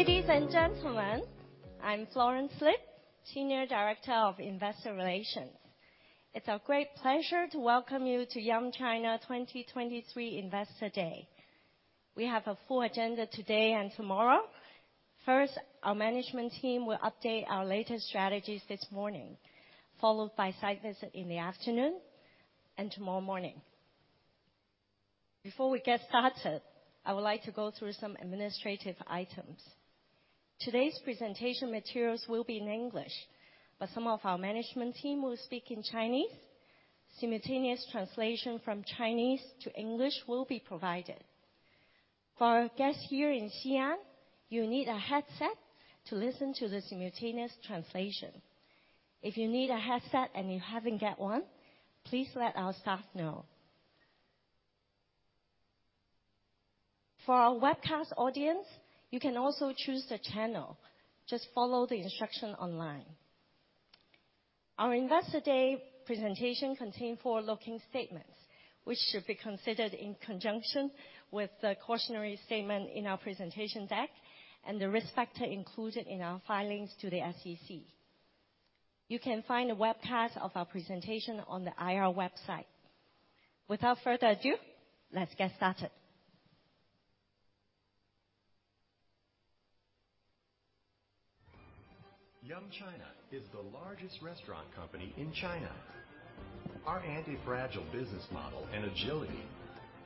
Ladies and gentlemen, I'm Florence Lip, Senior Director of Investor Relations. It's our great pleasure to welcome you to Yum China 2023 Investor Day. We have a full agenda today and tomorrow. First, our management team will update our latest strategies this morning, followed by site visit in the afternoon and tomorrow morning. Before we get started, I would like to go through some administrative items. Today's presentation materials will be in English, but some of our management team will speak in Chinese. Simultaneous translation from Chinese to English will be provided. For our guests here in Xi'an, you need a headset to listen to the simultaneous translation. If you need a headset and you haven't get one, please let our staff know. For our webcast audience, you can also choose the channel. Just follow the instruction online. Our Investor Day presentation contain forward-looking statements, which should be considered in conjunction with the cautionary statement in our presentation deck and the risk factor included in our filings to the SEC. You can find a webcast of our presentation on the IR website. Without further ado, let's get started. Yum China is the largest restaurant company in China. Our antifragile business model and agility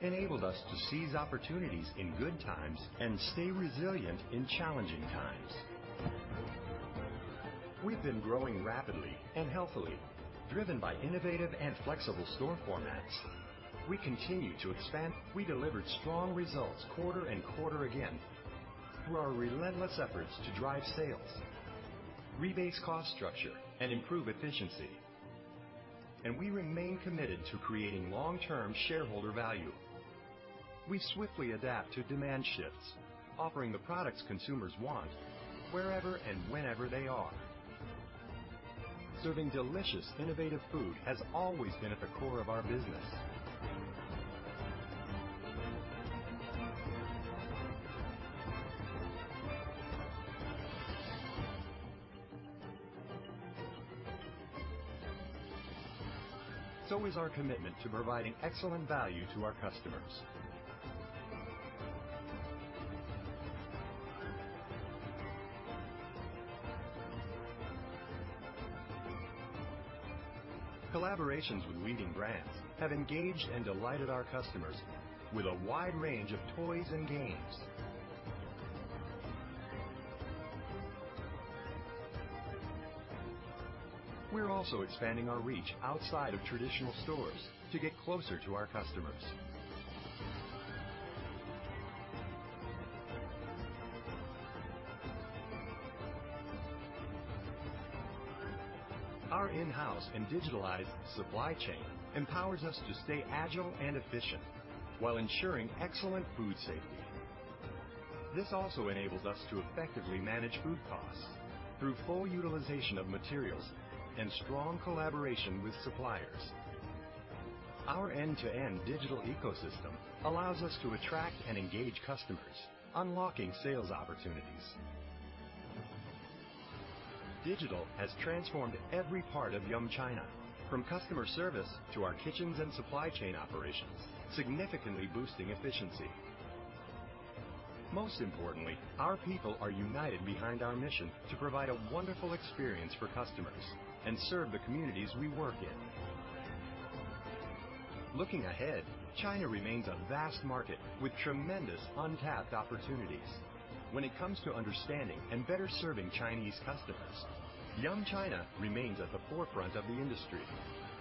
enabled us to seize opportunities in good times and stay resilient in challenging times. We've been growing rapidly and healthily, driven by innovative and flexible store formats. We continue to expand. We delivered strong results quarter and quarter again through our relentless efforts to drive sales, rebase cost structure and improve efficiency, and we remain committed to creating long-term shareholder value. We swiftly adapt to demand shifts, offering the products consumers want wherever and whenever they are. Serving delicious, innovative food has always been at the core of our business. So is our commitment to providing excellent value to our customers. Collaborations with leading brands have engaged and delighted our customers with a wide range of toys and games. We're also expanding our reach outside of traditional stores to get closer to our customers. Our in-house and digitalized supply chain empowers us to stay agile and efficient while ensuring excellent food safety. This also enables us to effectively manage food costs through full utilization of materials and strong collaboration with suppliers. Our end-to-end digital ecosystem allows us to attract and engage customers, unlocking sales opportunities. Digital has transformed every part of Yum China, from customer service to our kitchens and supply chain operations, significantly boosting efficiency. Most importantly, our people are united behind our mission to provide a wonderful experience for customers and serve the communities we work in. Looking ahead, China remains a vast market with tremendous untapped opportunities. When it comes to understanding and better serving Chinese customers, Yum China remains at the forefront of the industry.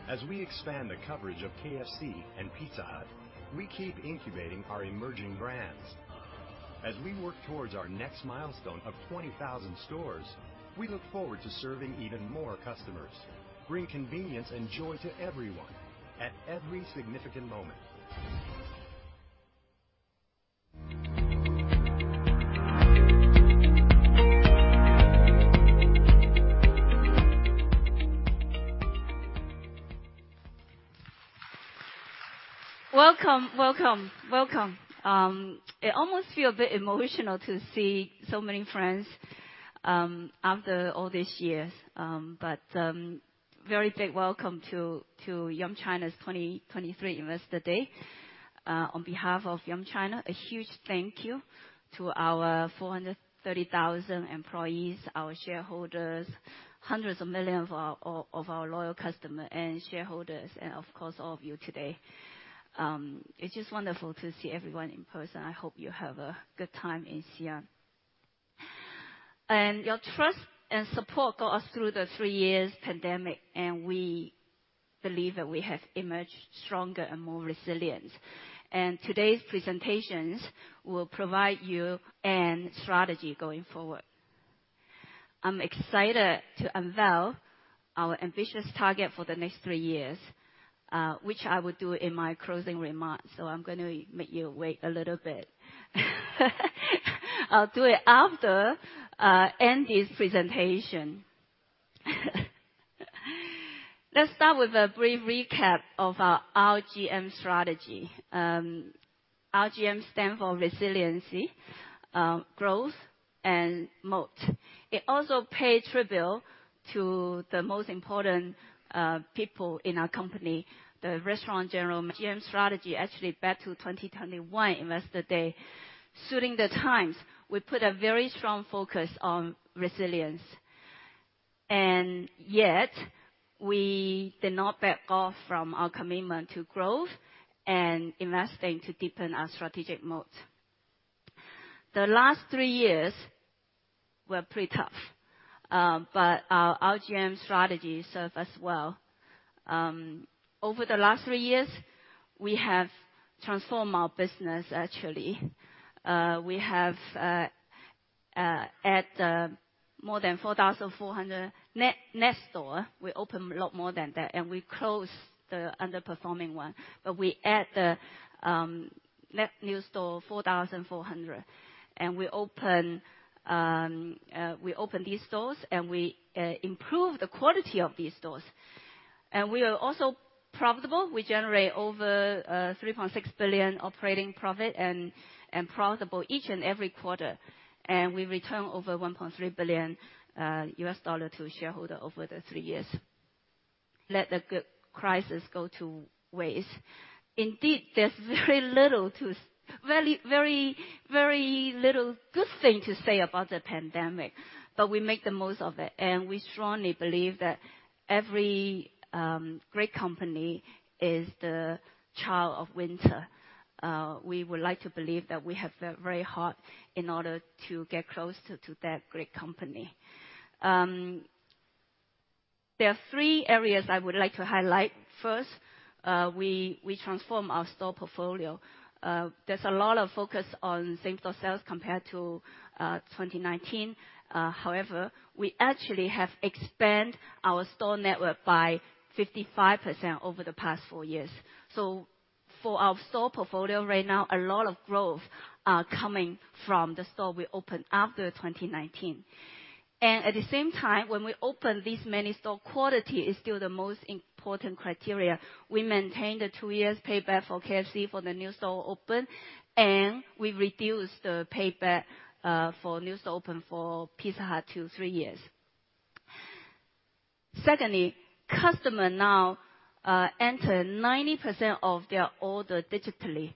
As we expand the coverage of KFC and Pizza Hut, we keep incubating our emerging brands. As we work towards our next milestone of 20,000 stores, we look forward to serving even more customers, bring convenience and joy to everyone at every significant moment. Welcome, welcome, welcome. It almost feel a bit emotional to see so many friends, after all these years. But, very big welcome to, to Yum China's 2023 Investor Day. On behalf of Yum China, a huge thank you to our 430,000 employees, our shareholders, hundreds of millions of our, of, of our loyal customer and shareholders, and of course, all of you today. It's just wonderful to see everyone in person. I hope you have a good time in Xi'an. Your trust and support got us through the three years pandemic, and we believe that we have emerged stronger and more resilient. Today's presentations will provide you an strategy going forward. I'm excited to unveil our ambitious target for the next three years, which I will do in my closing remarks, so I'm going to make you wait a little bit. I'll do it after Andy's presentation. ...Let's start with a brief recap of our RGM strategy. RGM stands for Resilience, Growth, and Moat. It also pay tribute to the most important people in our company, the restaurant general GM strategy, actually back to 2021 Investor Day. Suiting the times, we put a very strong focus on resilience, and yet we did not back off from our commitment to growth and investing to deepen our strategic moat. The last three years were pretty tough, but our RGM strategy served us well. Over the last three years, we have transformed our business, actually. We have more than 4,400 net stores. We opened a lot more than that, and we closed the underperforming one. But we add the net new store, 4,400, and we open these stores, and we improve the quality of these stores. And we are also profitable. We generate over $3.6 billion operating profit and profitable each and every quarter, and we return over $1.3 billion US dollar to shareholder over the three years. Let the good crisis go to waste. Indeed, there's very little to, very, very, very little good thing to say about the pandemic, but we make the most of it. And we strongly believe that every great company is the child of winter. We would like to believe that we have worked very hard in order to get close to, to that great company. There are three areas I would like to highlight. First, we, we transform our store portfolio. There's a lot of focus on same-store sales compared to, 2019. However, we actually have expanded our store network by 55% over the past four years. So for our store portfolio right now, a lot of growth are coming from the store we opened after 2019. And at the same time, when we opened this many store, quality is still the most important criteria. We maintained a two-year payback for KFC for the new store open, and we reduced the payback, for new store open for Pizza Hut to three years. Secondly, customers now enter 90% of their orders digitally,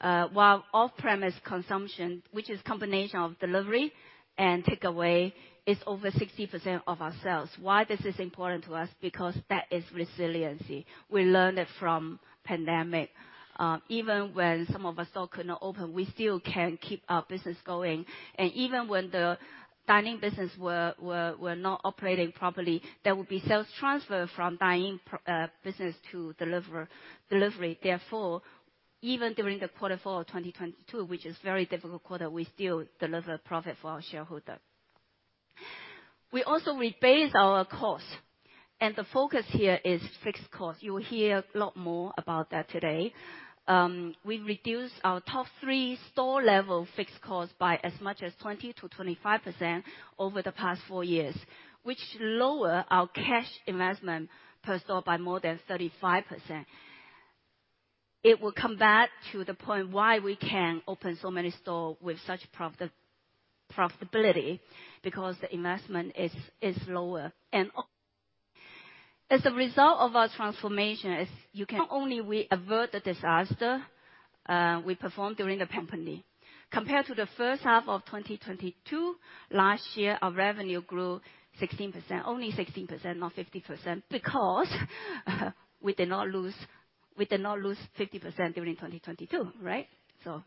while off-premise consumption, which is a combination of delivery and takeaway, is over 60% of our sales. Why is this important to us? Because that is resiliency. We learned it from the pandemic. Even when some of our stores could not open, we still could keep our business going. And even when the dining business was not operating properly, there would be sales transfer from dine-in business to delivery. Therefore, even during the fourth quarter of 2022, which was a very difficult quarter, we still delivered profit for our shareholders. We also rebased our costs, and the focus here is fixed costs. You will hear a lot more about that today. We reduced our top three store-level fixed costs by as much as 20%-25% over the past four years, which lower our cash investment per store by more than 35%. It will come back to the point why we can open so many store with such profitability, because the investment is, is lower. And as a result of our transformation, is you can only we avert the disaster, we performed during the pandemic. Compared to the first half of 2022, last year, our revenue grew 16%, only 16%, not 50%, because we did not lose, we did not lose 50% during 2022, right? So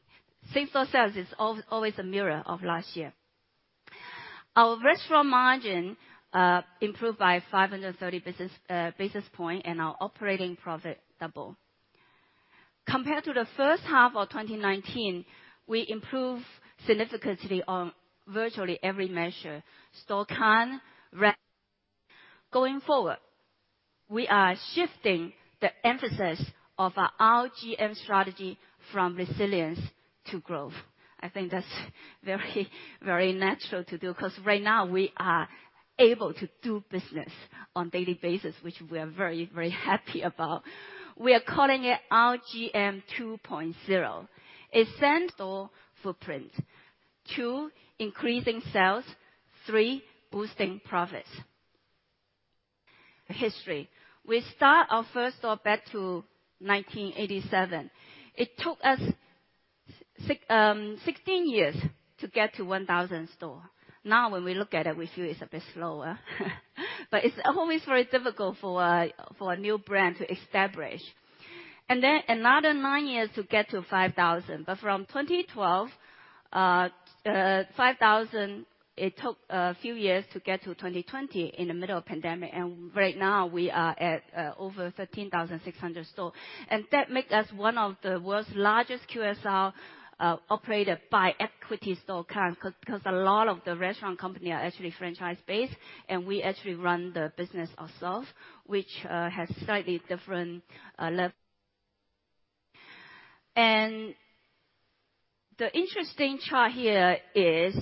same-store sales is always a mirror of last year. Our restaurant margin, improved by 530 basis points, and our operating profit double. Compared to the first half of 2019, we improved significantly on virtually every measure: store count, re... Going forward, we are shifting the emphasis of our RGM strategy from resilience to growth. I think that's very, very natural to do, because right now we are able to do business on daily basis, which we are very, very happy about. We are calling it RGM 2.0. It's end store footprint. Two, increasing sales. Three, boosting profits. History. We start our first store back to 1987. It took us 16 years to get to 1,000 store. Now, when we look at it, we feel it's a bit slower, but it's always very difficult for a, for a new brand to establish. And then another nine years to get to 5,000. But from 2012, 5,000, it took a few years to get to 2020 in the middle of pandemic, and right now we are at, over 13,600 store. And that make us one of the world's largest QSR, operator by equity store count, because a lot of the restaurant company are actually franchise-based, and we actually run the business ourselves, which, has slightly different... And the interesting chart here is,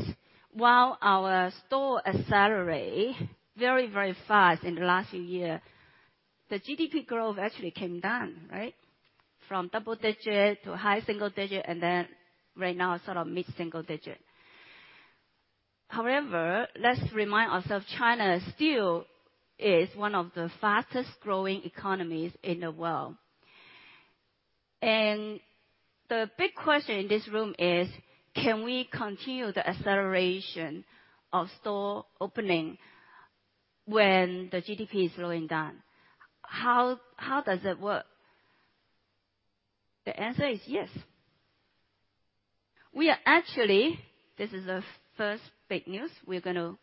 while our store accelerate very, very fast in the last few year, the GDP growth actually came down, right? From double digit to high single digit, and then right now, sort of mid-single digit. However, let's remind ourselves, China still is one of the fastest growing economies in the world. The big question in this room is: Can we continue the acceleration of store opening when the GDP is slowing down? How, how does it work? The answer is yes. We are actually, this is the first big news we're gonna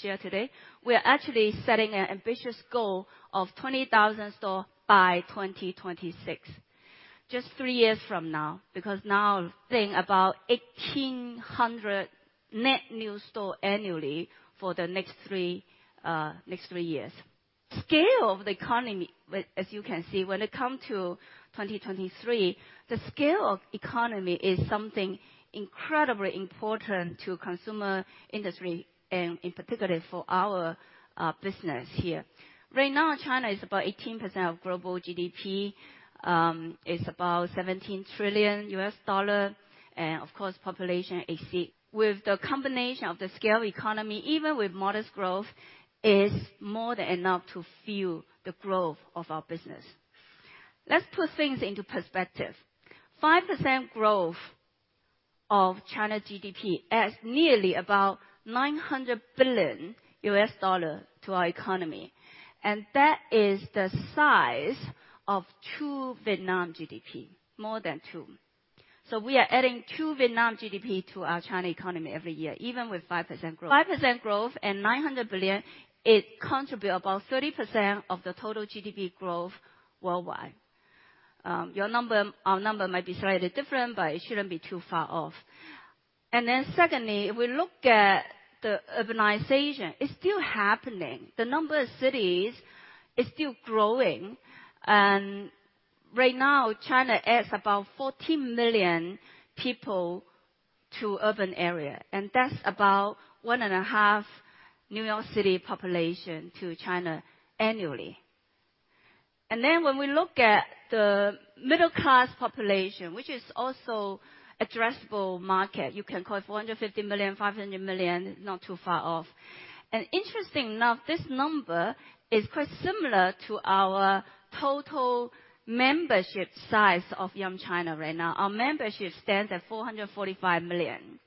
share today. We are actually setting an ambitious goal of 20,000 stores by 2026, just three years from now. Because now, think about 1,800 net new store annually for the next three, next three years. Scale of the economy, as you can see, when it come to 2023, the scale of economy is something incredibly important to consumer industry, and in particular, for our business here. Right now, China is about 18% of global GDP. It's about $17 trillion, and of course, population 18. With the combination of the scale economy, even with modest growth, is more than enough to fuel the growth of our business. Let's put things into perspective. 5% growth of China GDP adds nearly about $900 billion to our economy, and that is the size of two Vietnam GDP, more than two. So we are adding two Vietnam GDP to our China economy every year, even with 5% growth. 5% growth and $900 billion, it contribute about 30% of the total GDP growth worldwide. Your number - our number might be slightly different, but it shouldn't be too far off. And then secondly, we look at the urbanization. It's still happening. The number of cities is still growing, and right now, China adds about 14 million people to urban area, and that's about 1.5 New York City population to China annually. And then when we look at the middle-class population, which is also addressable market, you can call it 450 million, 500 million, not too far off. And interesting enough, this number is quite similar to our total membership size of Yum China right now. Our membership stands at 445 million.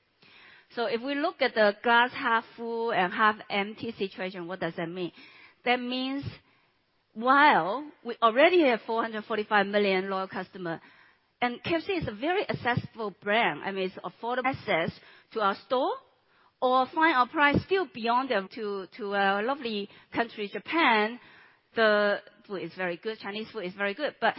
So if we look at the glass half full and half empty situation, what does that mean? That means while we already have 445 million loyal customer, and KFC is a very accessible brand, I mean, it's affordable access to our store or find our price still beyond them. To a lovely country, Japan, the food is very good. Chinese food is very good. But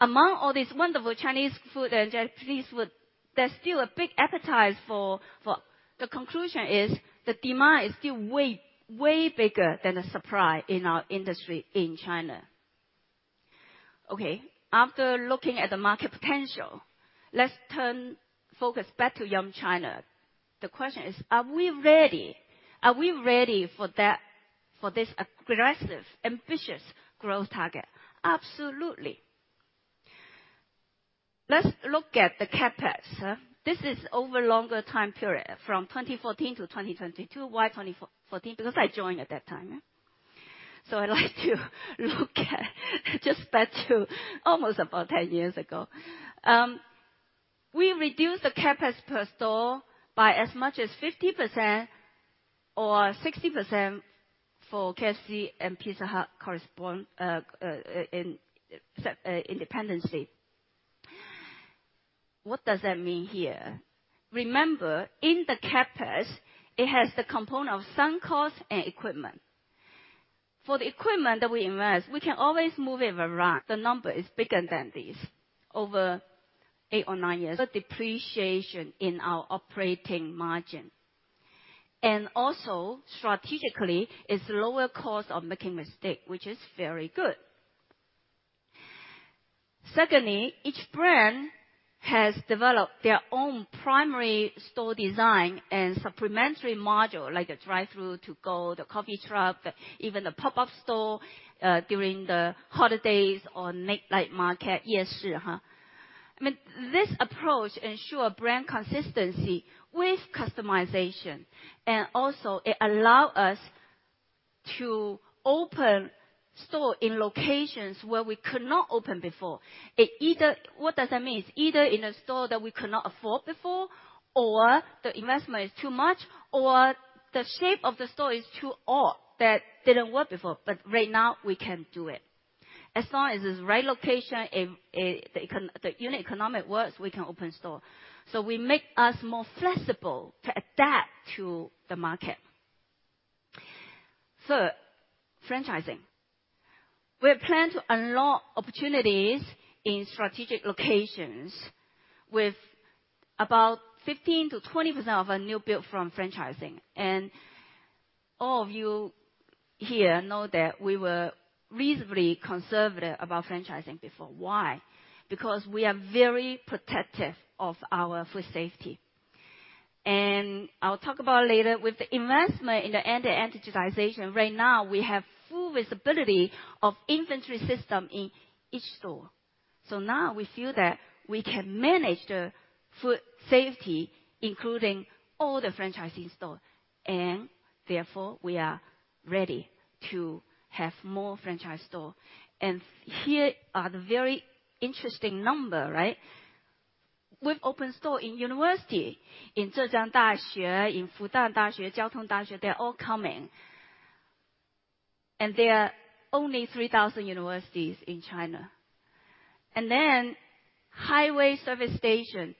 among all these wonderful Chinese food and Japanese food, there's still a big appetite for—for— The conclusion is the demand is still way, way bigger than the supply in our industry in China. Okay, after looking at the market potential, let's turn focus back to Yum China. The question is: Are we ready? Are we ready for that—for this aggressive, ambitious growth target? Absolutely. Let's look at the CapEx. This is over longer time period, from 2014 to 2022. Why 2014? Because I joined at that time, eh? So I'd like to look at just back to almost about 10 years ago. We reduced the CapEx per store by as much as 50% or 60% for KFC and Pizza Hut corresponding in independently. What does that mean here? Remember, in the CapEx, it has the component of sunk cost and equipment. For the equipment that we invest, we can always move it around. The number is bigger than this over eight or nine years. The depreciation in our operating margin, and also strategically, it's lower cost of making mistake, which is very good. Secondly, each brand has developed their own primary store design and supplementary module, like a drive-thru to go, the coffee truck, even the pop-up store, during the holidays or night, like market. I mean, this approach ensure brand consistency with customization, and also it allow us to open store in locations where we could not open before. It either. What does that mean? It's either in a store that we could not afford before, or the investment is too much, or the shape of the store is too odd, that didn't work before, but right now we can do it. As long as it's right location, it, the unit economic works, we can open store. So we make us more flexible to adapt to the market. Third, franchising. We plan to unlock opportunities in strategic locations with about 15%-20% of our new build from franchising. All of you here know that we were reasonably conservative about franchising before. Why? Because we are very protective of our food safety. And I'll talk about later, with the investment in the anti-fragmentation, right now, we have full visibility of inventory system in each store. So now we feel that we can manage the food safety, including all the franchising store, and therefore, we are ready to have more franchise store. Here are the very interesting number, right? We've opened store in university, in Zhejiang University, in Fudan University, Shanghai Jiao Tong University. They're all coming. There are only 3,000 universities in China. Then highway service station,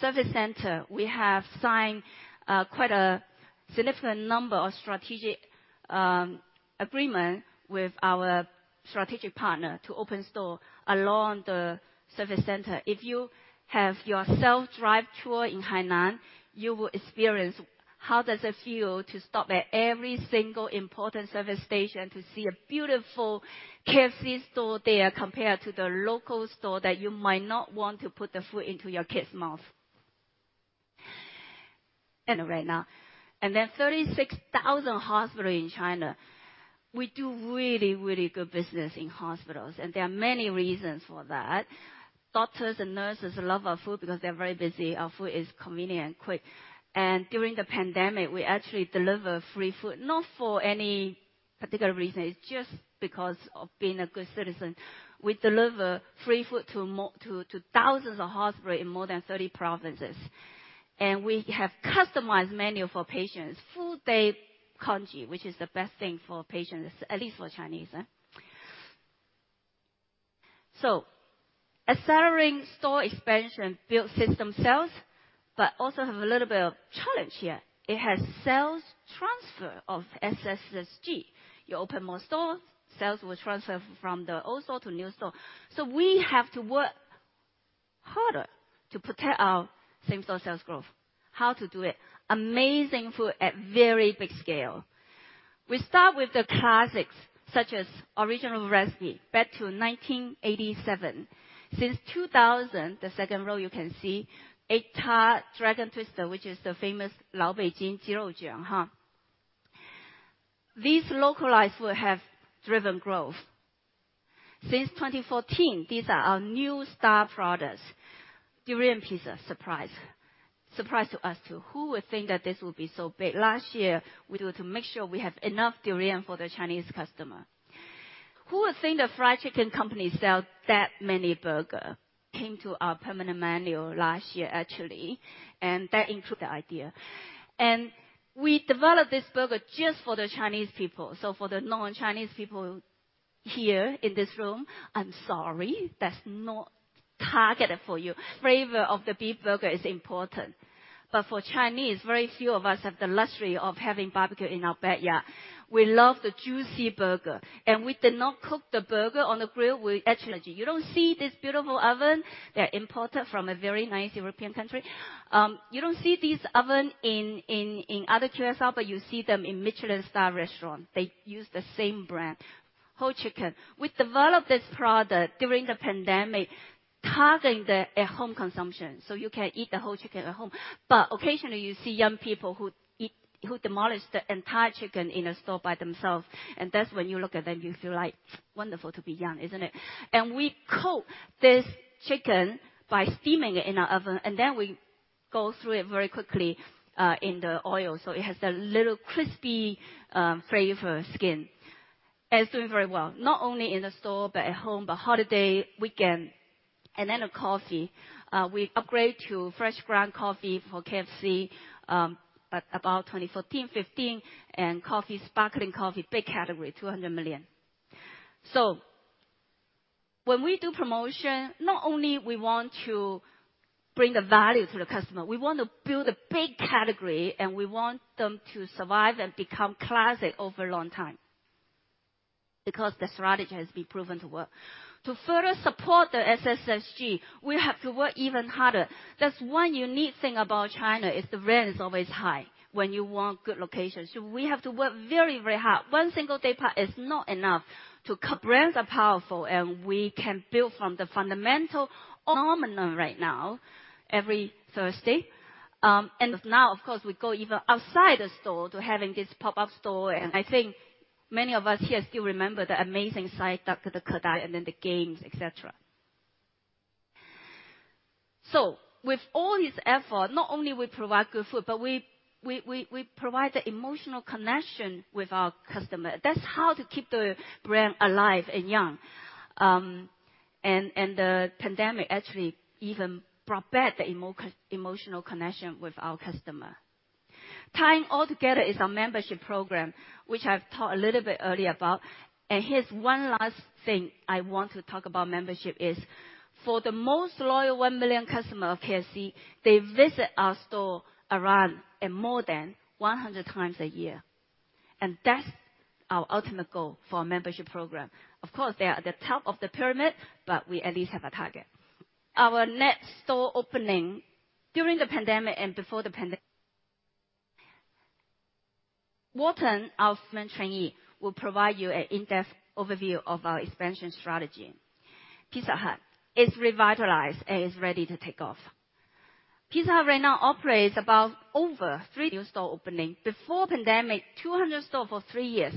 service center, we have signed quite a significant number of strategic agreement with our strategic partner to open store along the service center. If you have your self-drive tour in Hainan, you will experience how does it feel to stop at every single important service station to see a beautiful KFC store there, compared to the local store, that you might not want to put the food into your kids' mouth. I know right now. There are 36,000 hospitals in China. We do really, really good business in hospitals, and there are many reasons for that. Doctors and nurses love our food because they're very busy. Our food is convenient and quick. During the pandemic, we actually deliver free food. Not for any particular reason, it's just because of being a good citizen. We deliver free food to thousands of hospitals in more than 30 provinces, and we have customized menu for patients, full day congee, which is the best thing for patients, at least for Chinese, eh? Accelerating store expansion builds system sales, but also have a little bit of challenge here. It has sales transfer of SSSG. You open more stores, sales will transfer from the old store to new store. So we have to work harder to protect our same-store sales growth. How to do it? Amazing food at very big scale. We start with the classics, such as Original Recipe, back to 1987. Since 2000, the second row, you can see, Egg Tart, Dragon Twister, which is the famous 老北京鸡肉 卷, huh? These localized food have driven growth. Since 2014, these are our new star products. Durian Pizza, surprise. Surprise to us, too. Who would think that this would be so big? Last year, we do it to make sure we have enough durian for the Chinese customer. Who would think the fried chicken company sell that many burger? Came to our permanent menu last year, actually, and that included the idea. And we developed this burger just for the Chinese people. So for the non-Chinese people here in this room, I'm sorry, that's not targeted for you. Flavor of the beef burger is important, but for Chinese, very few of us have the luxury of having barbecue in our backyard. We love the juicy burger, and we did not cook the burger on the grill. We actually, you don't see this beautiful oven. They're imported from a very nice European country. You don't see these ovens in other QSR, but you see them in Michelin-star restaurants. They use the same brand. Whole chicken. We developed this product during the pandemic, targeting the at-home consumption, so you can eat the whole chicken at home. But occasionally, you see young people who demolish the entire chicken in a store by themselves, and that's when you look at them, you feel like, "Wonderful to be young, isn't it?" We cook this chicken by steaming it in our oven, and then we go through it very quickly in the oil, so it has a little crispy flavor skin. It's doing very well, not only in the store, but at home, but holiday, weekend. Then the coffee. We upgrade to fresh ground coffee for KFC at about 2014, 2015, and coffee, sparkling coffee, big category, $200 million. So when we do promotion, not only we want to bring the value to the customer, we want to build a big category, and we want them to survive and become classic over a long time, because the strategy has been proven to work. To further support the SSSG, we have to work even harder. That's one unique thing about China, is the rent is always high when you want good locations. So we have to work very, very hard. One single data is not enough to... Brands are powerful, and we can build from the fundamental phenomenon right now, every Thursday. And now, of course, we go even outside the store to having this pop-up store, and I think many of us here still remember the amazing Psyduck, and then the games, et cetera. So with all this effort, not only we provide good food, but we provide the emotional connection with our customer. That's how to keep the brand alive and young. And the pandemic actually even prepared the emotional connection with our customer. Tying all together is our membership program, which I've talked a little bit earlier about. And here's one last thing I want to talk about membership is, for the most loyal one million customer of KFC, they visit our store around and more than 100 times a year, and that's our ultimate goal for our membership program. Of course, they are at the top of the pyramid, but we at least have a target. Our net store opening during the pandemic and before the pandemic. Warton, our General Manager, will provide you an in-depth overview of our expansion strategy. Pizza Hut is revitalized and is ready to take off. Pizza Hut right now operates about over 300 new store openings. Before pandemic, 200 stores for three years.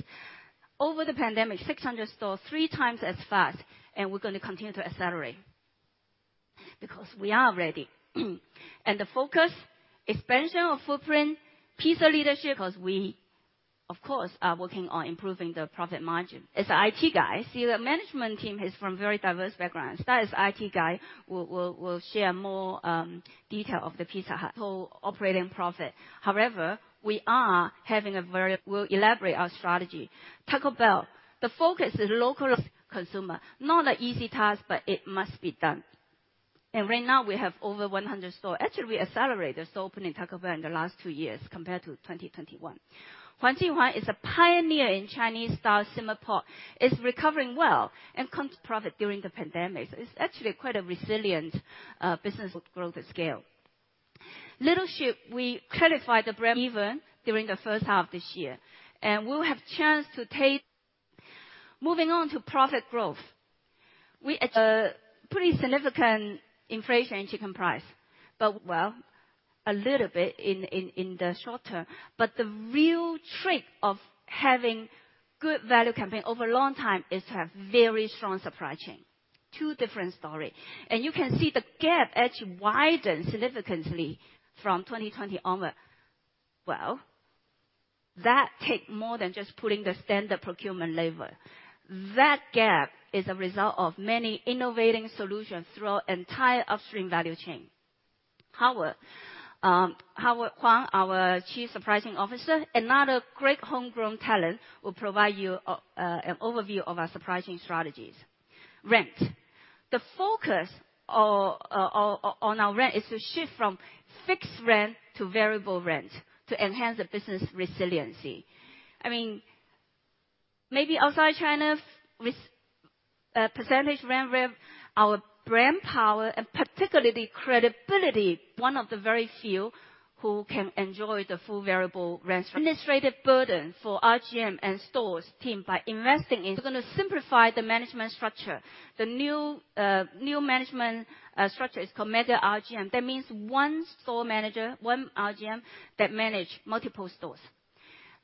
Over the pandemic, 600 stores, three times as fast, and we're going to continue to accelerate because we are ready. The focus, expansion of footprint, pizza leadership, because we, of course, are working on improving the profit margin. As an IT guy, see, the management team is from very diverse backgrounds. That is IT guy, will share more detail of the Pizza Hut whole operating profit. However, we are having a very—we'll elaborate our strategy. Taco Bell, the focus is local consumer. Not an easy task, but it must be done. Right now, we have over 100 stores. Actually, we accelerated the store opening Taco Bell in the last two years compared to 2021. Huang Ji Huang is a pioneer in Chinese-style simmer pot. It's recovering well and comes profit during the pandemic. So it's actually quite a resilient business growth at scale. Leadership, we clarify the brand even during the first half of this year, and we'll have chance to take- Moving on to profit growth. A pretty significant inflation in chicken price, but well, a little bit in the short term. But the real trick of having good value campaign over a long time is to have very strong supply chain. Two different story. And you can see the gap actually widens significantly from 2020 onward. Well, that take more than just putting the standard procurement label. That gap is a result of many innovative solutions throughout entire upstream value chain. Howard Huang, our Chief Sourcing Officer, another great homegrown talent, will provide you an overview of our surprising strategies. Rent. The focus on our rent is to shift from fixed rent to variable rent to enhance the business resiliency. I mean, maybe outside China, with percentage rent, our brand power, and particularly the credibility, one of the very few who can enjoy the full variable rent. Administrative burden for RGM and stores team by investing in, we're gonna simplify the management structure. The new management structure is called Mega RGM. That means one store manager, one RGM, that manage multiple stores.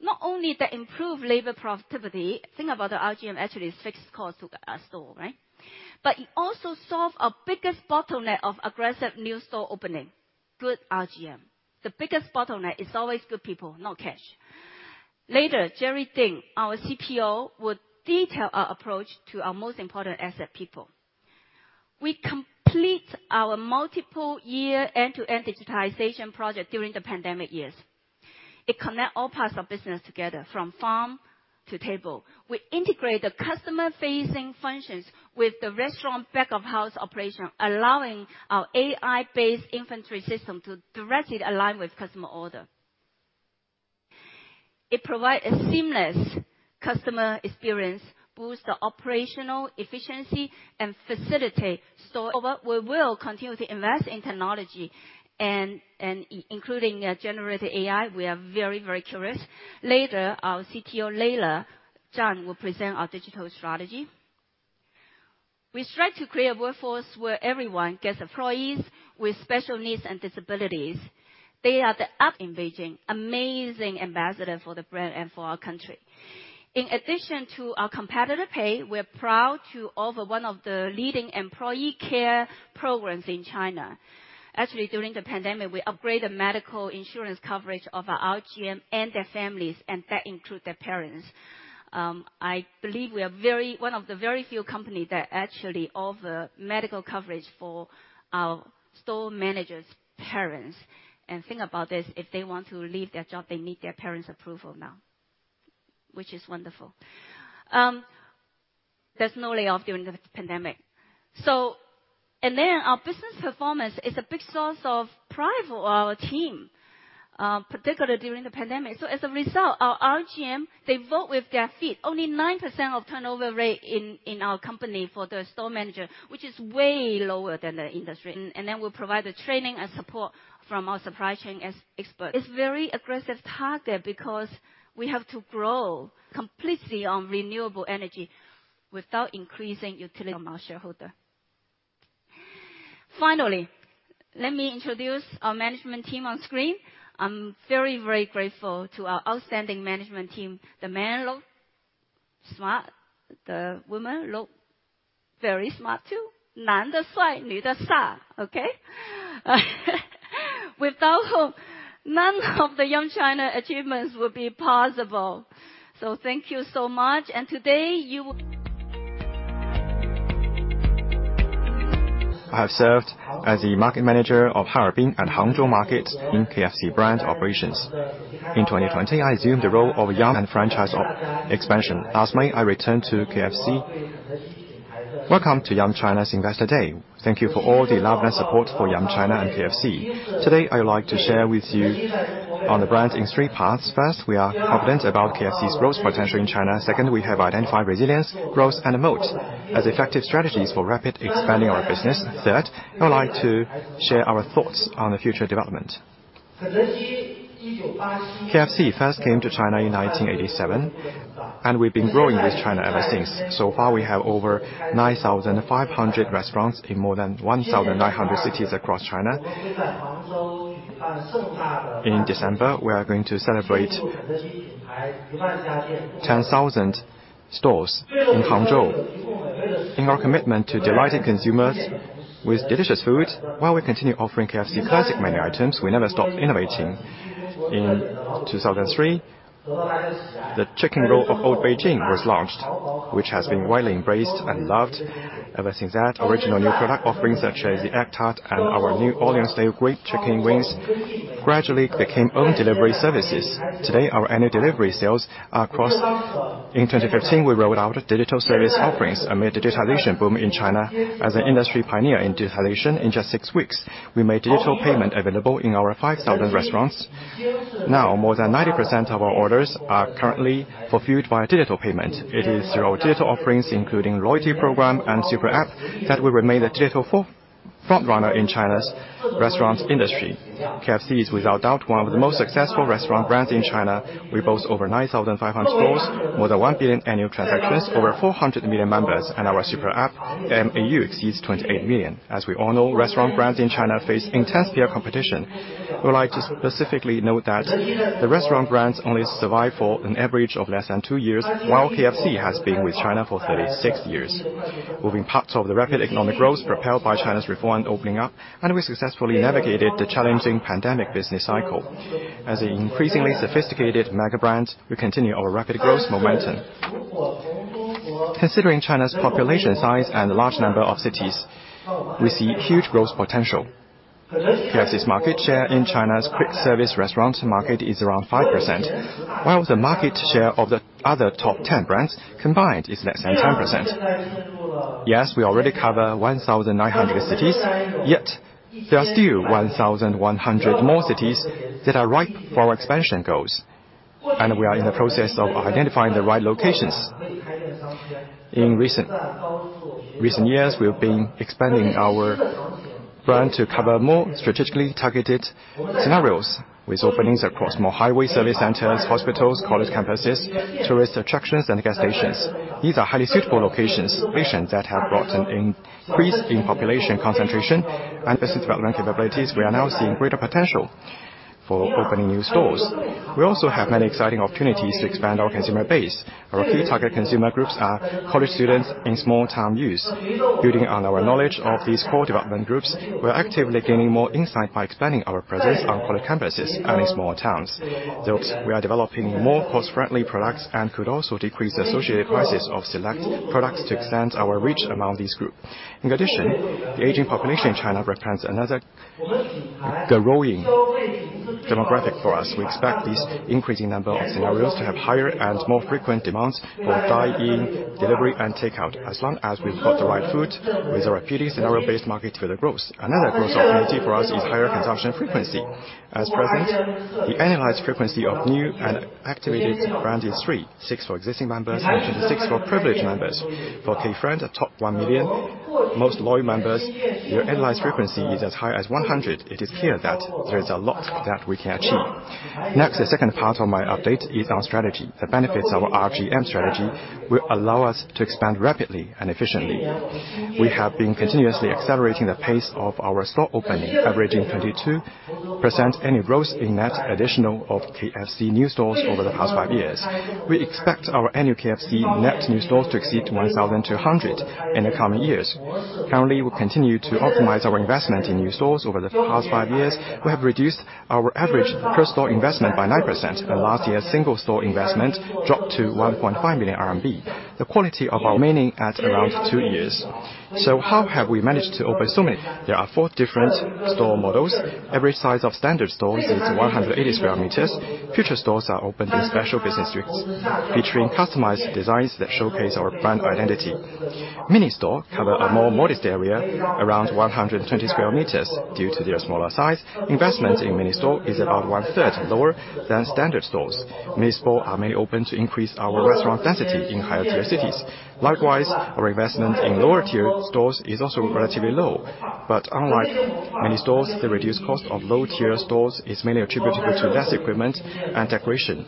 Not only to improve labor productivity, think about the RGM, actually, it's fixed cost to the store, right? But it also solves our biggest bottleneck of aggressive new store opening, good RGM. The biggest bottleneck is always good people, not cash. Later, Jerry Ding, our CPO, would detail our approach to our most important asset, people. We complete our multiple year end-to-end digitization project during the pandemic years. It connect all parts of business together, from farm to table. We integrate the customer-facing functions with the restaurant back-of-house operation, allowing our AI-based inventory system to directly align with customer order. It provide a seamless customer experience, boost the operational efficiency, and facilitate so... We will continue to invest in technology and, and including, generative AI. We are very, very curious. Later, our CTO, Leila Zhang, will present our digital strategy. We strive to create a workforce where everyone gets employees with special needs and disabilities. They are the up and vision, amazing ambassador for the brand and for our country. In addition to our competitive pay, we're proud to offer one of the leading employee care programs in China. Actually, during the pandemic, we upgraded medical insurance coverage of our RGM and their families, and that include their parents. I believe we are one of the very few companies that actually offer medical coverage for our store managers' parents. And think about this, if they want to leave their job, they need their parents' approval now, which is wonderful. There's no layoff during the pandemic. And then our business performance is a big source of pride for our team, particularly during the pandemic. So as a result, our RGM, they vote with their feet. Only 9% of turnover rate in our company for the store manager, which is way lower than the industry. Then we'll provide the training and support from our supply chain expert. It's very aggressive target because we have to grow completely on renewable energy without increasing utility on our shareholder. Finally, let me introduce our management team on screen. I'm very, very grateful to our outstanding management team. The men look smart, the women look very smart, too. Okay? Without whom, none of the Yum China achievements would be possible. So thank you so much. And today, you- I have served as the market manager of Harbin and Hangzhou Market in KFC Brand Operations. In 2020, I assumed the role of Yum China and Franchise Operations Expansion. Last May, I returned to KFC. Welcome to Yum China's Investor Day. Thank you for all the love and support for Yum China and KFC. Today, I would like to share with you on the brand in three parts. First, we are confident about KFC's growth potential in China. Second, we have identified resilience, growth, and moat as effective strategies for rapid expanding our business. Third, I would like to share our thoughts on the future development. KFC first came to China in 1987, and we've been growing with China ever since. So far, we have over 9,500 restaurants in more than 1,900 cities across China. In December, we are going to celebrate 10,000 stores in Hangzhou. In our commitment to delighting consumers with delicious foods, while we continue offering KFC classic menu items, we never stopped innovating. In 2003, the Chicken Roll of Old Beijing was launched, which has been widely embraced and loved. Ever since that, original new product offerings such as the Egg Tart and our New Orleans Grilled Chicken Wings gradually became own delivery services. Today, our annual delivery sales are across In 2015, we rolled out digital service offerings amid the digitalization boom in China. As an industry pioneer in digitalization, in just six weeks, we made digital payment available in our 5,000 restaurants. Now, more than 90% of our orders are currently fulfilled via digital payment. It is through our digital offerings, including loyalty program and Super app, that we remain a digital front runner in China's restaurant industry. KFC is, without doubt, one of the most successful restaurant brands in China. We boast over 9,500 stores, more than one billion annual transactions, over 400 million members, and our Super app MAU exceeds 28 million. As we all know, restaurant brands in China face intense peer competition. We would like to specifically note that the restaurant brands only survive for an average of less than two years, while KFC has been with China for 36 years. We've been parts of the rapid economic growth propelled by China's reform and opening up, and we successfully navigated the challenging pandemic business cycle. As an increasingly sophisticated mega brand, we continue our rapid growth momentum. Considering China's population size and large number of cities, we see huge growth potential. KFC's market share in China's quick service restaurant market is around 5%, while the market share of the other top 10 brands combined is less than 10%. Yes, we already cover 1,900 cities, yet there are still 1,100 more cities that are ripe for our expansion goals, and we are in the process of identifying the right locations. In recent years, we've been expanding our brand to cover more strategically targeted scenarios, with openings across more highway service centers, hospitals, college campuses, tourist attractions, and gas stations. These are highly suitable locations, locations that have brought an increase in population concentration and business development capabilities. We are now seeing greater potential for opening new stores. We also have many exciting opportunities to expand our consumer base. Our key target consumer groups are college students and small town youth. Building on our knowledge of these core development groups, we are actively gaining more insight by expanding our presence on college campuses and in small towns, though we are developing more cost-friendly products and could also decrease the associated prices of select products to extend our reach among this group. In addition, the aging population in China represents another growing demographic for us. We expect this increasing number of scenarios to have higher and more frequent demands for dine-in, delivery, and takeout. As long as we've got the right food, with our repeated scenario-based market for the growth. Another growth opportunity for us is higher consumption frequency. At present, the annualized frequency of new and activated brand is three, six for existing members, and 26 for privileged members. For K friend, the top one million most loyal members, their annualized frequency is as high as 100. It is clear that there is a lot that we can achieve. Next, the second part of my update is our strategy. The benefits of our RGM strategy will allow us to expand rapidly and efficiently. We have been continuously accelerating the pace of our store opening, averaging 22% annual growth in net additional of KFC new stores over the past five years. We expect our annual KFC net new stores to exceed 1,200 in the coming years. Currently, we continue to optimize our investment in new stores. Over the past five years, we have reduced our average per store investment by 9%, and last year's single store investment dropped to 1.5 million RMB. The quality of our remaining at around two years. So how have we managed to open so many? There are four different store models. Every size of standard stores is 180 sqm. Future stores are opened in special business districts, featuring customized designs that showcase our brand identity. Mini stores cover a more modest area, around 120 sqm. Due to their smaller size, investment in mini stores is about 1/3 lower than standard stores. Mini stores are mainly open to increase our restaurant density in higher-tier cities. Likewise, our investment in lower-tier stores is also relatively low. But unlike mini stores, the reduced cost of low-tier stores is mainly attributable to less equipment and decoration.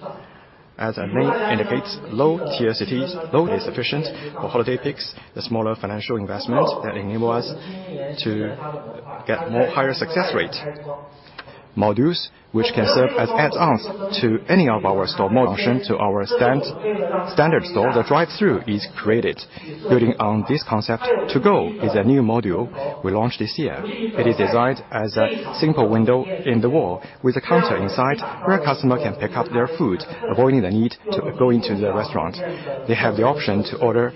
As the name indicates, low-tier cities, though is efficient for holiday peaks, the smaller financial investments that enable us to get more higher success rate. Modules, which can serve as add-ons to any of our store models. Option to our standard store, the drive-through is created. Building on this concept, To Go is a new module we launched this year. It is designed as a simple window in the wall with a counter inside, where a customer can pick up their food, avoiding the need to go into the restaurant. They have the option to order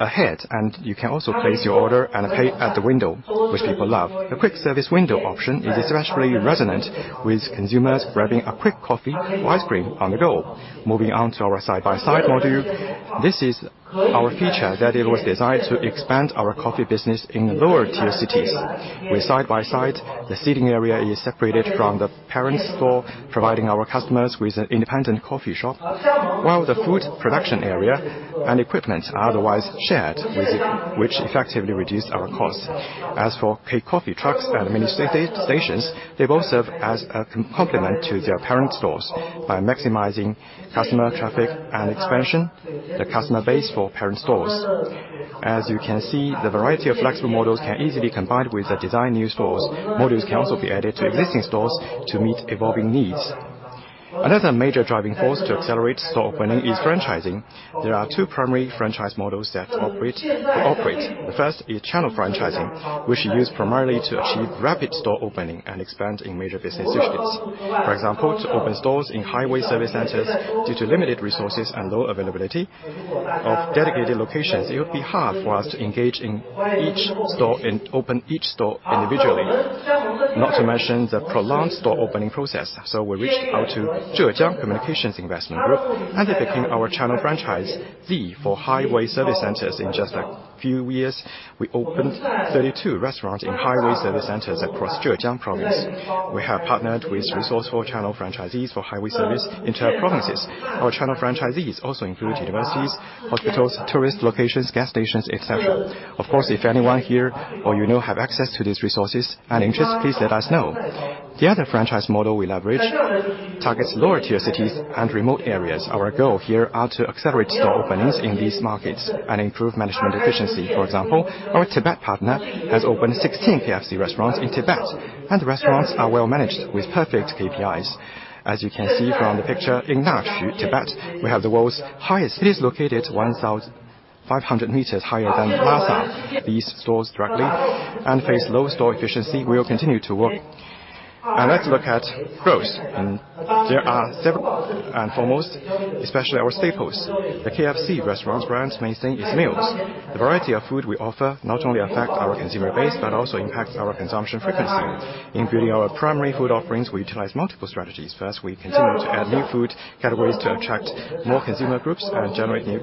ahead, and you can also place your order and pay at the window, which people love. The quick-service window option is especially resonant with consumers grabbing a quick coffee or ice cream on the go. Moving on to our side-by-side module. This is our feature that it was designed to expand our coffee business in lower-tier cities. With side-by-side, the seating area is separated from the parent store, providing our customers with an independent coffee shop, while the food production area and equipment are otherwise shared with it, which effectively reduced our costs. As for KCOFFEE trucks and mini stations, they both serve as a complement to their parent stores by maximizing customer traffic and expansion, the customer base for parent stores. As you can see, the variety of flexible models can easily combine with the design new stores. Modules can also be added to existing stores to meet evolving needs. Another major driving force to accelerate store opening is franchising. There are two primary franchise models that operate. The first is channel franchising, which we use primarily to achieve rapid store opening and expand in major business districts. For example, to open stores in highway service centers due to limited resources and low availability of dedicated locations, it would be hard for us to engage in each store and open each store individually, not to mention the prolonged store opening process. So we reached out to Zhejiang Communications Investment Group, and they became our channel franchisee for highway service centers. In just a few years, we opened 32 restaurants in highway service centers across Zhejiang Province. We have partnered with resourceful channel franchisees for highway service in China provinces. Our channel franchisees also include universities, hospitals, tourist locations, gas stations, et cetera. Of course, if anyone here or you know, have access to these resources and interests, please let us know. The other franchise model we leverage targets lower-tier cities and remote areas. Our goal here are to accelerate store openings in these markets and improve management efficiency. For example, our Tibet partner has opened 16 KFC restaurants in Tibet, and the restaurants are well managed with perfect KPIs. As you can see from the picture, Ngari, Tibet, we have the world's highest... It is located 1,500 m higher than the Lhasa. These stores directly and face low store efficiency, we will continue to work. Let's look at growth. There are several and foremost, especially our staples, the KFC restaurants brand's main thing is meals. The variety of food we offer not only affect our consumer base, but also impacts our consumption frequency, including our primary food offerings. We utilize multiple strategies. First, we continue to add new food categories to attract more consumer groups and generate new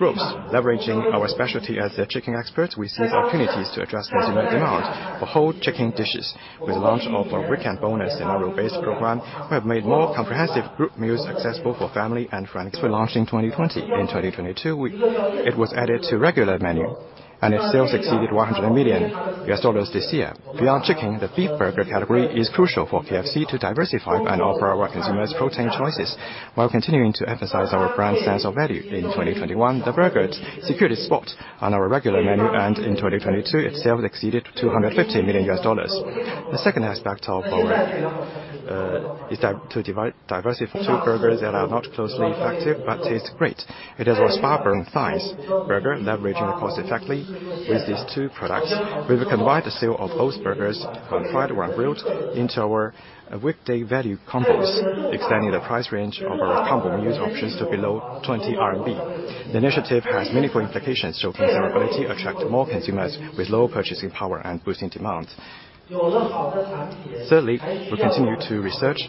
groups. Leveraging our specialty as a chicken expert, we seize opportunities to address consumer demand for whole chicken dishes. With the launch of our Weekend Bonus scenario-based program, we have made more comprehensive group meals successful for family and friends. We launched in 2020. In 2022, it was added to regular menu, and it still exceeded $100 million this year. Beyond chicken, the Beef Burger category is crucial for KFC to diversify and offer our consumers protein choices while continuing to emphasize our brand sense of value. In 2021, the burgers secured a spot on our regular menu, and in 2022, its sales exceeded $250 million. The second aspect of our is to diversify two burgers that are cost-effective, but taste great. It is our Golden Spark chicken burger, leveraging the cost effectively with these two products. We've combined the sale of both burgers, one fried, one grilled, into our weekday value combos, extending the price range of our combo meals options to below 20 RMB. The initiative has meaningful implications, showing consumer ability, attract more consumers with lower purchasing power and boosting demand. Thirdly, we continue to research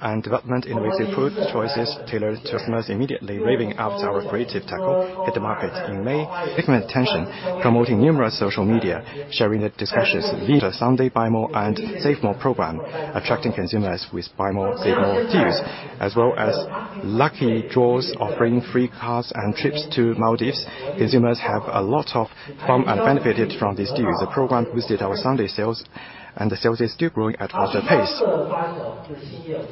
and development innovative food choices tailored to customers immediately. Living up our creative Taco hit the market in May, significant attention, promoting numerous social media, sharing the discussions via the Sunday Buy More and Save More program, attracting consumers with buy more, save more deals, as well as lucky draws, offering free cars and trips to Maldives. Consumers have a lot of fun and benefited from this deal. The program boosted our Sunday sales, and the sales is still growing at a faster pace.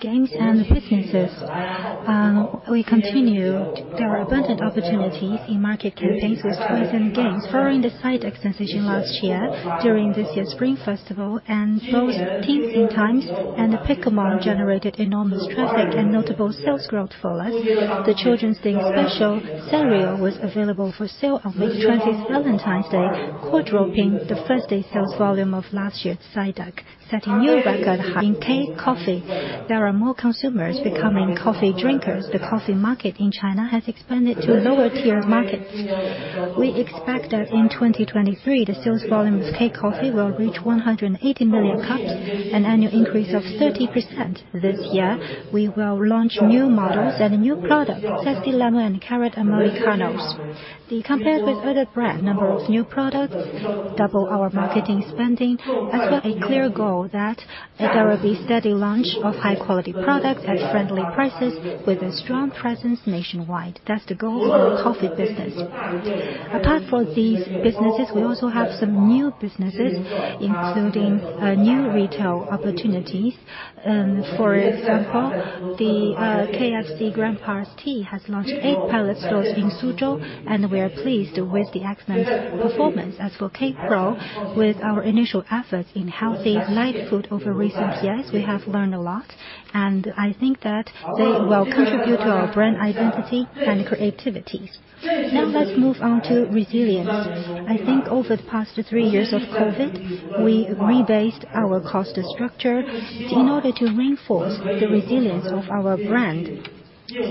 Games and businesses, we continue. There are abundant opportunities in market campaigns with toys and games. Following the side extension last year, during this year's Spring Festival and both Tears of Themis and the Pokémon generated enormous traffic and notable sales growth for us. The Children's Day special cereal was available for sale on this 20's Valentine's Day, quadrupling the first-day sales volume of last year's side duck, setting new record high. In KCOFFEE, there are more consumers becoming coffee drinkers. The coffee market in China has expanded to lower-tier markets. We expect that in 2023, the sales volume of KCOFFEE will reach 180 million cups, an annual increase of 30%. This year, we will launch new models and new products, Zesty Lemon Americano and Carrot Americano. The... Compared with other brand, number of new products, double our marketing spending, as well as a clear goal that there will be steady launch of high-quality products at friendly prices with a strong presence nationwide. That's the goal for our coffee business. Apart from these businesses, we also have some new businesses, including new retail opportunities. For example, the KFC Grandpa's Tea has launched eight pilot stores in Suzhou, and we are pleased with the excellent performance. As for KPRO, with our initial efforts in healthy light food over recent years, we have learned a lot, and I think that they will contribute to our brand identity and creativities. Now, let's move on to resilience. I think over the past three years of COVID, we rebased our cost structure in order to reinforce the resilience of our brand,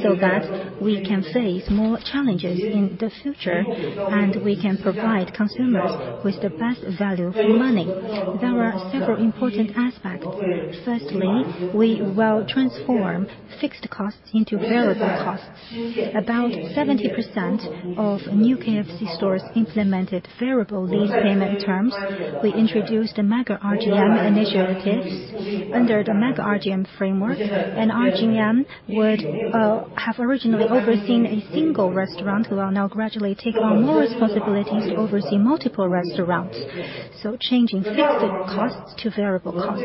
so that we can face more challenges in the future, and we can provide consumers with the best value for money. There are several important aspects. Firstly, we will transform fixed costs into variable costs. About 70% of new KFC stores implemented variable lease payment terms. We introduced the Mega RGM initiatives. Under the Mega RGM framework, an RGM would have originally overseen a single restaurant, will now gradually take on more responsibilities to oversee multiple restaurants, so changing fixed costs to variable costs.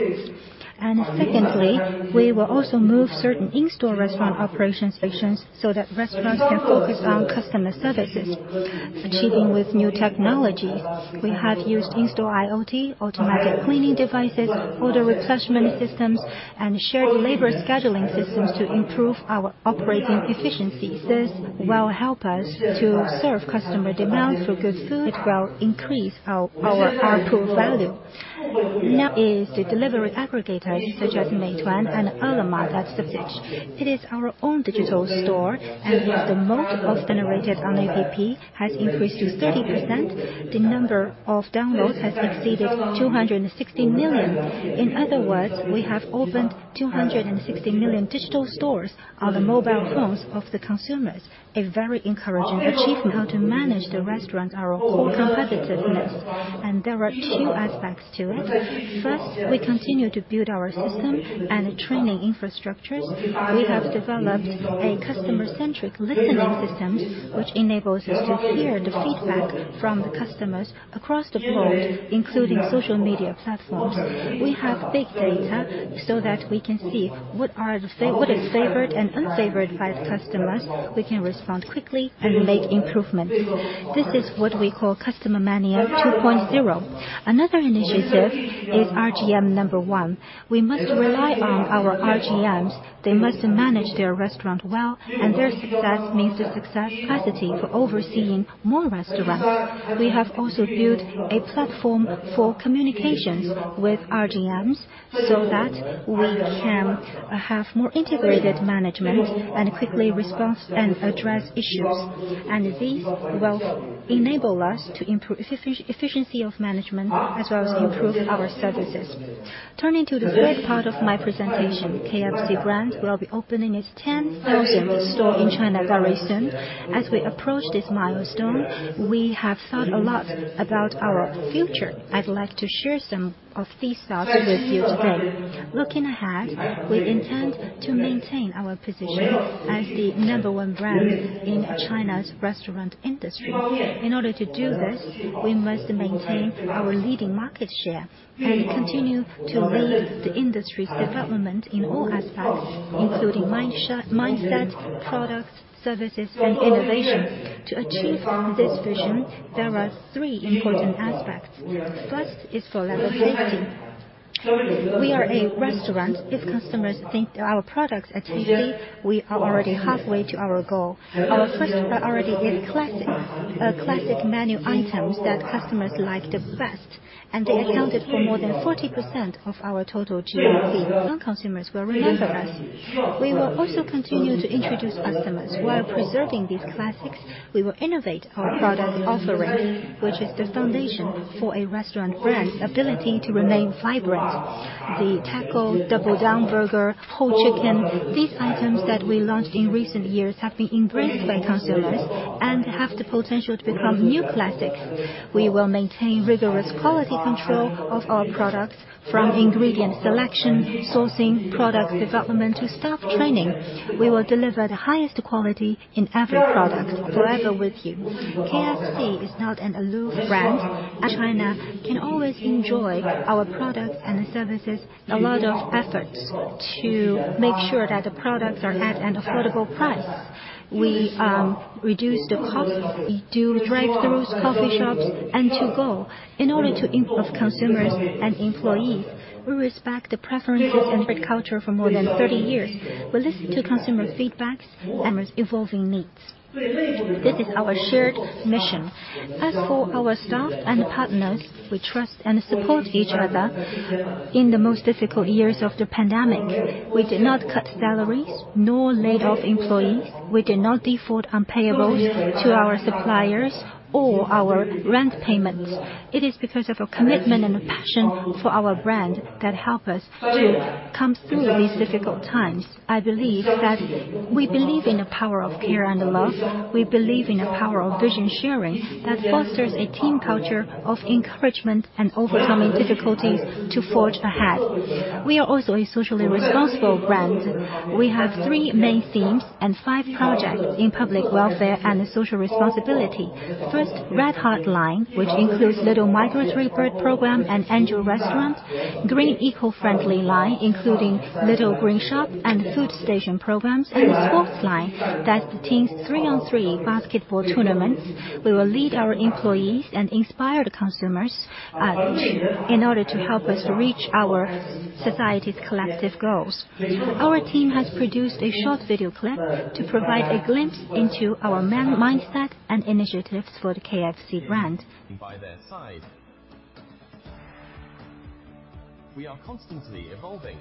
And secondly, we will also move certain in-store restaurant operations sections, so that restaurants can focus on customer services.... achieving with new technologies. We have used in-store IoT, automatic cleaning devices, order refreshment systems, and shared labor scheduling systems to improve our operating efficiency. This will help us to serve customer demands for good food. It will increase our, our output value. Now is the delivery aggregators, such as Meituan and other markets usage. It is our own digital store, and where the most of generated on the app has increased to 30%. The number of downloads has exceeded 260 million. In other words, we have opened 260 million digital stores on the mobile phones of the consumers, a very encouraging achievement. How to manage the restaurant, our whole competitiveness, and there are two aspects to it. First, we continue to build our system and training infrastructures. We have developed a customer-centric listening system, which enables us to hear the feedback from the customers across the board, including social media platforms. We have big data so that we can see what is favored and unfavored by the customers. We can respond quickly and make improvements. This is what we call Customer Mania 2.0. Another initiative is RGM 1. We must rely on our RGMs. They must manage their restaurant well, and their success means the success capacity for overseeing more restaurants. We have also built a platform for communications with RGMs, so that we can have more integrated management and quickly respond and address issues, and this will enable us to improve efficiency of management, as well as improve our services. Turning to the third part of my presentation, KFC brand will be opening its 10,000th store in China very soon. As we approach this milestone, we have thought a lot about our future. I'd like to share some of these thoughts with you today. Looking ahead, we intend to maintain our position as the number one brand in China's restaurant industry. In order to do this, we must maintain our leading market share and continue to lead the industry's development in all aspects, including mindset, products, services, and innovation. To achieve this vision, there are three important aspects. First is for safety. We are a restaurant. If customers think our products are tasty, we are already halfway to our goal. Our first priority is classics, classic menu items that customers like the best, and they accounted for more than 40% of our total KFC, and consumers will remember us. We will also continue to introduce customers. While preserving these classics, we will innovate our product offering, which is the foundation for a restaurant brand's ability to remain vibrant. The Taco, Double Down Burger, whole chicken, these items that we launched in recent years have been embraced by consumers and have the potential to become new classics. We will maintain rigorous quality control of our products from ingredient selection, sourcing, product development, to staff training. We will deliver the highest quality in every product, forever with you. KFC is not an aloof brand. As China can always enjoy our products and services, a lot of efforts to make sure that the products are at an affordable price. We reduce the costs to drive through coffee shops and to go in order to improve consumers and employees. We respect the preferences and food culture for more than 30 years. We listen to consumer feedbacks and evolving needs. This is our shared mission. As for our staff and partners, we trust and support each other. In the most difficult years of the pandemic, we did not cut salaries nor laid off employees. We did not default on payables to our suppliers or our rent payments. It is because of a commitment and a passion for our brand that help us to come through these difficult times. I believe that we believe in the power of care and love. We believe in the power of vision sharing that fosters a team culture of encouragement and overcoming difficulties to forge ahead. We are also a socially responsible brand. We have three main themes and five projects in public welfare and social responsibility. First, Red Heart Line, which includes Little Migratory Bird Program and Angel Restaurant, Green Eco-Friendly Line, including Little Green Shop and Food Station programs, and the Sports Line, that's the team's three-on-three basketball tournaments. We will lead our employees and inspire the consumers in order to help us reach our society's collective goals. Our team has produced a short video clip to provide a glimpse into our mindset and initiatives for the KFC brand. By their side. We are constantly evolving.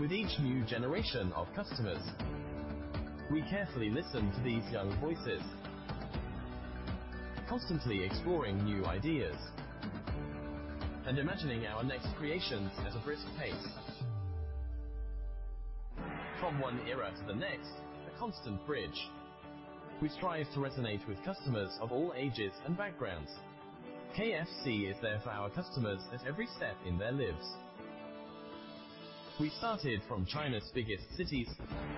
With each new generation of customers, we carefully listen to these young voices, constantly exploring new ideas and imagining our next creations at a brisk pace. From one era to the next, a constant bridge. We strive to resonate with customers of all ages and backgrounds. KFC is there for our customers at every step in their lives... We started from China's biggest cities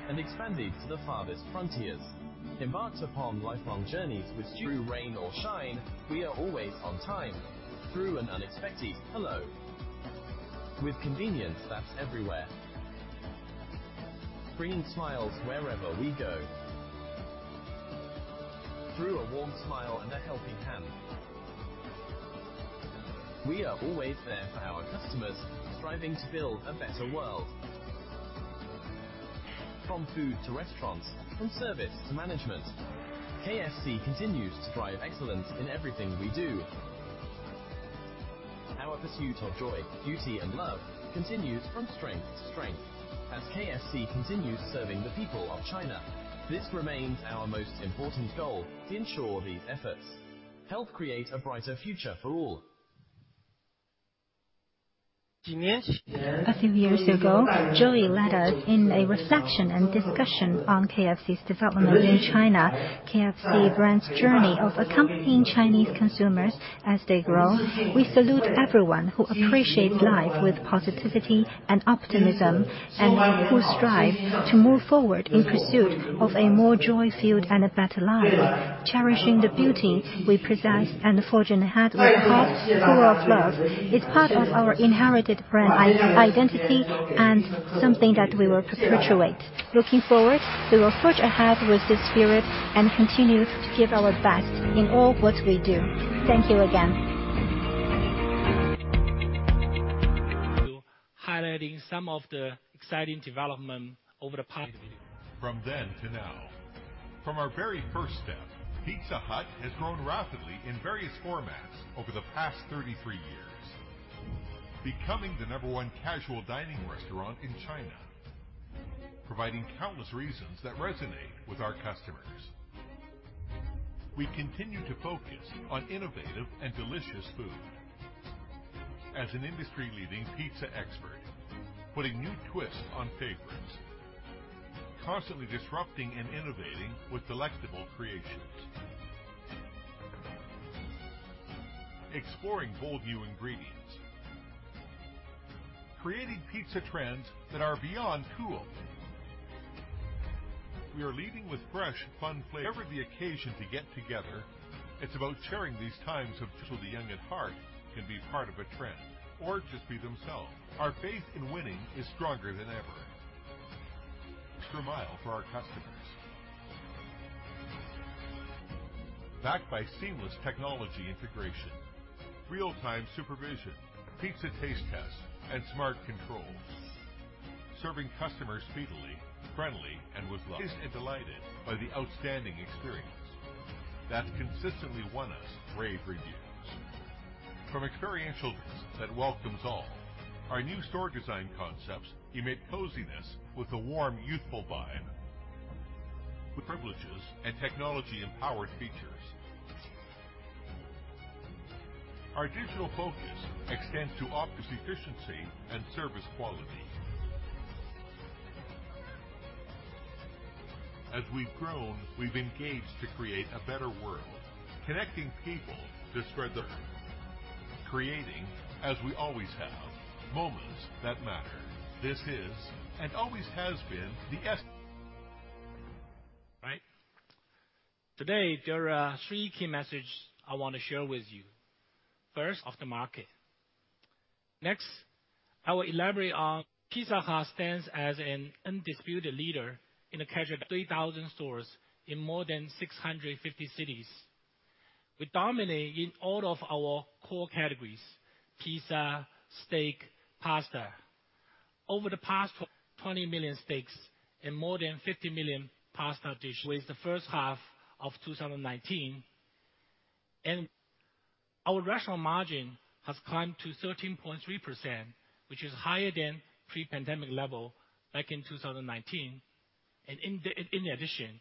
and expanded to the farthest frontiers. Embarked upon lifelong journeys with true rain or shine, we are always on time, through an unexpected hello. With convenience that's everywhere, bringing smiles wherever we go. Through a warm smile and a helping hand, we are always there for our customers, striving to build a better world. From food to restaurants, and service to management, KFC continues to drive excellence in everything we do. Our pursuit of joy, beauty, and love continues from strength to strength as KFC continues serving the people of China. This remains our most important goal to ensure these efforts help create a brighter future for all. A few years ago, Joey led us in a reflection and discussion on KFC's development in China, KFC brand's journey of accompanying Chinese consumers as they grow. We salute everyone who appreciates life with positivity and optimism, and who strive to move forward in pursuit of a more joy-filled and a better life. Cherishing the beauty we possess and forging ahead with a heart full of love is part of our inherited brand identity and something that we will perpetuate. Looking forward, we will forge ahead with this spirit and continue to give our best in all what we do. Thank you again. Highlighting some of the exciting development over the past- From then to now, from our very first step, Pizza Hut has grown rapidly in various formats over the past 33 years, becoming the No. 1 casual dining restaurant in China, providing countless reasons that resonate with our customers. We continue to focus on innovative and delicious food as an industry-leading pizza expert, putting new twists on favorites, constantly disrupting and innovating with delectable creations. Exploring bold new ingredients, creating pizza trends that are beyond cool. We are leading with fresh, fun flavors. Whatever the occasion to get together, it's about sharing these times of... So the young at heart can be part of a trend or just be themselves. Our faith in winning is stronger than ever. Extra mile for our customers. Backed by seamless technology integration, real-time supervision, pizza taste tests, and smart controls, serving customers speedily, friendly, and with love. - and delighted by the outstanding experience that's consistently won us rave reviews. From experiential that welcomes all, our new store design concepts emit coziness with a warm, youthful vibe. With privileges and technology-empowered features. Our digital focus extends to office efficiency and service quality. As we've grown, we've engaged to create a better world, connecting people to spread the... Creating, as we always have, moments that matter. This is, and always has been, the es- Right? Today, there are three key messages I want to share with you. First, of the market. Next, I will elaborate on Pizza Hut stands as an undisputed leader in the casual—3,000 stores in more than 650 cities. We dominate in all of our core categories: pizza, steak, pasta. Over the past, 20 million steaks and more than 50 million pasta dishes in the first half of 2019, and our restaurant margin has climbed to 13.3%, which is higher than pre-pandemic level back in 2019. In addition,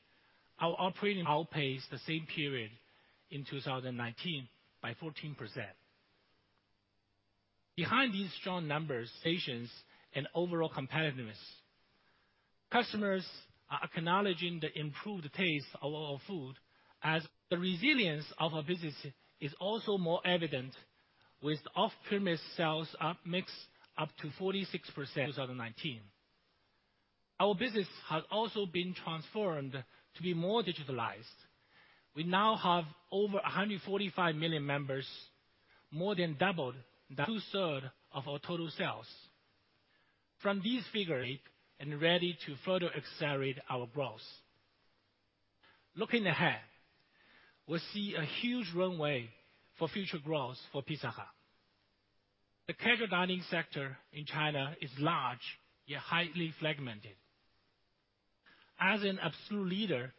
our operating profit outpaces the same period in 2019 by 14%. Behind these strong numbers, patterns, and overall competitiveness, customers are acknowledging the improved taste of our food, as the resilience of our business is also more evident with off-premise sales mix up to 46% in 2019. Our business has also been transformed to be more digitalized. We now have over 145 million members, more than doubled the two-thirds of our total sales. From these figures, and ready to further accelerate our growth. Looking ahead, we see a huge runway for future growth for Pizza Hut. The casual dining sector in China is large, yet highly fragmented. As an absolute leader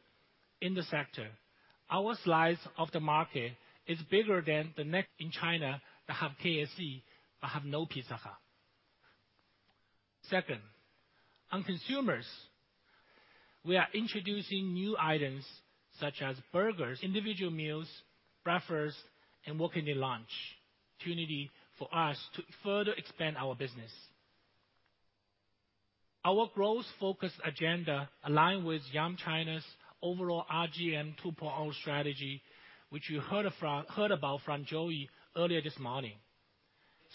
in the sector, our slice of the market is bigger than the next in China that have KFC, but have no Pizza Hut. Second, on consumers, we are introducing new items such as burgers, individual meals, breakfast, and walk-in lunch, opportunity for us to further expand our business. Our growth focus agenda align with Yum China's overall RGM 2.0 strategy, which you heard about from Joey earlier this morning.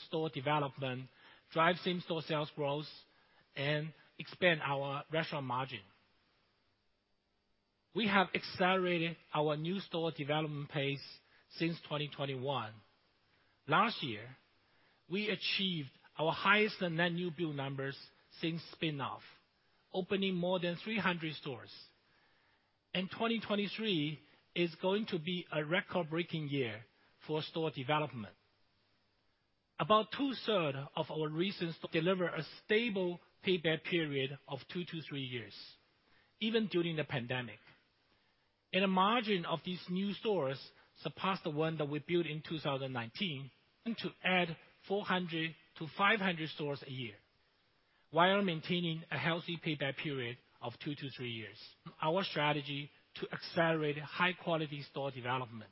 Store development, drive same-store sales growth, and expand our restaurant margin. We have accelerated our new store development pace since 2021. Last year, we achieved our highest net new build numbers since spin-off, opening more than 300 stores. 2023 is going to be a record-breaking year for store development. About two-thirds of our recent deliver a stable payback period of two to three years, even during the pandemic. The margin of these new stores surpassed the one that we built in 2019, and to add 400-500 stores a year, while maintaining a healthy payback period of two to three years. Our strategy to accelerate high-quality store development.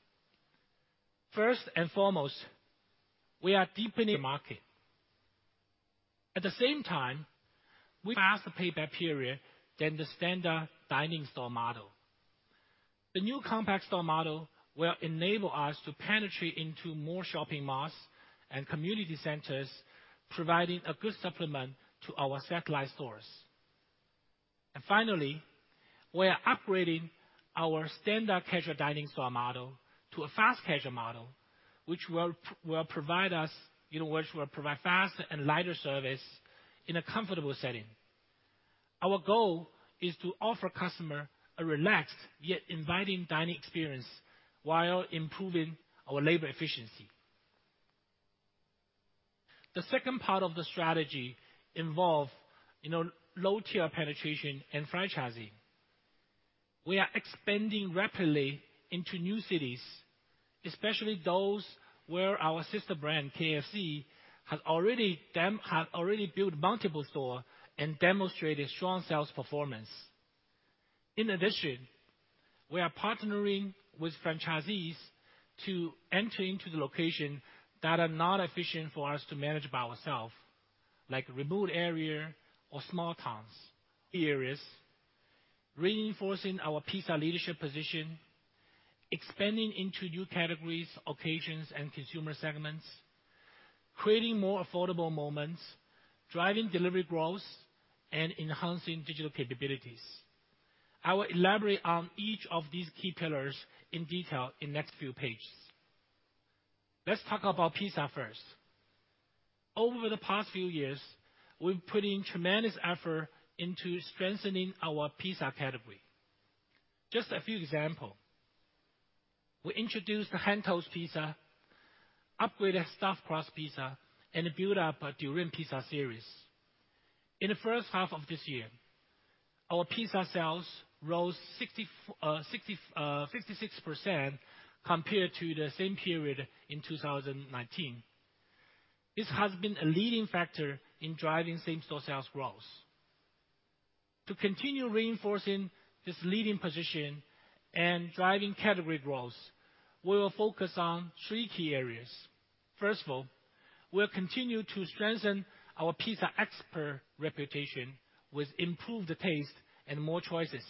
First and foremost, we are deepening market. At the same time, we ask the payback period than the standard dining store model. The new compact store model will enable us to penetrate into more shopping malls and community centers, providing a good supplement to our satellite stores. And finally, we are upgrading our standard casual dining store model to a fast-casual model, which will, will provide us, you know, which will provide faster and lighter service in a comfortable setting. Our goal is to offer customer a relaxed, yet inviting dining experience while improving our labor efficiency. The second part of the strategy involve, you know, low-tier penetration and franchising. We are expanding rapidly into new cities, especially those where our sister brand, KFC, has already built multiple stores and demonstrated strong sales performance. In addition, we are partnering with franchisees to enter into the locations that are not efficient for us to manage by ourselves, like remote areas or small towns. Reinforcing our pizza leadership position, expanding into new categories, occasions, and consumer segments, creating more affordable moments, driving delivery growth, and enhancing digital capabilities. I will elaborate on each of these key pillars in detail in next few pages. Let's talk about pizza first. Over the past few years, we've put in tremendous effort into strengthening our pizza category. Just a few examples, we introduced the Hand-Tossed Pizza, upgraded Stuffed Crust Pizza, and built up a Durian Pizza series. In the first half of this year, our pizza sales rose 56% compared to the same period in 2019. This has been a leading factor in driving same-store sales growth. To continue reinforcing this leading position and driving category growth, we will focus on three key areas. First of all, we'll continue to strengthen our pizza expert reputation with improved taste and more choices.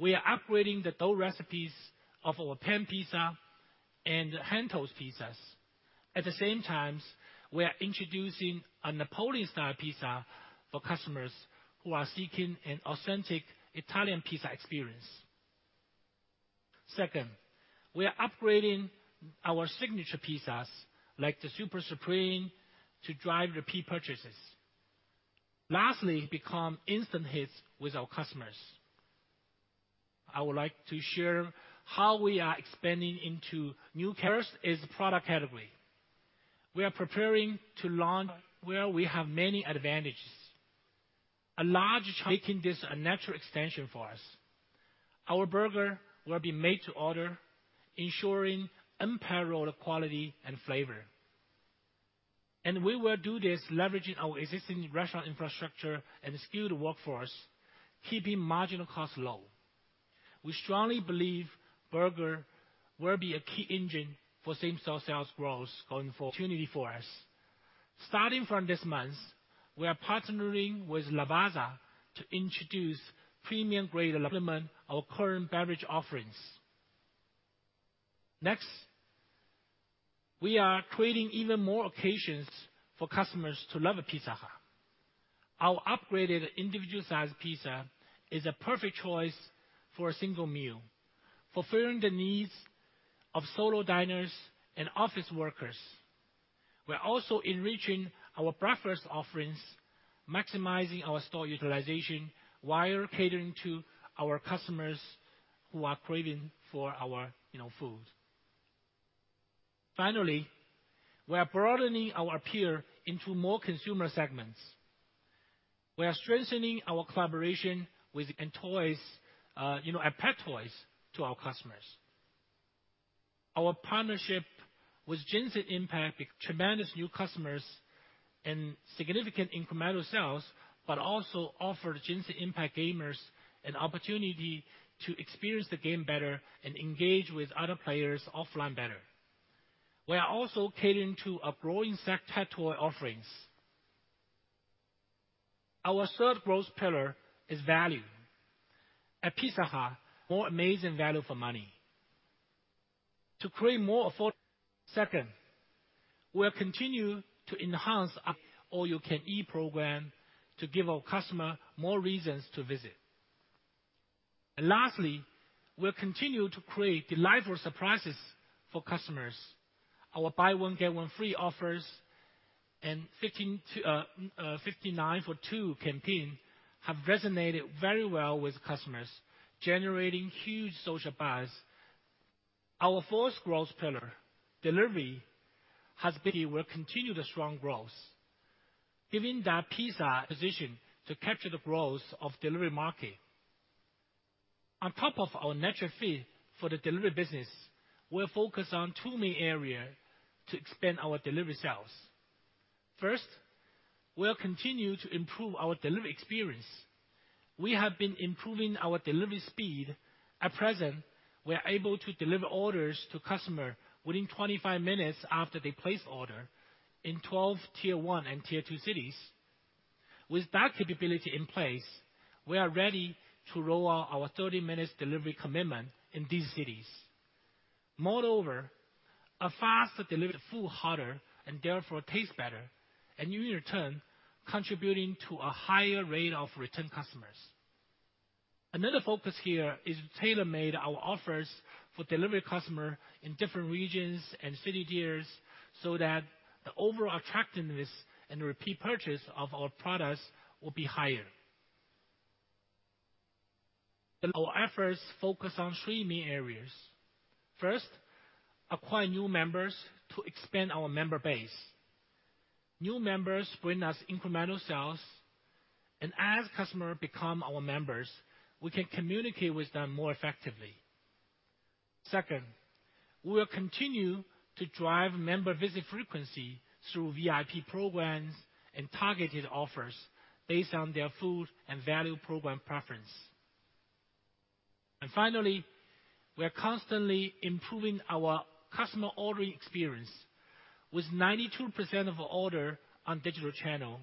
We are upgrading the dough recipes of our Pan Pizza and Hand-Tossed Pizza. At the same time, we are introducing a Neapolitan-Style Pizza for customers who are seeking an authentic Italian pizza experience. Second, we are upgrading our signature pizzas, like the Super Supreme, to drive repeat purchases. Lastly, become instant hits with our customers. I would like to share how we are expanding into new... First is product category. We are preparing to launch where we have many advantages. A large making this a natural extension for us. Our burger will be made to order, ensuring unparalleled quality and flavor. We will do this leveraging our existing restaurant infrastructure and skilled workforce, keeping marginal costs low. We strongly believe burger will be a key engine for same-store sales growth going forward. Opportunity for us. Starting from this month, we are partnering with Lavazza to introduce premium grade supplement our current beverage offerings. Next, we are creating even more occasions for customers to love Pizza Hut. Our upgraded individual-sized pizza is a perfect choice for a single meal, fulfilling the needs of solo diners and office workers. We're also enriching our breakfast offerings, maximizing our store utilization, while catering to our customers who are craving for our, you know, food. Finally, we are broadening our appeal into more consumer segments. We are strengthening our collaboration with and toys, you know, and pet toys to our customers. Our partnership with Genshin Impact, tremendous new customers and significant incremental sales, but also offered Genshin Impact gamers an opportunity to experience the game better and engage with other players offline better... We are also catering to a growing sector toy offerings. Our third growth pillar is value. At Pizza Hut, more amazing value for money. To create more afford, second, we'll continue to enhance our all-you-can-eat program to give our customer more reasons to visit. And lastly, we'll continue to create delightful surprises for customers. Our buy one get one free offers and 15 to 59 for two campaign have resonated very well with customers, generating huge social buzz. Our fourth growth pillar, delivery, has been. We will continue the strong growth, giving that pizza a position to capture the growth of delivery market. On top of our natural fee for the delivery business, we're focused on two main areas to expand our delivery sales. First, we'll continue to improve our delivery experience. We have been improving our delivery speed. At present, we are able to deliver orders to customer within 25 minutes after they place order in 12 Tier 1 and Tier 2 cities. With that capability in place, we are ready to roll out our 30-minute delivery commitment in these cities. Moreover, a faster delivered food, hotter, and therefore tastes better, and in return, contributing to a higher rate of return customers. Another focus here is to tailor-made our offers for delivery customer in different regions and city tiers, so that the overall attractiveness and repeat purchase of our products will be higher. Our efforts focus on three main areas. First, acquire new members to expand our member base. New members bring us incremental sales, and as customers become our members, we can communicate with them more effectively. Second, we will continue to drive member visit frequency through VIP programs and targeted offers based on their food and value program preference. And finally, we are constantly improving our customer ordering experience. With 92% of our order on digital channel,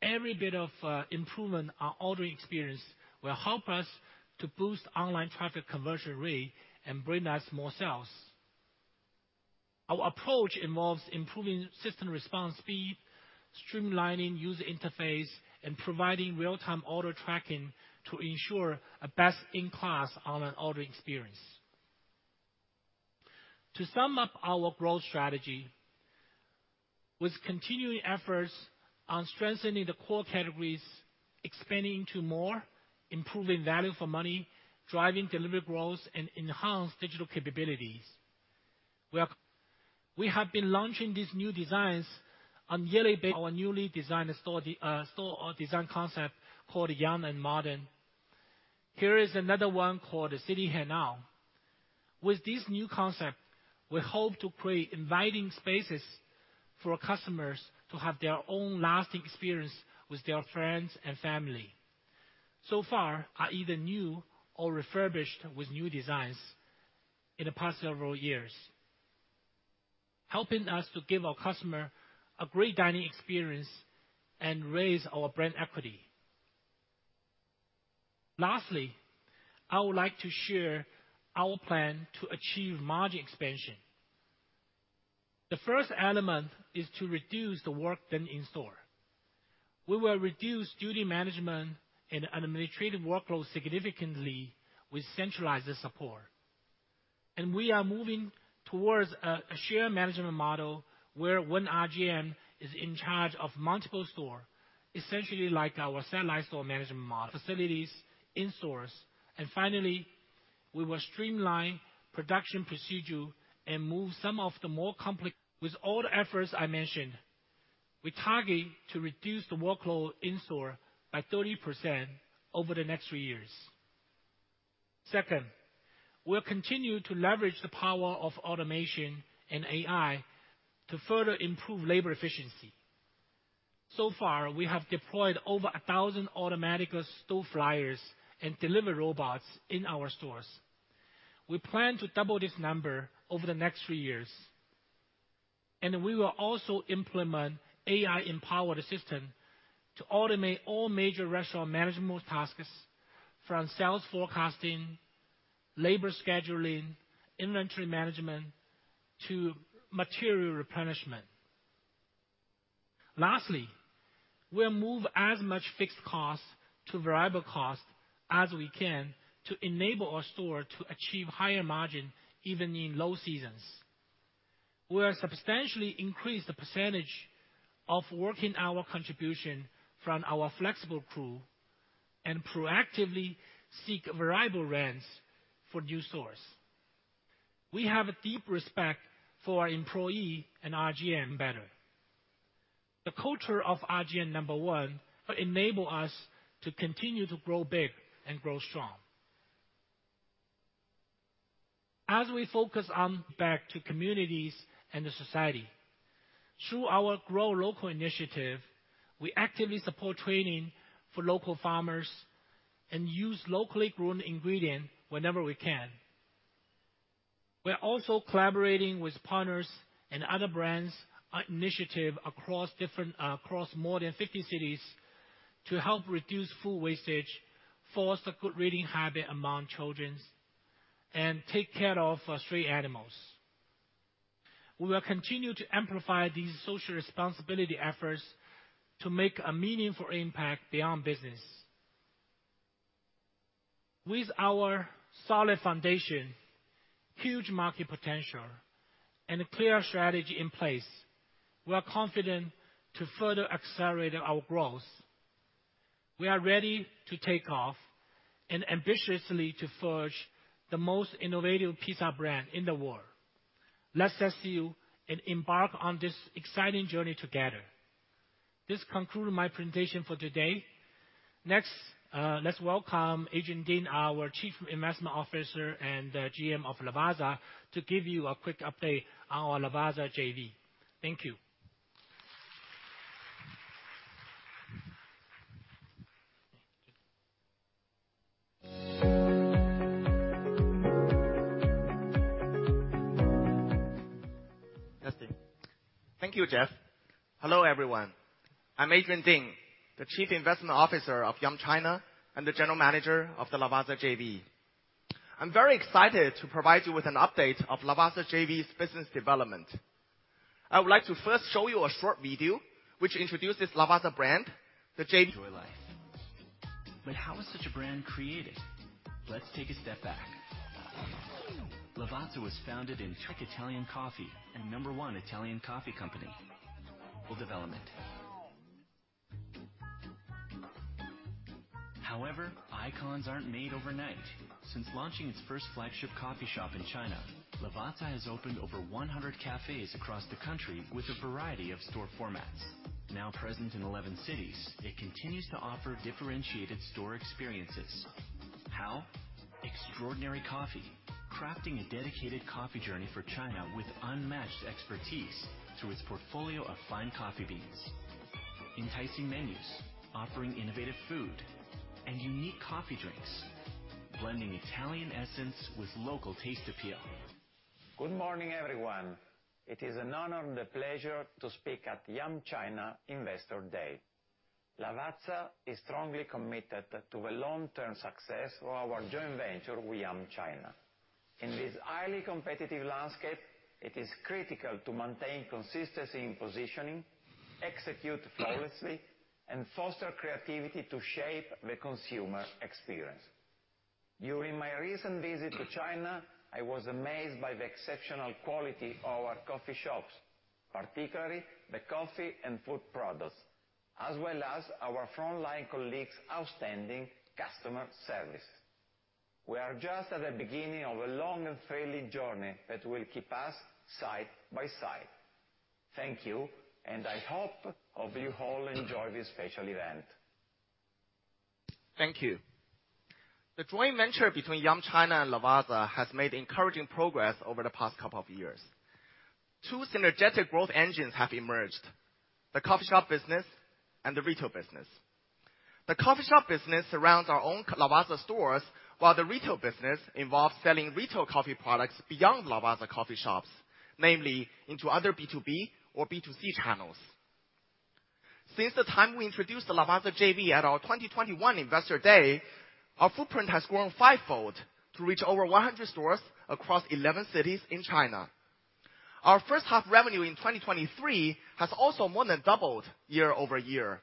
every bit of improvement on ordering experience will help us to boost online traffic conversion rate and bring us more sales. Our approach involves improving system response speed, streamlining user interface, and providing real-time order tracking to ensure a best-in-class online ordering experience. To sum up our growth strategy, with continuing efforts on strengthening the core categories, expanding to more, improving value for money, driving delivery growth, and enhanced digital capabilities, we are, we have been launching these new designs on a yearly basis, our newly designed store, store design concept called Young and Modern. Here is another one called City Henan. With this new concept, we hope to create inviting spaces for our customers to have their own lasting experience with their friends and family. So far, are either new or refurbished with new designs in the past several years, helping us to give our customer a great dining experience and raise our brand equity. Lastly, I would like to share our plan to achieve margin expansion. The first element is to reduce the work done in-store. We will reduce duty management and administrative workload significantly with centralized support. We are moving towards a shared management model, where one RGM is in charge of multiple stores, essentially like our satellite store management model, facilities in stores. Finally, we will streamline production procedure and move some of the more complex. With all the efforts I mentioned, we target to reduce the workload in-store by 30% over the next three years. Second, we'll continue to leverage the power of automation and AI to further improve labor efficiency. So far, we have deployed over 1,000 automatic store fryers and delivery robots in our stores. We plan to double this number over the next three years, and we will also implement AI-empowered system to automate all major restaurant management tasks, from sales forecasting, labor scheduling, inventory management, to material replenishment. Lastly, we'll move as much fixed costs to variable costs as we can to enable our store to achieve higher margin, even in low seasons. We are substantially increase the percentage of working hour contribution from our flexible crew and proactively seek variable rents for new stores. We have a deep respect for our employee and RGM better. The culture of RGM number one will enable us to continue to grow big and grow strong. As we focus on back to communities and the society... Through our Grow Local initiative, we actively support training for local farmers and use locally grown ingredient whenever we can. We're also collaborating with partners and other brands on initiatives across different, across more than 50 cities to help reduce food wastage, foster good reading habits among children, and take care of stray animals. We will continue to amplify these social responsibility efforts to make a meaningful impact beyond business. With our solid foundation, huge market potential, and a clear strategy in place, we are confident to further accelerate our growth. We are ready to take off and ambitiously to forge the most innovative pizza brand in the world. Let's just see you and embark on this exciting journey together. This concludes my presentation for today. Next, let's welcome Adrian Ding, our Chief Investment Officer and GM of Lavazza, to give you a quick update on our Lavazza JV. Thank you. Thank you, Jeff. Hello, everyone. I'm Adrian Ding, the Chief Investment Officer of Yum China and the General Manager of the Lavazza JV. I'm very excited to provide you with an update of Lavazza JV's business development. I would like to first show you a short video which introduces Lavazza brand, the JV.... Enjoy life. But how is such a brand created? Let's take a step back. Lavazza was founded in Italy and number one Italian coffee company. For development. However, icons aren't made overnight. Since launching its first flagship coffee shop in China, Lavazza has opened over 100 cafes across the country with a variety of store formats. Now present in 11 cities, it continues to offer differentiated store experiences. How? Extraordinary coffee, crafting a dedicated coffee journey for China with unmatched expertise through its portfolio of fine coffee beans. Enticing menus, offering innovative food and unique coffee drinks, blending Italian essence with local taste appeal. Good morning, everyone. It is an honor and a pleasure to speak at Yum China Investor Day. Lavazza is strongly committed to the long-term success of our joint venture with Yum China. In this highly competitive landscape, it is critical to maintain consistency in positioning, execute flawlessly, and foster creativity to shape the consumer experience. During my recent visit to China, I was amazed by the exceptional quality of our coffee shops, particularly the coffee and food products, as well as our frontline colleagues' outstanding customer service. We are just at the beginning of a long and thrilling journey that will keep us side-by-side. Thank you, and I hope you all enjoy this special event. Thank you. The joint venture between Yum China and Lavazza has made encouraging progress over the past couple of years. Two synergetic growth engines have emerged: the coffee shop business and the retail business. The coffee shop business surrounds our own Lavazza stores, while the retail business involves selling retail coffee products beyond Lavazza coffee shops, namely into other B2B or B2C channels. Since the time we introduced the Lavazza JV at our 2021 Investor Day, our footprint has grown five-fold to reach over 100 stores across 11 cities in China. Our first half revenue in 2023 has also more than doubled year-over-year.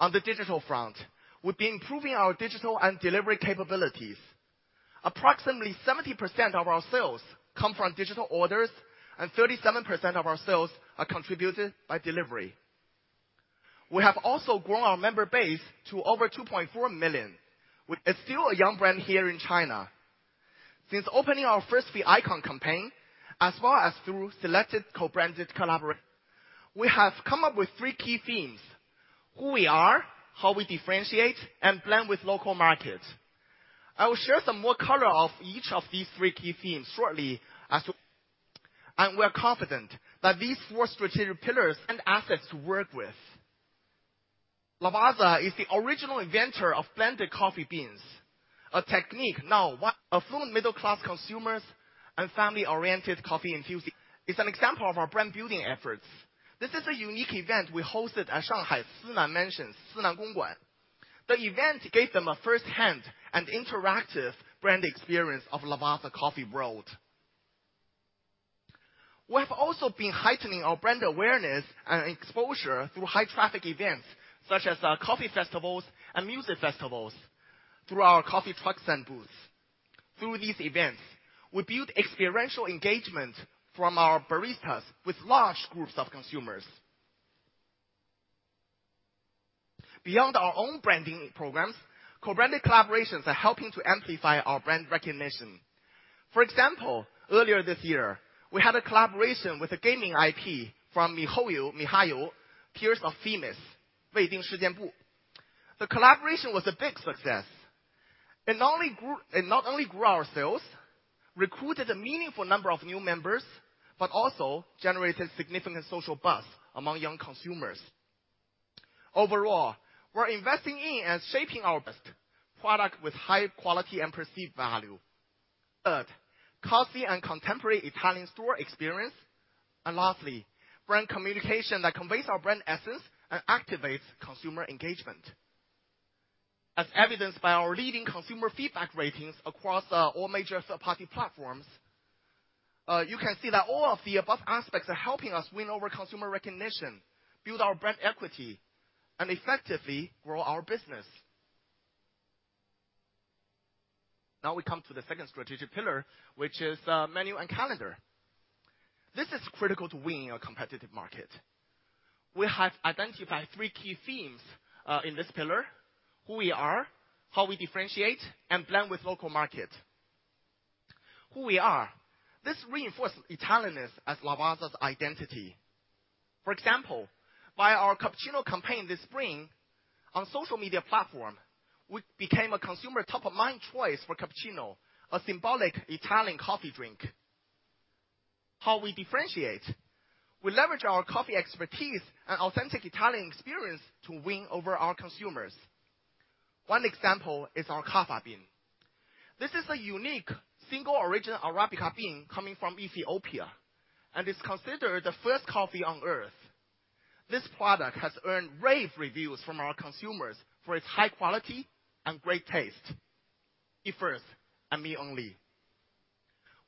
On the digital front, we've been improving our digital and delivery capabilities. Approximately 70% of our sales come from digital orders, and 37% of our sales are contributed by delivery. We have also grown our member base to over 2.4 million, which is still a young brand here in China. Since opening our first V Icon campaign, as well as through selected co-branded collaborations, we have come up with three key themes: who we are, how we differentiate, and blend with local markets. I will share some more color of each of these three key themes shortly. We are confident that these four strategic pillars and assets to work with. Lavazza is the original inventor of blended coffee beans, a technique now a full middle-class consumers and family-oriented coffee enthusiast. It's an example of our brand building efforts. This is a unique event we hosted at Shanghai, Sinan Mansion, Sinan Gongguan. The event gave them a firsthand and interactive brand experience of Lavazza coffee world. We have also been heightening our brand awareness and exposure through high traffic events such as coffee festivals and music festivals through our coffee trucks and booths. Through these events, we build experiential engagement from our baristas with large groups of consumers. Beyond our own branding programs, co-branded collaborations are helping to amplify our brand recognition. For example, earlier this year, we had a collaboration with a gaming IP from miHoYo, Tears of Themis, 未定事件簿. The collaboration was a big success. It not only grew, it not only grew our sales, recruited a meaningful number of new members, but also generated significant social buzz among young consumers. Overall, we're investing in and shaping our best product with high quality and perceived value. Third, coffee and contemporary Italian store experience. And lastly, brand communication that conveys our brand essence and activates consumer engagement. As evidenced by our leading consumer feedback ratings across all major third-party platforms, you can see that all of the above aspects are helping us win over consumer recognition, build our brand equity, and effectively grow our business. Now we come to the second strategic pillar, which is menu and calendar. This is critical to winning a competitive market. We have identified three key themes in this pillar: who we are, how we differentiate, and blend with local market. Who we are. This reinforces Italianness as Lavazza's identity. For example, by our cappuccino campaign this spring on social media platform, we became a consumer top-of-mind choice for cappuccino, a symbolic Italian coffee drink. How we differentiate? We leverage our coffee expertise and authentic Italian experience to win over our consumers. One example is our Kaffa Bean. This is a unique single origin Arabica bean coming from Ethiopia, and is considered the first coffee on Earth. This product has earned rave reviews from our consumers for its high quality and great taste. It first, and me only.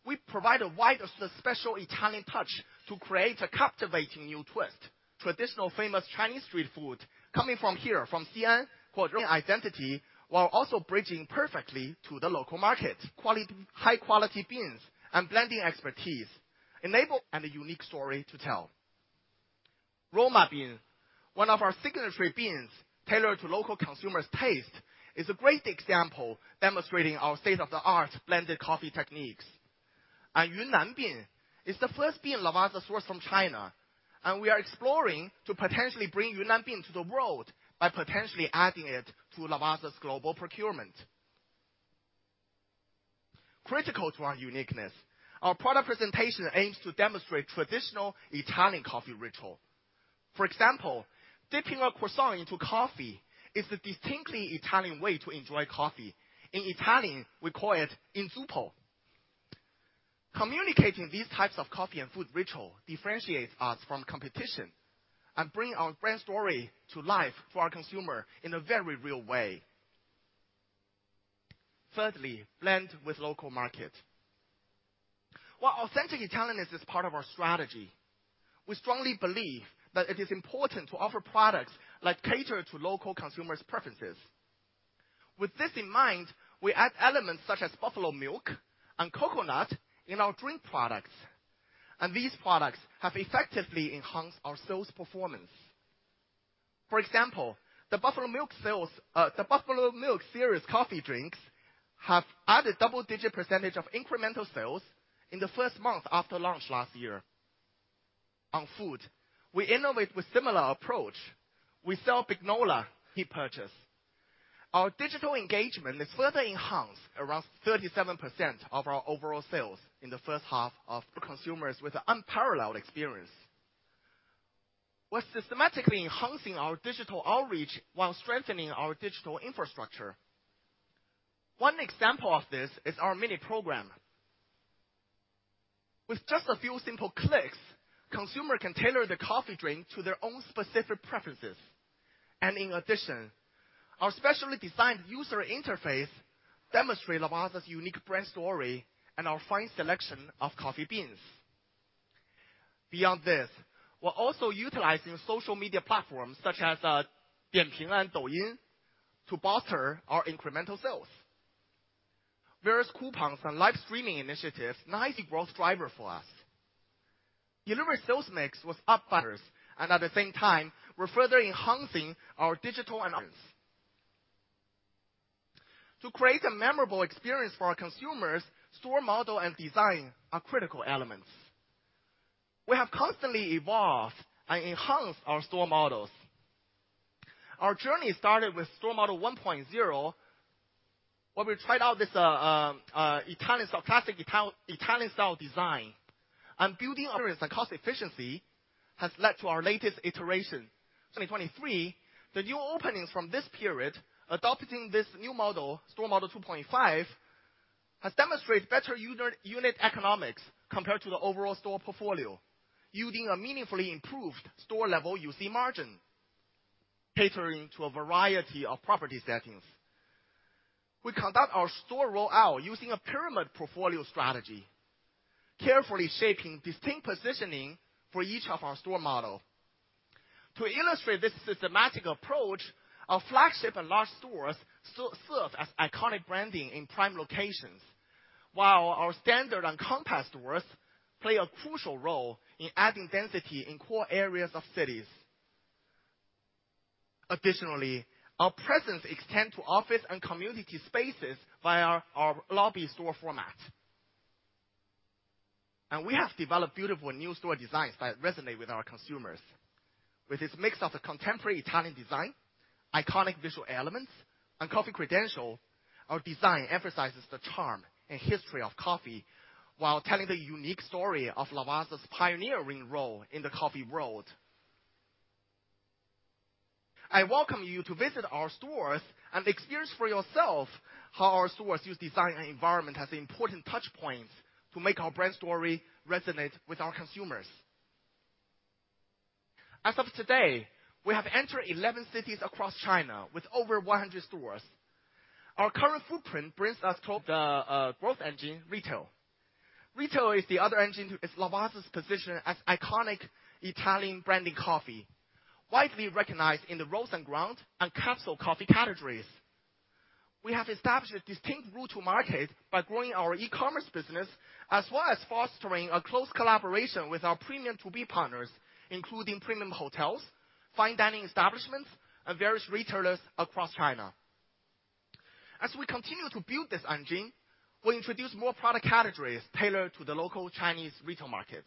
We provide a wide special Italian touch to create a captivating new twist. Traditional famous Chinese street food coming from here, from Xi'an, identity, while also bridging perfectly to the local market. Quality - high quality beans and blending expertise enable and a unique story to tell. Roma bean, one of our signature beans tailored to local consumers' taste, is a great example demonstrating our state-of-the-art blended coffee techniques. Yunnan bean is the first bean Lavazza sourced from China, and we are exploring to potentially bring Yunnan bean to the world by potentially adding it to Lavazza's global procurement. Critical to our uniqueness, our product presentation aims to demonstrate traditional Italian coffee ritual. For example, dipping a croissant into coffee is a distinctly Italian way to enjoy coffee. In Italian, we call it Inzuppo. Communicating these types of coffee and food ritual differentiates us from competition and bring our brand story to life for our consumer in a very real way. Thirdly, blend with local market. While authentic Italianness is part of our strategy, we strongly believe that it is important to offer products that cater to local consumers' preferences. With this in mind, we add elements such as buffalo milk and coconut in our drink products, and these products have effectively enhanced our sales performance. For example, the buffalo milk sales, the buffalo milk series coffee drinks have added double-digit percentage of incremental sales in the first month after launch last year. On food, we innovate with similar approach. We sell in the digital space. Our digital engagement is further enhanced. Around 37% of our overall sales in the first half to consumers with an unparalleled experience. We're systematically enhancing our digital outreach while strengthening our digital infrastructure. One example of this is our mini program. With just a few simple clicks, consumers can tailor their coffee drink to their own specific preferences. In addition, our specially designed user interface demonstrate Lavazza's unique brand story and our fine selection of coffee beans. Beyond this, we're also utilizing social media platforms such as Dianping and Douyin to bolster our incremental sales. Various coupons and live streaming initiatives, nice growth driver for us. Delivery sales mix was up, buyers, and at the same time, we're further enhancing our digital and apps. To create a memorable experience for our consumers, store model and design are critical elements. We have constantly evolved and enhanced our store models. Our journey started with store model 1.0, where we tried out this, Italian style, classic Italian style design, and building areas and cost efficiency has led to our latest iteration. 2023, the new openings from this period, adopting this new model, store model 2.5, has demonstrated better unit economics compared to the overall store portfolio, yielding a meaningfully improved store-level UC Margin, catering to a variety of property settings. We conduct our store rollout using a pyramid portfolio strategy, carefully shaping distinct positioning for each of our store model. To illustrate this systematic approach, our flagship and large stores serve as iconic branding in prime locations, while our standard and compact stores play a crucial role in adding density in core areas of cities. Additionally, our presence extend to office and community spaces via our lobby store format. We have developed beautiful new store designs that resonate with our consumers. With its mix of a contemporary Italian design, iconic visual elements, and coffee credential, our design emphasizes the charm and history of coffee while telling the unique story of Lavazza's pioneering role in the coffee world. I welcome you to visit our stores and experience for yourself how our stores use design and environment as important touch points to make our brand story resonate with our consumers. As of today, we have entered 11 cities across China with over 100 stores. Our current footprint brings us to the growth engine, retail. Retail is the other engine too is Lavazza's position as iconic Italian branding coffee, widely recognized in the roast and ground and capsule coffee categories. We have established a distinct route to market by growing our e-commerce business, as well as fostering a close collaboration with our premium to-be partners, including premium hotels, fine dining establishments, and various retailers across China. As we continue to build this engine, we'll introduce more product categories tailored to the local Chinese retail market.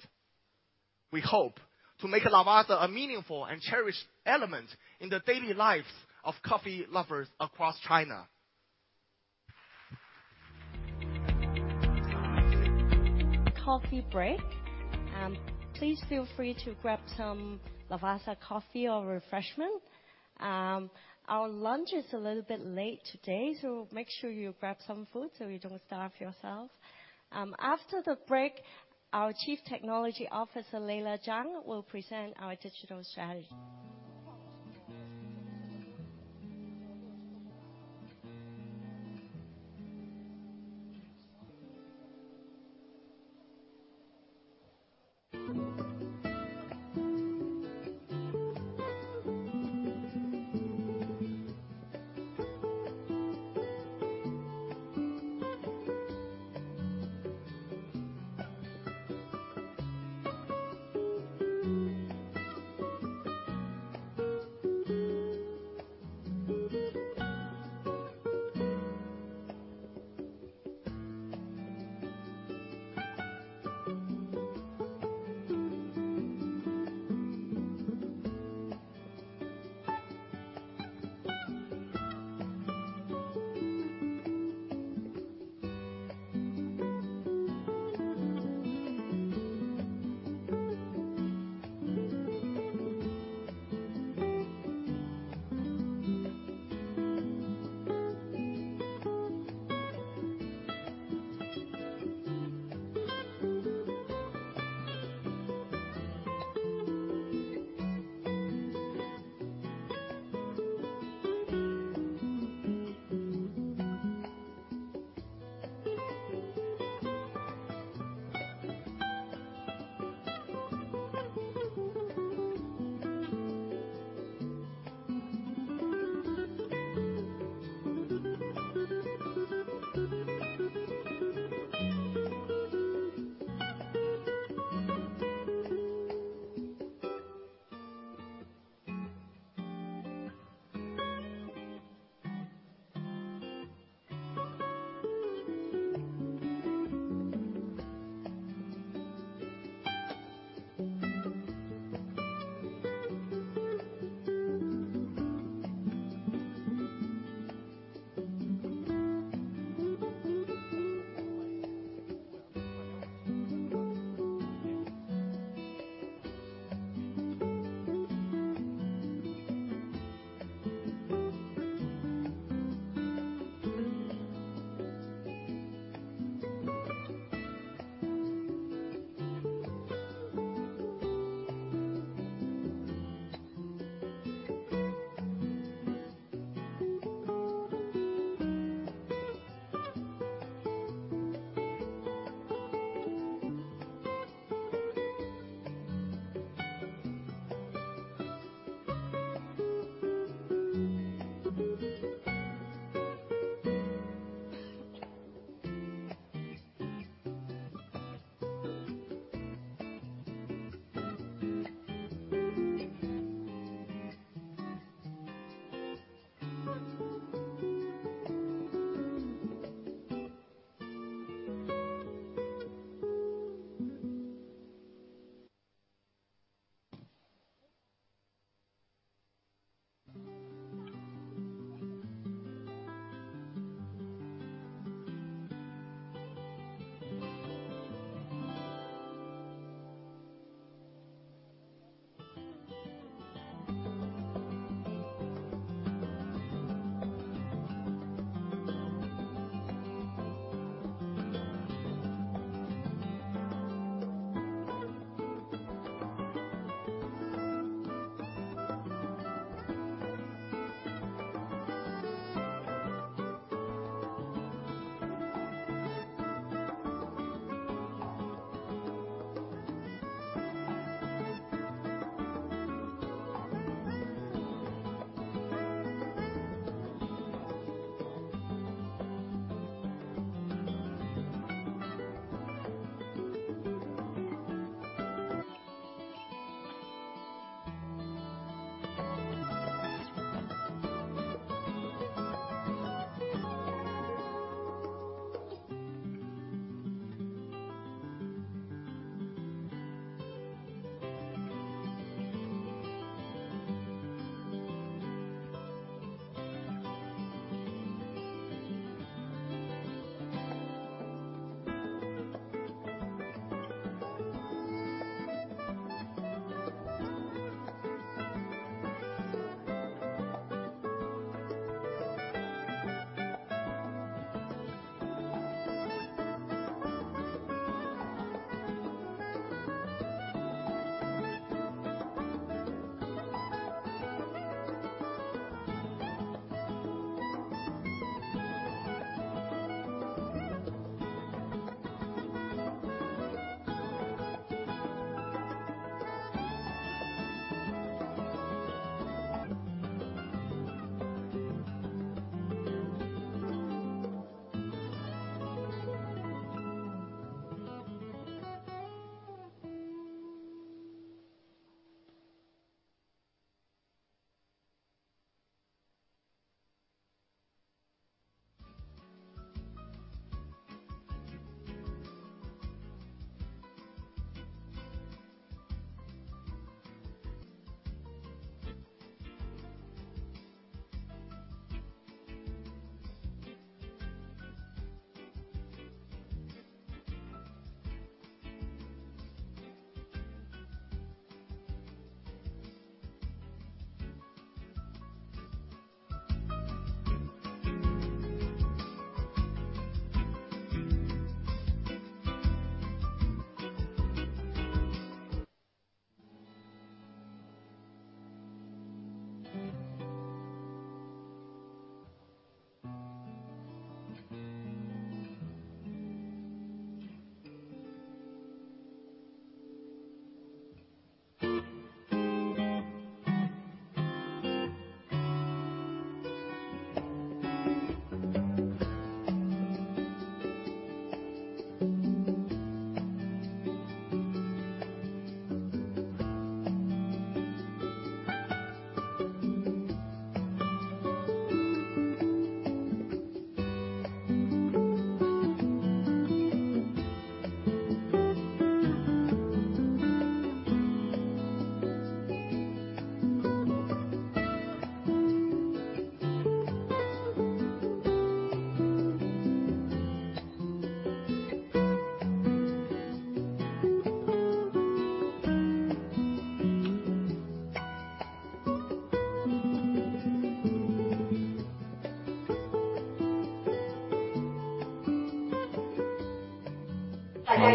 We hope to make Lavazza a meaningful and cherished element in the daily lives of coffee lovers across China. Coffee break. Please feel free to grab some Lavazza coffee or refreshment. Our lunch is a little bit late today, so make sure you grab some food so you don't starve yourself. After the break, our Chief Technology Officer, Leila Zhang, will present our digital strategy. ...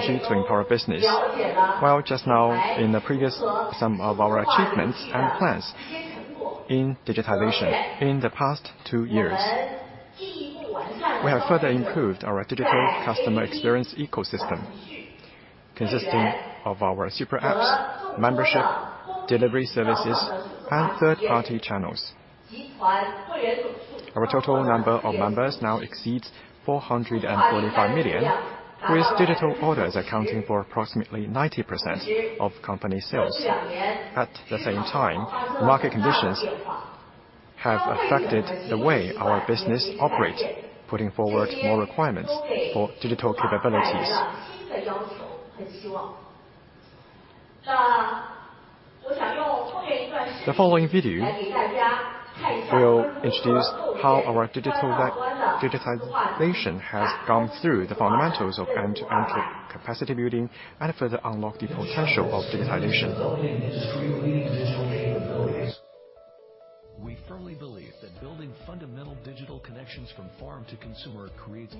to empower business. Well, just now in the previous, some of our achievements and plans in digitization. In the past two years, we have further improved our digital customer experience ecosystem, consisting of our Super apps, membership, delivery services, and third-party channels. Our total number of members now exceeds 445 million, with digital orders accounting for approximately 90% of company sales. At the same time, market conditions have affected the way our business operates, putting forward more requirements for digital capabilities. The following video will introduce how our digital digitization has gone through the fundamentals of end-to-end capacity building and further unlock the potential of digitization. Building industry-leading digital capabilities. We firmly believe that building fundamental digital connections from farm to consumer creates...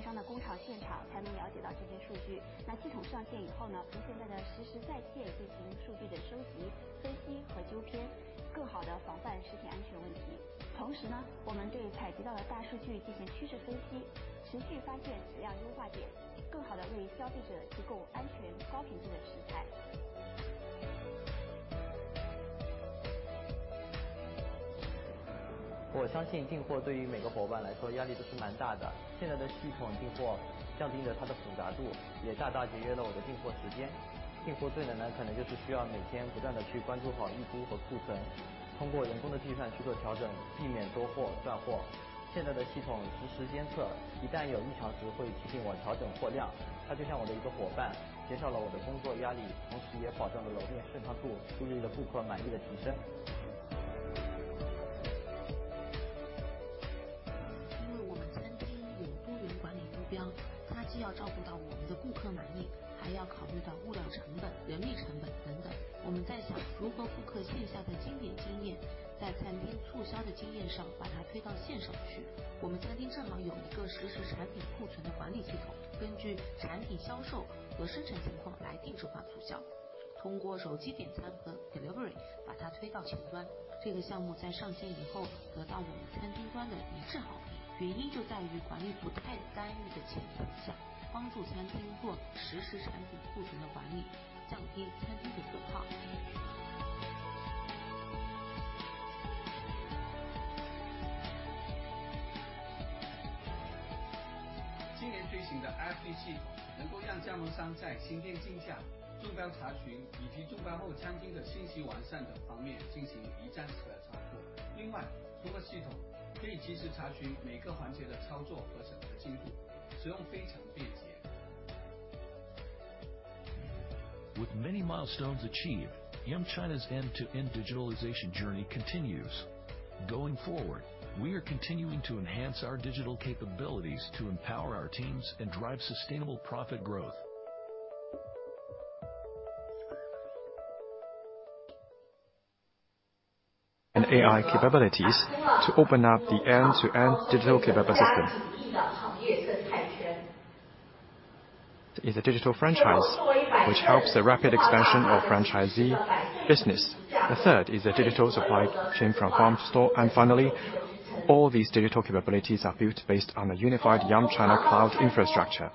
With many milestones achieved, Yum China's end-to-end digitalization journey continues. Going forward, we are continuing to enhance our digital capabilities to empower our teams and drive sustainable profit growth. AI capabilities to open up the end-to-end digital capability. It is a digital franchise, which helps the rapid expansion of franchisee business. The third is a digital supply chain from farm to store. Finally, all these digital capabilities are built based on a unified Yum China cloud infrastructure.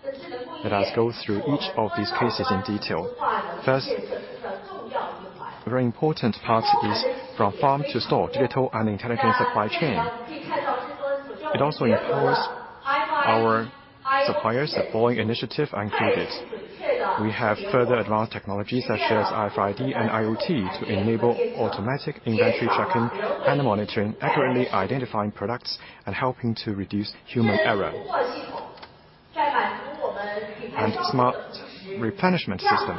Let us go through each of these cases in detail. First, a very important part is from farm to store, digital and intelligent supply chain. It also empowers our suppliers. The following initiatives are included: We have further advanced technologies such as RFID and IoT to enable automatic inventory checking and monitoring, accurately identifying products and helping to reduce human error. Smart replenishment system,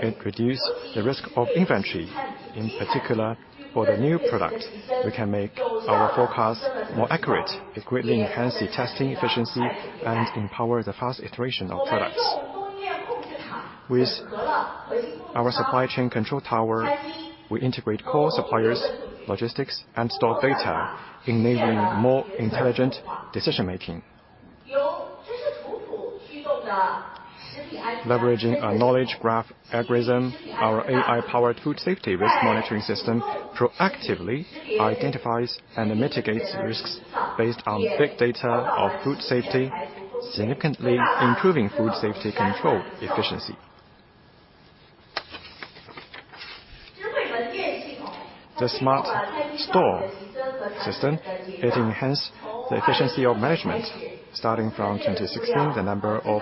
it reduce the risk of inventory. In particular, for the new product, we can make our forecast more accurate. It greatly enhance the testing efficiency and empower the fast iteration of products. With our supply chain control tower, we integrate core suppliers, logistics, and store data, enabling more intelligent decision-making. Leveraging a knowledge graph algorithm, our AI-powered food safety risk monitoring system proactively identifies and mitigates risks based on big data of food safety, significantly improving food safety control efficiency. The smart store system, it enhance the efficiency of management. Starting from 2016, the number of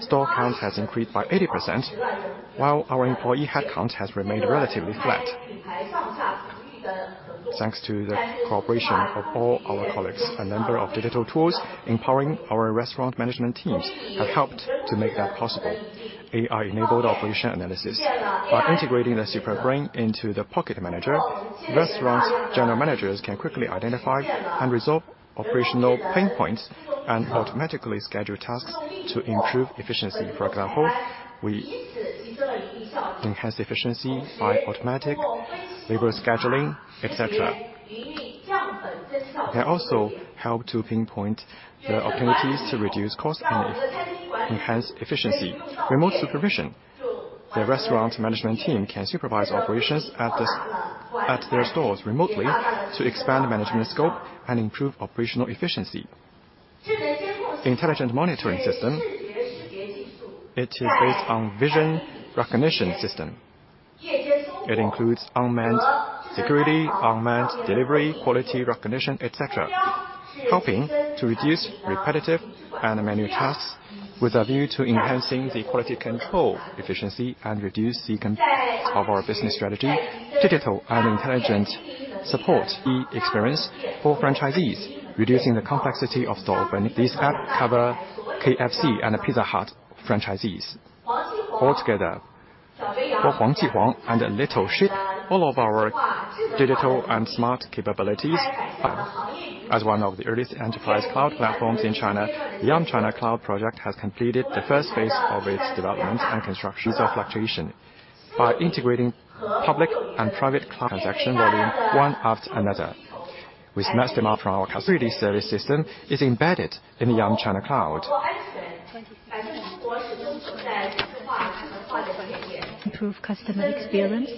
store counts has increased by 80%, while our employee headcount has remained relatively flat. Thanks to the cooperation of all our colleagues, a number of digital tools empowering our restaurant management teams have helped to make that possible. AI-enabled operation analysis. By integrating the Super Brain into the Pocket Manager, restaurants' general managers can quickly identify and resolve operational pain points and automatically schedule tasks to improve efficiency. For example, we enhance efficiency by automatic labor scheduling, et cetera. They also help to pinpoint the opportunities to reduce cost and enhance efficiency. Remote supervision. The restaurant management team can supervise operations at their stores remotely to expand management scope and improve operational efficiency. Intelligent monitoring system, it is based on vision recognition system. It includes unmanned security, unmanned delivery, quality recognition, et cetera, helping to reduce repetitive and manual tasks with a view to enhancing the quality control, efficiency, and reduce the complexity of our business strategy. Digital and intelligent support experience for franchisees, reducing the complexity of store opening. These apps cover KFC and Pizza Hut franchisees. All together, for Huang Ji Huang and Little Sheep, all of our digital and smart capabilities... As one of the earliest enterprise cloud platforms in China, the Yum China Cloud project has completed the first phase of its development and construction. So fluctuation. By integrating public and private cloud transaction volume, one after another, with mass demand from our customer, security service system is embedded in the Yum China Cloud. Improve customer experience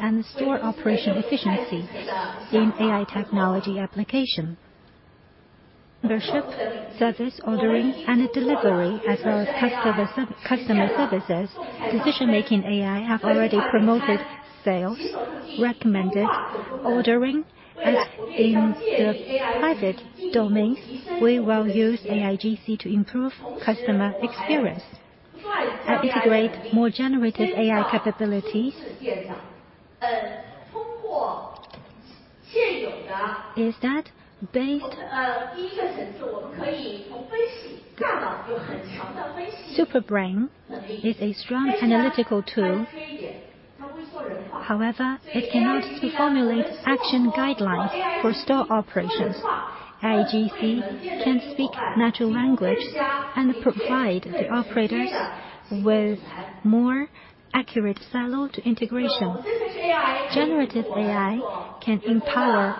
and store operation efficiency in AI technology application. Membership, service, ordering, and delivery, as well as customer services, decision-making AI have already promoted sales, recommended ordering, and in the private domains, we will use AIGC to improve customer experience and integrate more generative AI capabilities. Is that based- Super Brain is a strong analytical tool. However, it cannot formulate action guidelines for store operations. AIGC can speak natural language and provide the operators with more accurate silo to integration. Generative AI can empower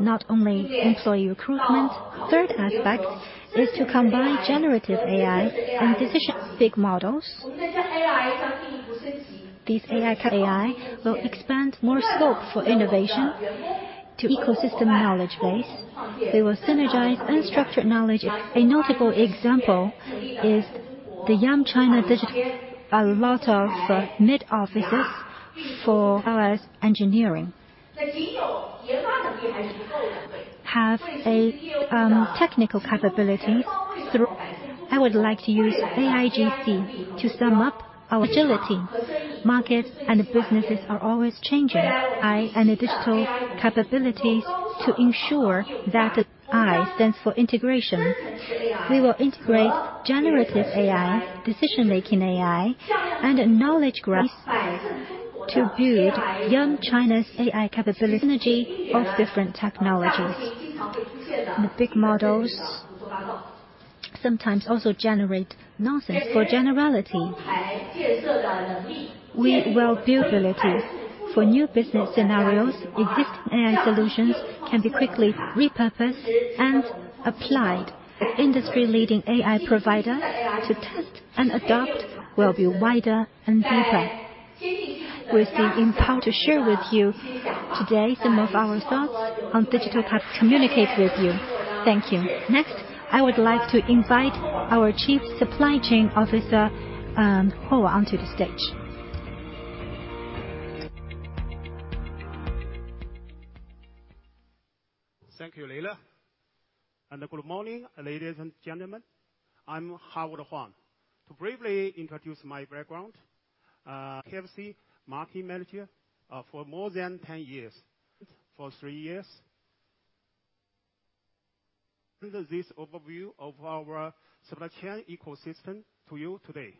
not only employee recruitment. Third aspect is to combine generative AI and decision big models. These AI will expand more scope for innovation to ecosystem knowledge base. They will synergize unstructured knowledge. A notable example is The Yum China Digital, a lot of mid offices for our engineering. Have a technical capabilities through. I would like to use AIGC to sum up our agility. Markets and businesses are always changing. I and the digital capabilities to ensure that I stands for integration. We will integrate generative AI, decision-making AI, and a knowledge graph to build Yum China's AI capability, synergy of different technologies. The big models sometimes also generate nonsense. For generality, we will build ability for new business scenarios. Existing AI solutions can be quickly repurposed and applied. Industry-leading AI provider to test and adopt will be wider and deeper. We've been empowered to share with you today some of our thoughts on digital path, communicate with you. Thank you. Next, I would like to invite our Chief Supply Chain Officer, Howard, onto the stage. Thank you, Leila. And good morning, ladies and gentlemen, I'm Howard Huang. To briefly introduce my background, KFC Marketing Manager for more than 10 years. For three years, this overview of our supply chain ecosystem to you today.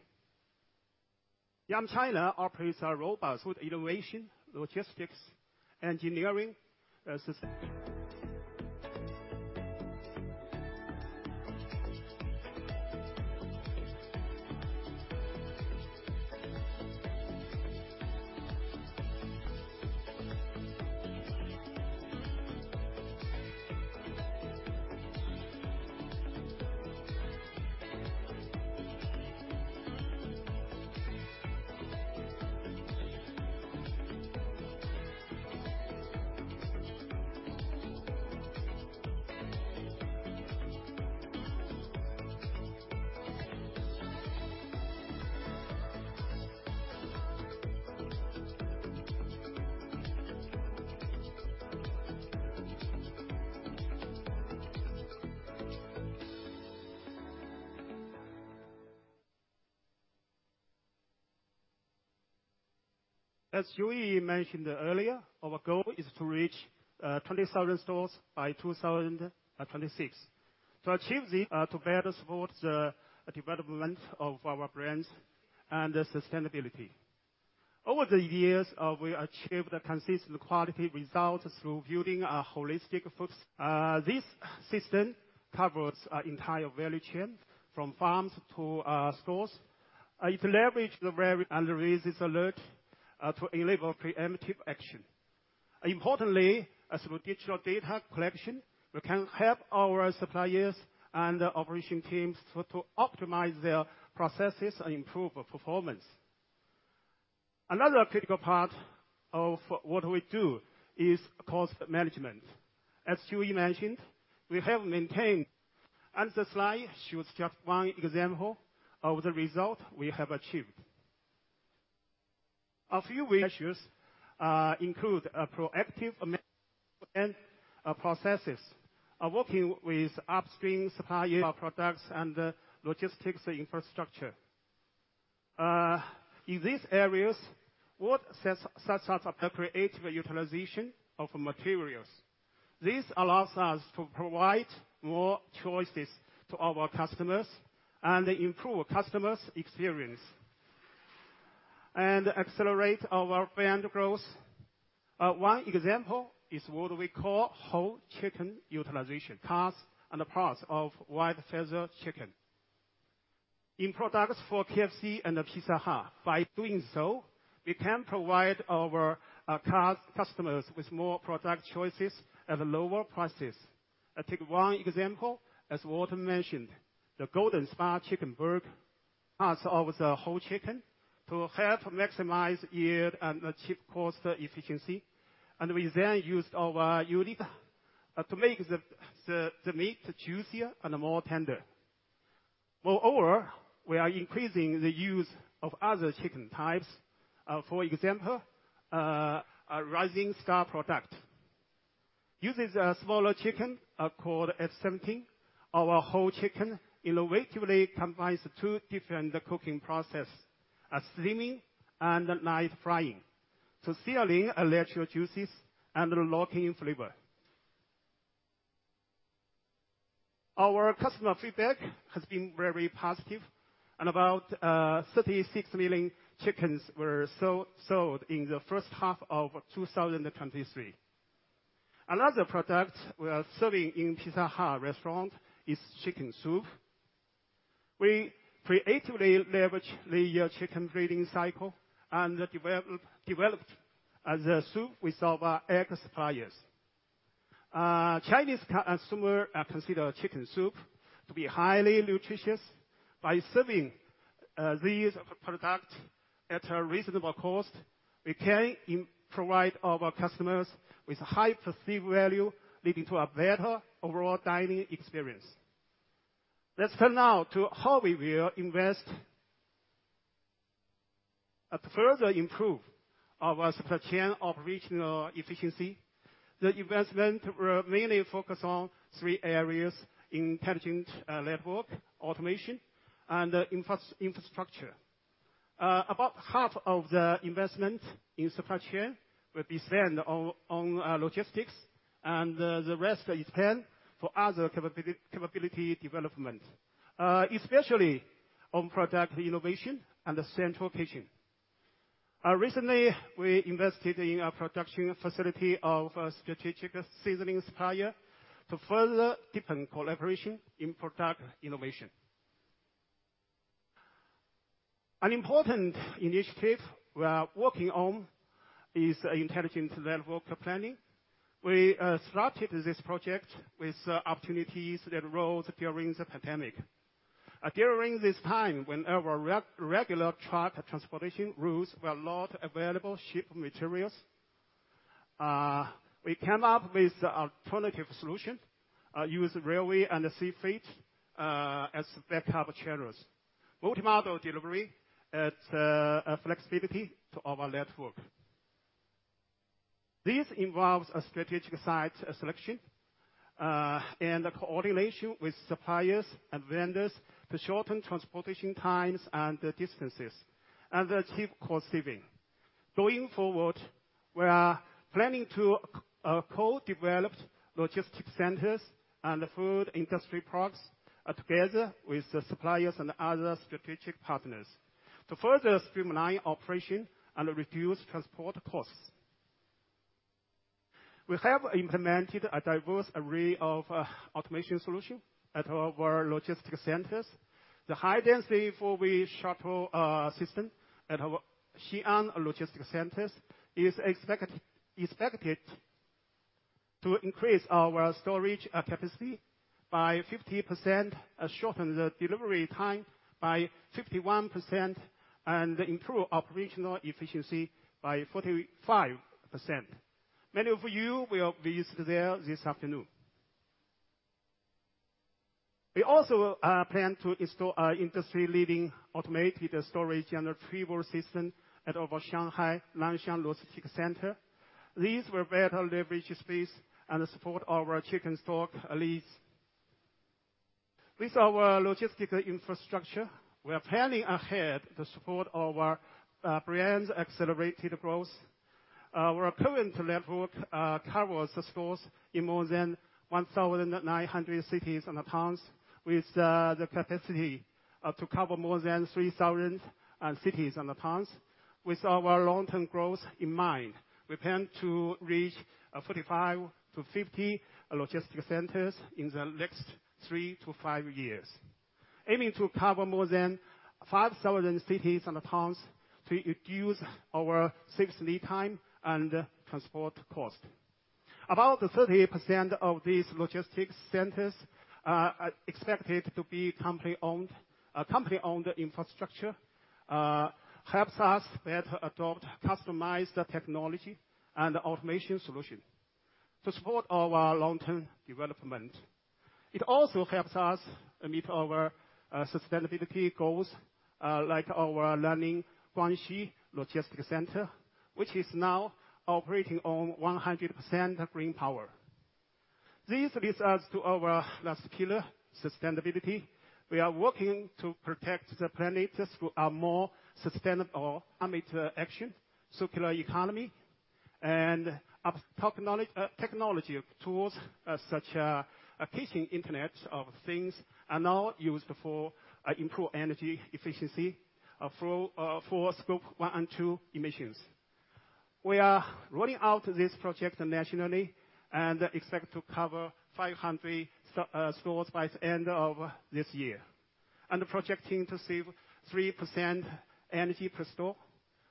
Yum China operates a robust innovation, logistics, engineering system. As Joey mentioned earlier, our goal is to reach 27 stores by 2026. To achieve this, to better support the development of our brands and the sustainability. Over the years, we achieved a consistent quality result through building a holistic food. This system covers our entire value chain, from farms to stores. It leverage the very- and raises alert to enable preemptive action. Importantly, as with digital data collection, we can help our suppliers and the operation teams to optimize their processes and improve performance. Another critical part of what we do is cost management. As Joey mentioned, we have maintained... The slide shows just one example of the result we have achieved. A few issues include a proactive and processes, working with upstream supplier products and logistics infrastructure. In these areas, what sets us apart? Creative utilization of materials. This allows us to provide more choices to our customers and improve customers' experience, and accelerate our brand growth. One example is what we call whole chicken utilization, parts and parts of white feather chicken. In products for KFC and Pizza Hut, by doing so, we can provide our customers with more product choices at lower prices. I take one example, as Warton mentioned, the Golden Spark chicken burger, parts of the whole chicken to help maximize yield and achieve cost efficiency. We then use our unique to make the meat juicier and more tender. Moreover, we are increasing the use of other chicken types. For example, a Rising Star product uses a smaller chicken called 817. Our whole chicken innovatively combines two different cooking processes, a steaming and light frying, so sealing natural juices and locking in flavor. Our customer feedback has been very positive, and about 36 million chickens were sold in the first half of 2023. Another product we are serving in Pizza Hut restaurant is chicken soup. We creatively leverage the chicken breeding cycle and developed the soup with our egg suppliers. Chinese consumers consider chicken soup to be highly nutritious. By serving these products-... at a reasonable cost, we can provide our customers with high perceived value, leading to a better overall dining experience. Let's turn now to how we will invest and further improve our supply chain operational efficiency. The investment will mainly focus on three areas: intelligent network, automation, and infrastructure. About half of the investment in supply chain will be spent on logistics, and the rest is planned for other capability development, especially on product innovation and central kitchen. Recently, we invested in a production facility of a strategic seasoning supplier to further deepen collaboration in product innovation. An important initiative we are working on is intelligent network planning. We started this project with opportunities that arose during the pandemic. During this time, when our regular truck transportation routes were not available to ship materials, we came up with an alternative solution: use railway and sea freight as backup channels. Multimodal delivery adds a flexibility to our network. This involves a strategic site selection and a coordination with suppliers and vendors to shorten transportation times and distances and achieve cost savings. Going forward, we are planning to co-develop logistics centers and food industry products together with the suppliers and other strategic partners to further streamline operations and reduce transport costs. We have implemented a diverse array of automation solutions at our logistics centers. The high-density four-way shuttle system at our Xi'an logistics centers is expected to increase our storage capacity by 50%, shorten the delivery time by 51%, and improve operational efficiency by 45%. Many of you will visit there this afternoon. We also plan to install our industry-leading automated storage and retrieval system at our Shanghai Nanxiang Logistics Center. These will better leverage space and support our chicken stock levels. With our logistical infrastructure, we are planning ahead to support our brand's accelerated growth. Our current network covers the stores in more than 1,900 cities and towns, with the capacity to cover more than 3,000 cities and towns. With our long-term growth in mind, we plan to reach 45-50 logistics centers in the next three to five years, aiming to cover more than 5,000 cities and towns to reduce our sales lead time and transport cost. About 30% of these logistics centers are expected to be company-owned. Company-owned infrastructure helps us better adopt customized technology and automation solution to support our long-term development. It also helps us meet our sustainability goals, like our Nanning, Guangxi Logistics Center, which is now operating on 100% green power. This leads us to our last pillar, sustainability. We are working to protect the planet through a more sustainable climate action, circular economy, and technology tools such as Kitchen Internet of Things are now used for improved energy efficiency for Scope 1 and 2 emissions. We are rolling out this project nationally and expect to cover 500 stores by the end of this year, and projecting to save 3% energy per store.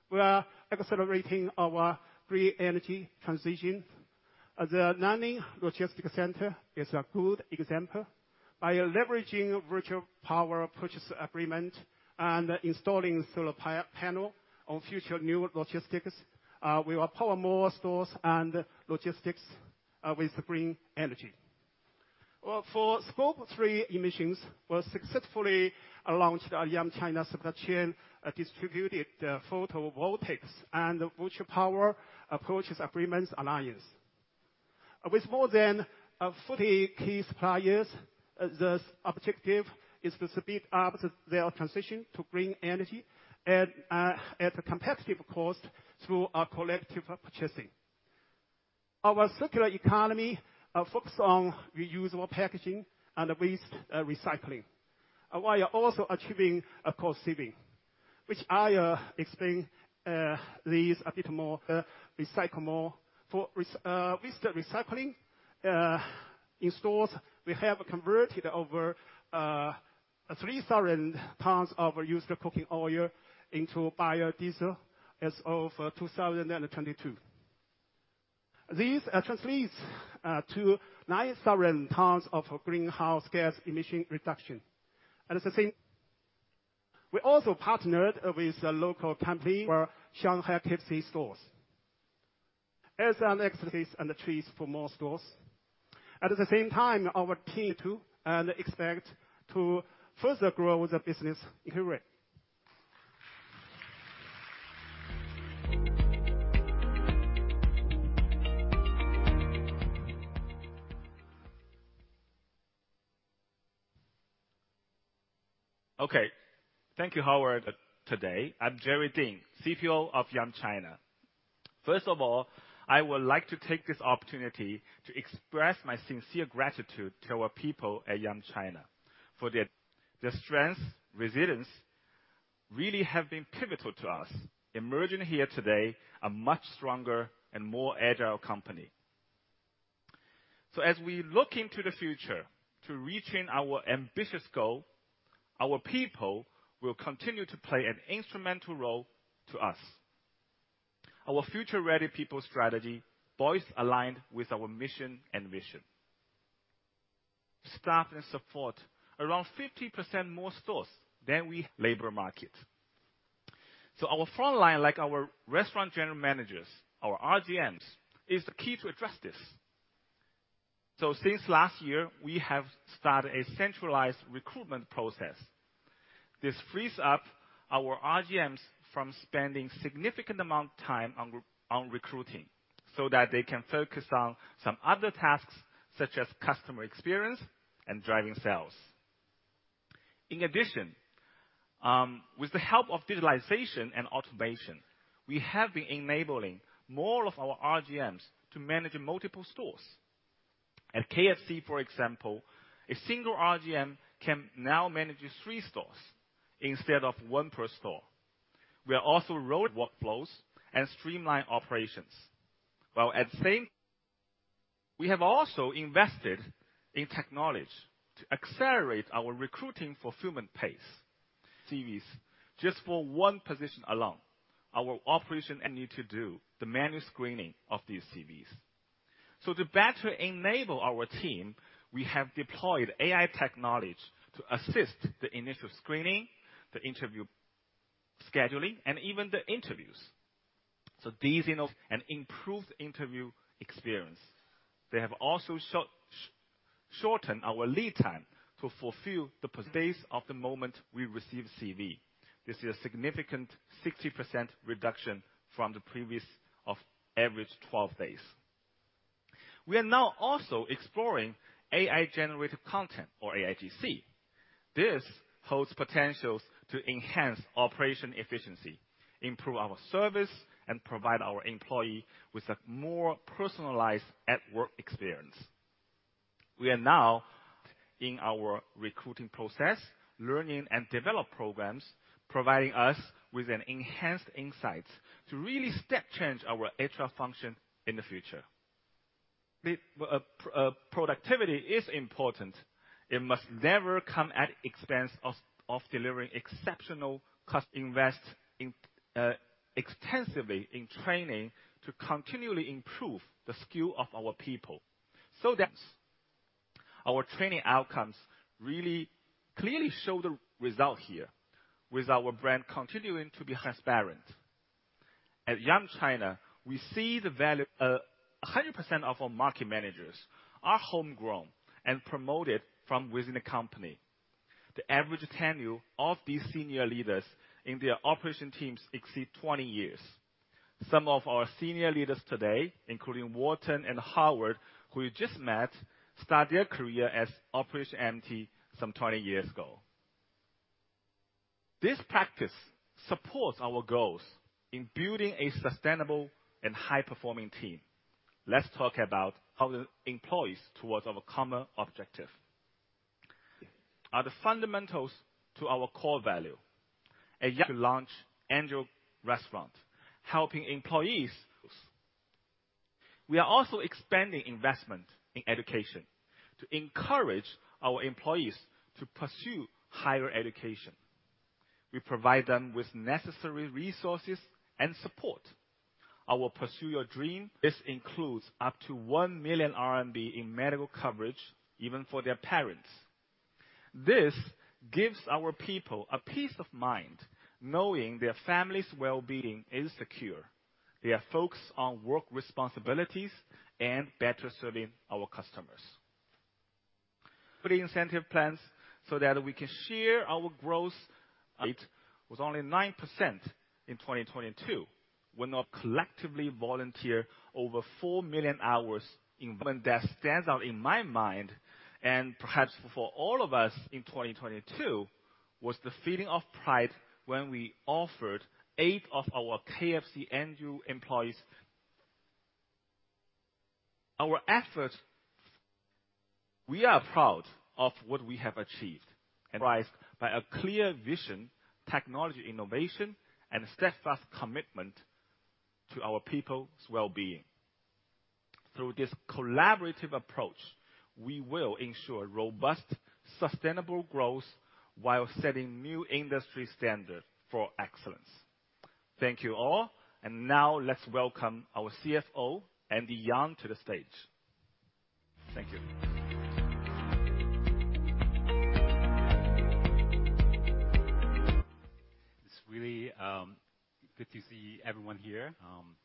We are accelerating our green energy transition. The Nanning Logistics Center is a good example. By leveraging virtual power purchase agreement and installing solar panel on future new logistics, we will power more stores and logistics with green energy. Well, for scope three emissions, we successfully launched our Yum China supply chain distributed photovoltaics and virtual power purchase agreements alliance. With more than 40 key suppliers, the objective is to speed up their transition to green energy at a competitive cost through a collective purchasing. Our circular economy focus on reusable packaging and waste recycling while also achieving a cost saving, which I explain these a bit more. Recycle more. For waste recycling in stores, we have converted over 3,000 tons of used cooking oil into biodiesel as of 2022.... These translates to 9,000 tons of greenhouse gas emission reduction. At the same time, we also partnered with a local company in Shanghai KFC stores. As an expertise and the trees for more stores. At the same time, our team too, and expect to further grow the business inquiry. Okay, thank you, Howard. Today, I'm Jerry Ding, CPO of Yum China. First of all, I would like to take this opportunity to express my sincere gratitude to our people at Yum China for their strength, resilience really have been pivotal to us emerging here today a much stronger and more agile company. So as we look into the future to reaching our ambitious goal, our people will continue to play an instrumental role to us. Our future-ready people strategy is aligned with our mission and vision. Staff and support around 50% more stores than our labor market. Our frontline, like our restaurant general managers, our RGMs, is the key to address this. Since last year, we have started a centralized recruitment process. This frees up our RGMs from spending significant amount of time on recruiting, so that they can focus on some other tasks such as customer experience and driving sales. In addition, with the help of digitalization and automation, we have been enabling more of our RGMs to manage multiple stores. At KFC, for example, a single RGM can now manage three stores instead of one per store. We are also reworking workflows and streamlining operations, while at same time. We have also invested in technology to accelerate our recruiting fulfillment pace. CVs, just for one position alone, our operations need to do the manual screening of these CVs. So to better enable our team, we have deployed AI technology to assist the initial screening, the interview scheduling, and even the interviews. So these, you know, an improved interview experience. They have also shortened our lead time to fulfill the days of the moment we receive CV. This is a significant 60% reduction from the previous of average 12 days. We are now also exploring AI-generated content or AIGC. This holds potentials to enhance operation efficiency, improve our service, and provide our employee with a more personalized at work experience. We are now in our recruiting process, learning and develop programs, providing us with an enhanced insights to really step change our HR function in the future. The productivity is important. It must never come at the expense of delivering exceptional cost invest in extensively in training to continually improve the skill of our people. So that's our training outcomes really clearly show the result here, with our brand continuing to be transparent. At Yum China, we see the value, 100% of our market managers are homegrown and promoted from within the company. The average tenure of these senior leaders in their operation teams exceed 20 years. Some of our senior leaders today, including Warton and Howard, who you just met, started their career as operation MT some 20 years ago. This practice supports our goals in building a sustainable and high-performing team. Let's talk about how the employees towards our common objective. Are the fundamentals to our core value? At Yum China and our restaurant, helping employees. We are also expanding investment in education to encourage our employees to pursue higher education. We provide them with necessary resources and support. Our Pursue Your Dream, this includes up to 1 million RMB in medical coverage, even for their parents. This gives our people a peace of mind, knowing their family's well-being is secure. They are focused on work responsibilities and better serving our customers. Pretty incentive plans so that we can share our growth. It was only 9% in 2022, when our collectively volunteer over four million hours in... One that stands out in my mind, and perhaps for all of us in 2022, was the feeling of pride when we offered eight of our KFC annual employees. Our efforts, we are proud of what we have achieved, and rise by a clear vision, technology, innovation, and steadfast commitment to our people's well-being. Through this collaborative approach, we will ensure robust-... sustainable growth while setting new industry standard for excellence. Thank you, all. And now let's welcome our CFO, Andy Yeung, to the stage. Thank you. It's really good to see everyone here.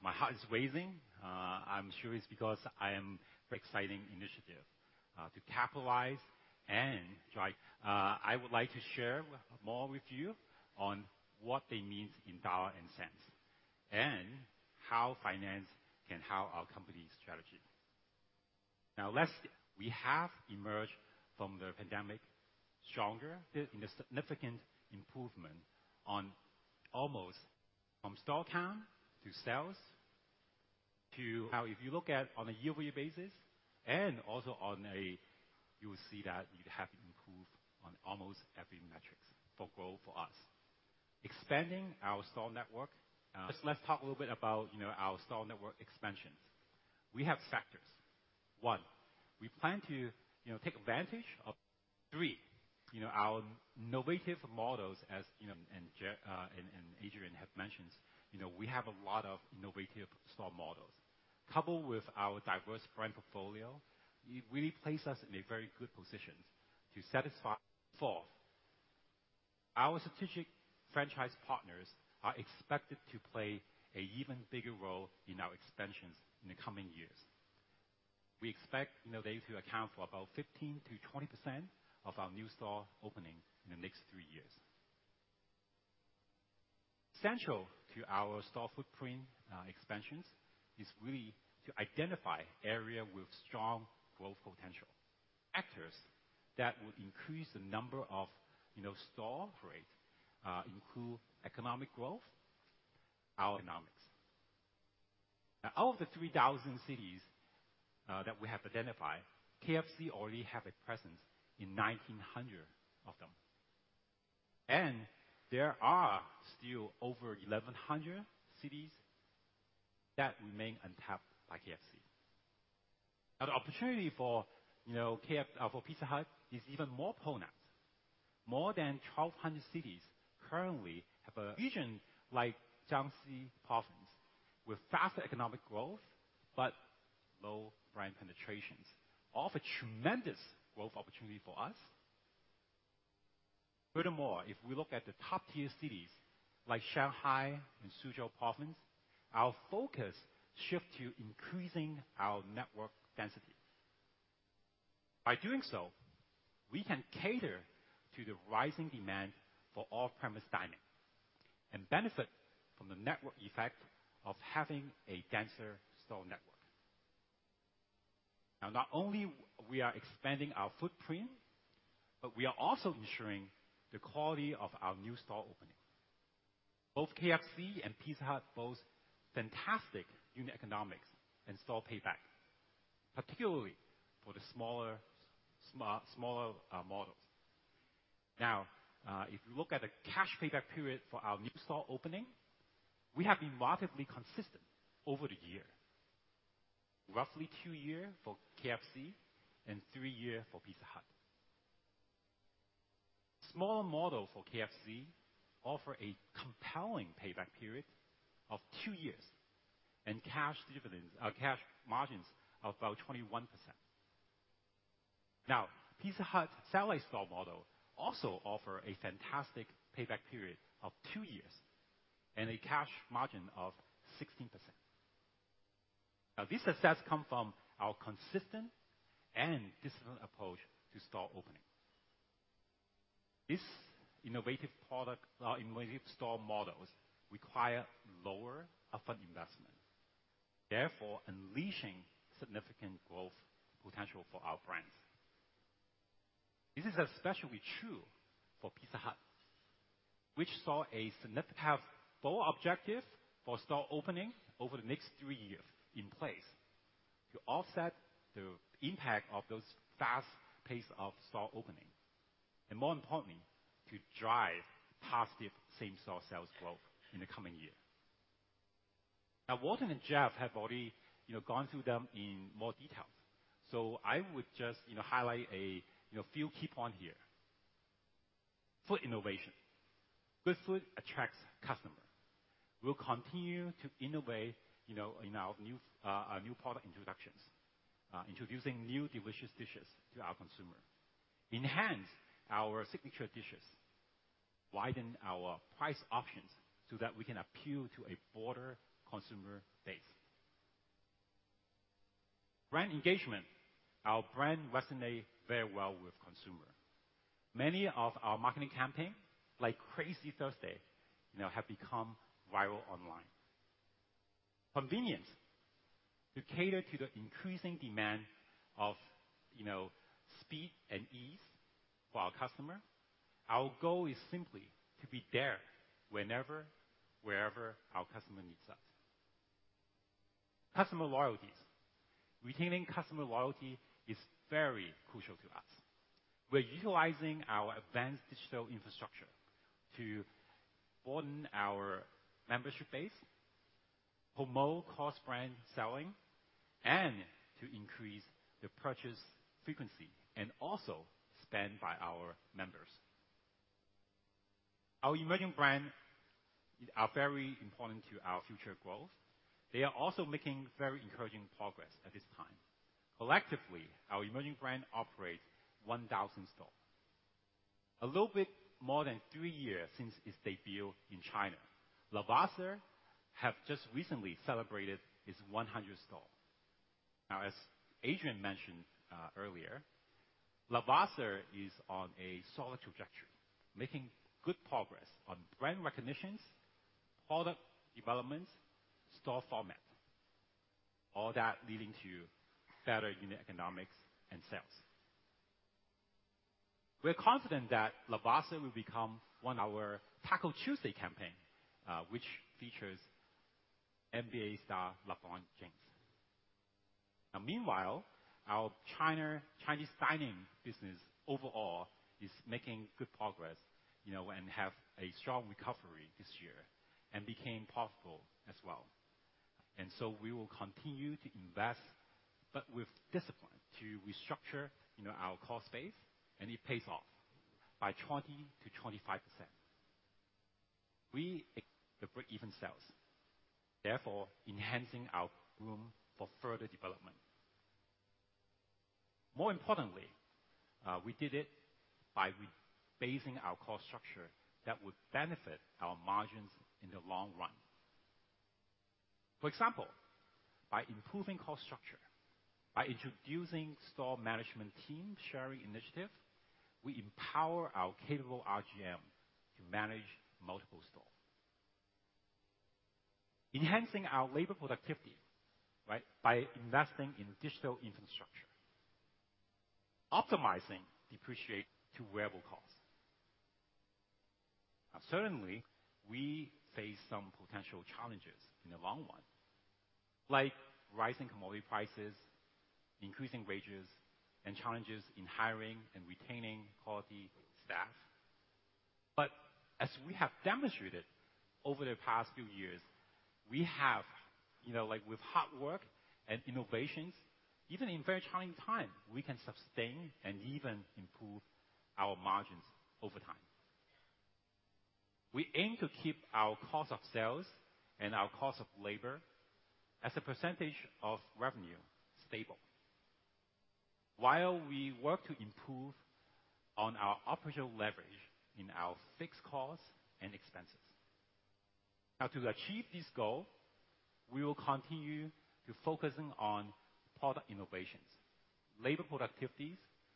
My heart is racing. I'm sure it's because I am very exciting initiative to capitalize and drive. I would like to share more with you on what they mean in dollar and cents, and how finance can help our company's strategy. Now, last year, we have emerged from the pandemic stronger in a significant improvement on almost from store count, to sales, to how if you look at on a year-over-year basis and also on a, you will see that you'd have improved on almost every metrics for growth for us. Expanding our store network, let's talk a little bit about, you know, our store network expansions. We have factors. One, we plan to, you know, take advantage of three. You know, our innovative models, as, you know, and Jeff and Adrian have mentioned, you know, we have a lot of innovative store models. Coupled with our diverse brand portfolio, it really places us in a very good position to satisfy. Fourth, our strategic franchise partners are expected to play an even bigger role in our expansions in the coming years. We expect, you know, they to account for about 15%-20% of our new store opening in the next three years. Essential to our store footprint expansions is really to identify area with strong growth potential. Factors that would increase the number of, you know, store rate include economic growth, our economics. Now, out of the 3,000 cities that we have identified, KFC already have a presence in 1,900 of them, and there are still over 1,100 cities that remain untapped by KFC. Now, the opportunity for, you know, KF, for Pizza Hut is even more pronounced. More than 1,200 cities currently have a vision like Jiangxi Province, with faster economic growth, but low brand penetrations, offer tremendous growth opportunity for us. Furthermore, if we look at the top-tier cities like Shanghai and Suzhou Province, our focus shift to increasing our network density. By doing so, we can cater to the rising demand for off-premise dining and benefit from the network effect of having a denser store network. Now, not only we are expanding our footprint, but we are also ensuring the quality of our new store opening. Both KFC and Pizza Hut boast fantastic unit economics and store payback, particularly for the smaller models. Now, if you look at the cash payback period for our new store opening, we have been remarkably consistent over the year. Roughly two years for KFC and three years for Pizza Hut. Smaller model for KFC offer a compelling payback period of two years and cash dividends, cash margins of about 21%. Now, Pizza Hut satellite store model also offer a fantastic payback period of two years and a cash margin of 16%. Now, this success come from our consistent and disciplined approach to store opening. This innovative product, innovative store models require lower upfront investment, therefore unleashing significant growth potential for our brands. This is especially true for Pizza Hut, which saw a significant... Have four objectives for store opening over the next three years in place to offset the impact of those fast pace of store opening, and more importantly, to drive positive same-store sales growth in the coming year. Now, Warton and Jeff have already, you know, gone through them in more detail, so I would just, you know, highlight a, you know, few key points here. Food innovation. Good food attracts customers. We'll continue to innovate, you know, in our new new product introductions, introducing new delicious dishes to our consumer, enhance our signature dishes, widen our price options so that we can appeal to a broader consumer base. Brand engagement. Our brand resonate very well with consumer. Many of our marketing campaign, like Crazy Thursday, you know, have become viral online. Convenience. To cater to the increasing demand of, you know, speed and ease for our customer, our goal is simply to be there whenever, wherever our customer needs us. Customer loyalty. Retaining customer loyalty is very crucial to us. We're utilizing our advanced digital infrastructure to broaden our membership base... promote cross-brand selling and to increase the purchase frequency, and also spend by our members. Our emerging brand are very important to our future growth. They are also making very encouraging progress at this time. Collectively, our emerging brand operates 1,000 stores. A little bit more than three years since its debut in China, Lavazza have just recently celebrated its 100th store. Now, as Adrian mentioned earlier, Lavazza is on a solid trajectory, making good progress on brand recognitions, product developments, store format, all that leading to better unit economics and sales. We are confident that Lavazza will become one of our Taco Tuesday campaign, which features NBA star LeBron James. Now meanwhile, our Chinese dining business overall is making good progress, you know, and have a strong recovery this year and became profitable as well. So we will continue to invest, but with discipline, to restructure, you know, our cost base, and it pays off by 20%-25% the break-even sales, therefore enhancing our room for further development. More importantly, we did it by rephasing our cost structure that would benefit our margins in the long run. For example, by improving cost structure, by introducing store management team sharing initiative, we empower our capable RGM to manage multiple stores. Enhancing our labor productivity, right? By investing in digital infrastructure, optimizing depreciation to variable costs. Now, certainly, we face some potential challenges in the long run, like rising commodity prices, increasing wages, and challenges in hiring and retaining quality staff. But as we have demonstrated over the past few years, we have, you know, like with hard work and innovations, even in very challenging time, we can sustain and even improve our margins over time. We aim to keep our cost of sales and our cost of labor as a percentage of revenue stable, while we work to improve on our operational leverage in our fixed costs and expenses. Now, to achieve this goal, we will continue to focusing on product innovations, labor productivities,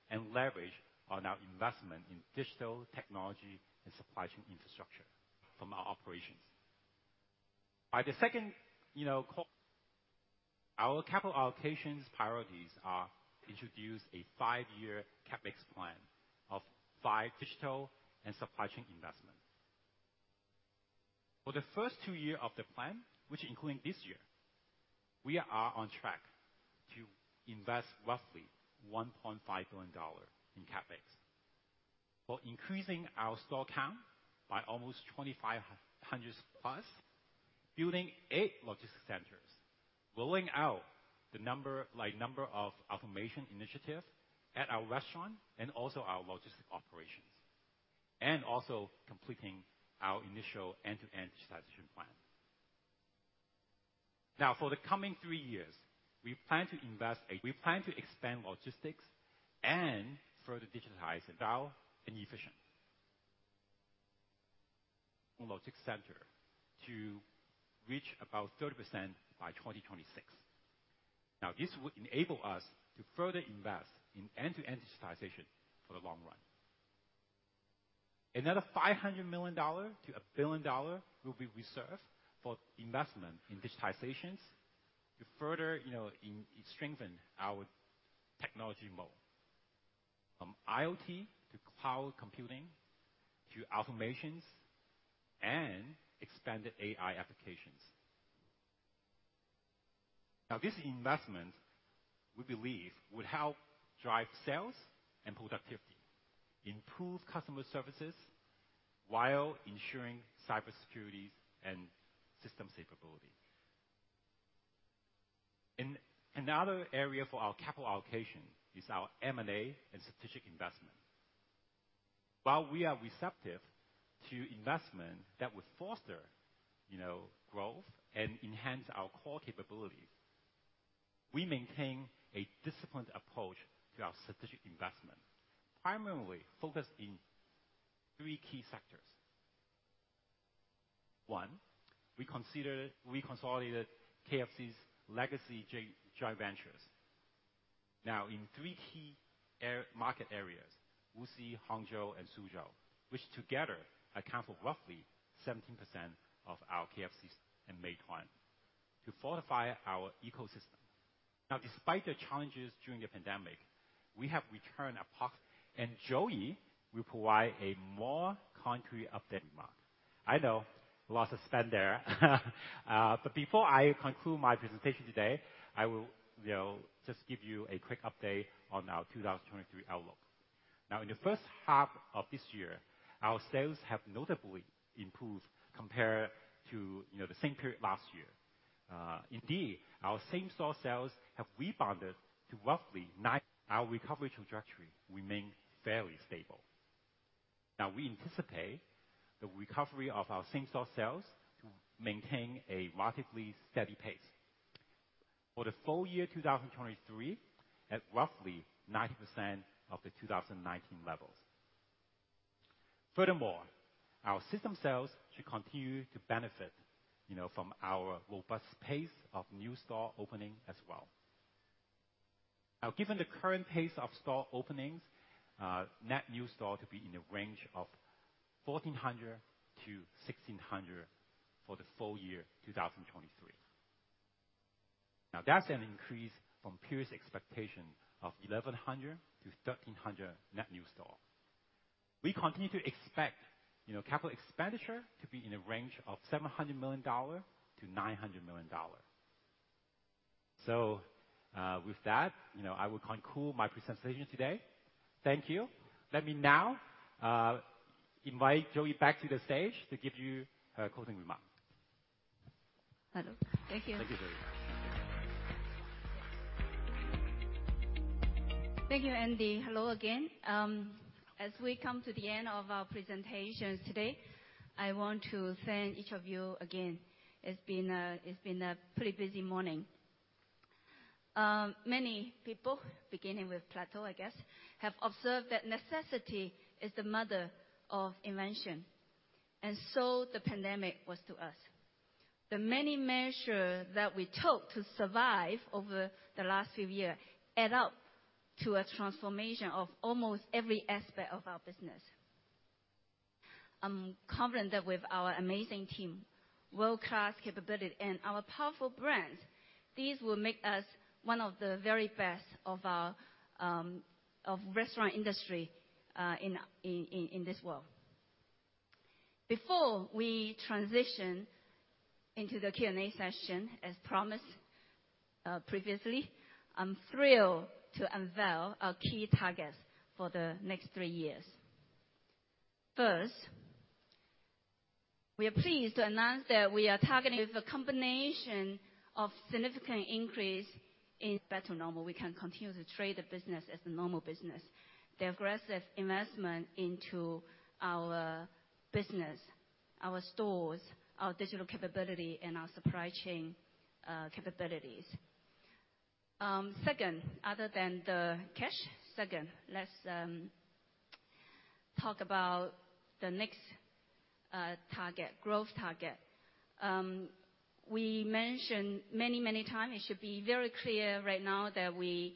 and leverage on our investment in digital technology and supply chain infrastructure from our operations. By the second, you know, quarter, our capital allocations priorities are introduce a five-year CapEx plan of five digital and supply chain investments. For the first two years of the plan, which includes this year, we are on track to invest roughly $1.5 billion in CapEx. We're increasing our store count by almost 2,500+, building eight logistics centers, rolling out, like, the number of automation initiatives at our restaurants and also our logistics operations, and also completing our initial end-to-end digitization plan. Now, for the coming three years, we plan to invest. We plan to expand logistics and further digitize and dial in efficient logistics centers to reach about 30% by 2026. Now, this will enable us to further invest in end-to-end digitization for the long run. Another $500 million-$1 billion will be reserved for investment in digitalization to further, you know, strengthen our technology moat, from IoT to cloud computing, to automation and expanded AI applications. Now, this investment, we believe, would help drive sales and productivity, improve customer services while ensuring cybersecurity and system capability. In another area for our capital allocation is our M&A and strategic investment. While we are receptive to investment that would foster, you know, growth and enhance our core capabilities, we maintain a disciplined approach to our strategic investment, primarily focused in three key sectors. One, we consider, we consolidated KFC's legacy joint ventures. Now, in three key market areas, Wuxi, Hangzhou, and Suzhou, which together account for roughly 17% of our KFC and Pizza Hut, to fortify our ecosystem. Now, despite the challenges during the pandemic, we have returned a portion and Joey will provide a more concrete update tomorrow. I know, lots of spend there. But before I conclude my presentation today, I will, you know, just give you a quick update on our 2023 outlook. Now, in the first half of this year, our sales have notably improved compared to, you know, the same period last year. Indeed, our same-store sales have rebounded. Our recovery trajectory remain fairly stable. Now, we anticipate the recovery of our same-store sales to maintain a relatively steady pace. For the full-year 2023, at roughly 90% of the 2019 levels. Furthermore, our system sales should continue to benefit, you know, from our robust pace of new store opening as well. Now, given the current pace of store openings, net new store to be in the range of 1,400-1,600 for the full-year 2023. Now, that's an increase from previous expectation of 1,100-1,300 net new store. We continue to expect, you know, capital expenditure to be in a range of $700 million-$900 million. So, with that, you know, I will conclude my presentation today. Thank you. Let me now invite Joey back to the stage to give you her closing remark. Hello. Thank you. Thank you very much. Thank you, Andy. Hello again. As we come to the end of our presentations today, I want to thank each of you again. It's been a pretty busy morning. Many people, beginning with Plato, I guess, have observed that necessity is the mother of invention, and so the pandemic was to us. The many measures that we took to survive over the last few years add up to a transformation of almost every aspect of our business. I'm confident that with our amazing team, world-class capability, and our powerful brands, these will make us one of the very best of our restaurant industry in this world. Before we transition into the Q&A session, as promised previously, I'm thrilled to unveil our key targets for the next three years. First, we are pleased to announce that we are targeting a combination of significant increase in back to normal. We can continue to trade the business as a normal business. The aggressive investment into our business, our stores, our digital capability, and our supply chain capabilities. Second, other than the cash, second, let's talk about the next target, growth target. We mentioned many, many times, it should be very clear right now that we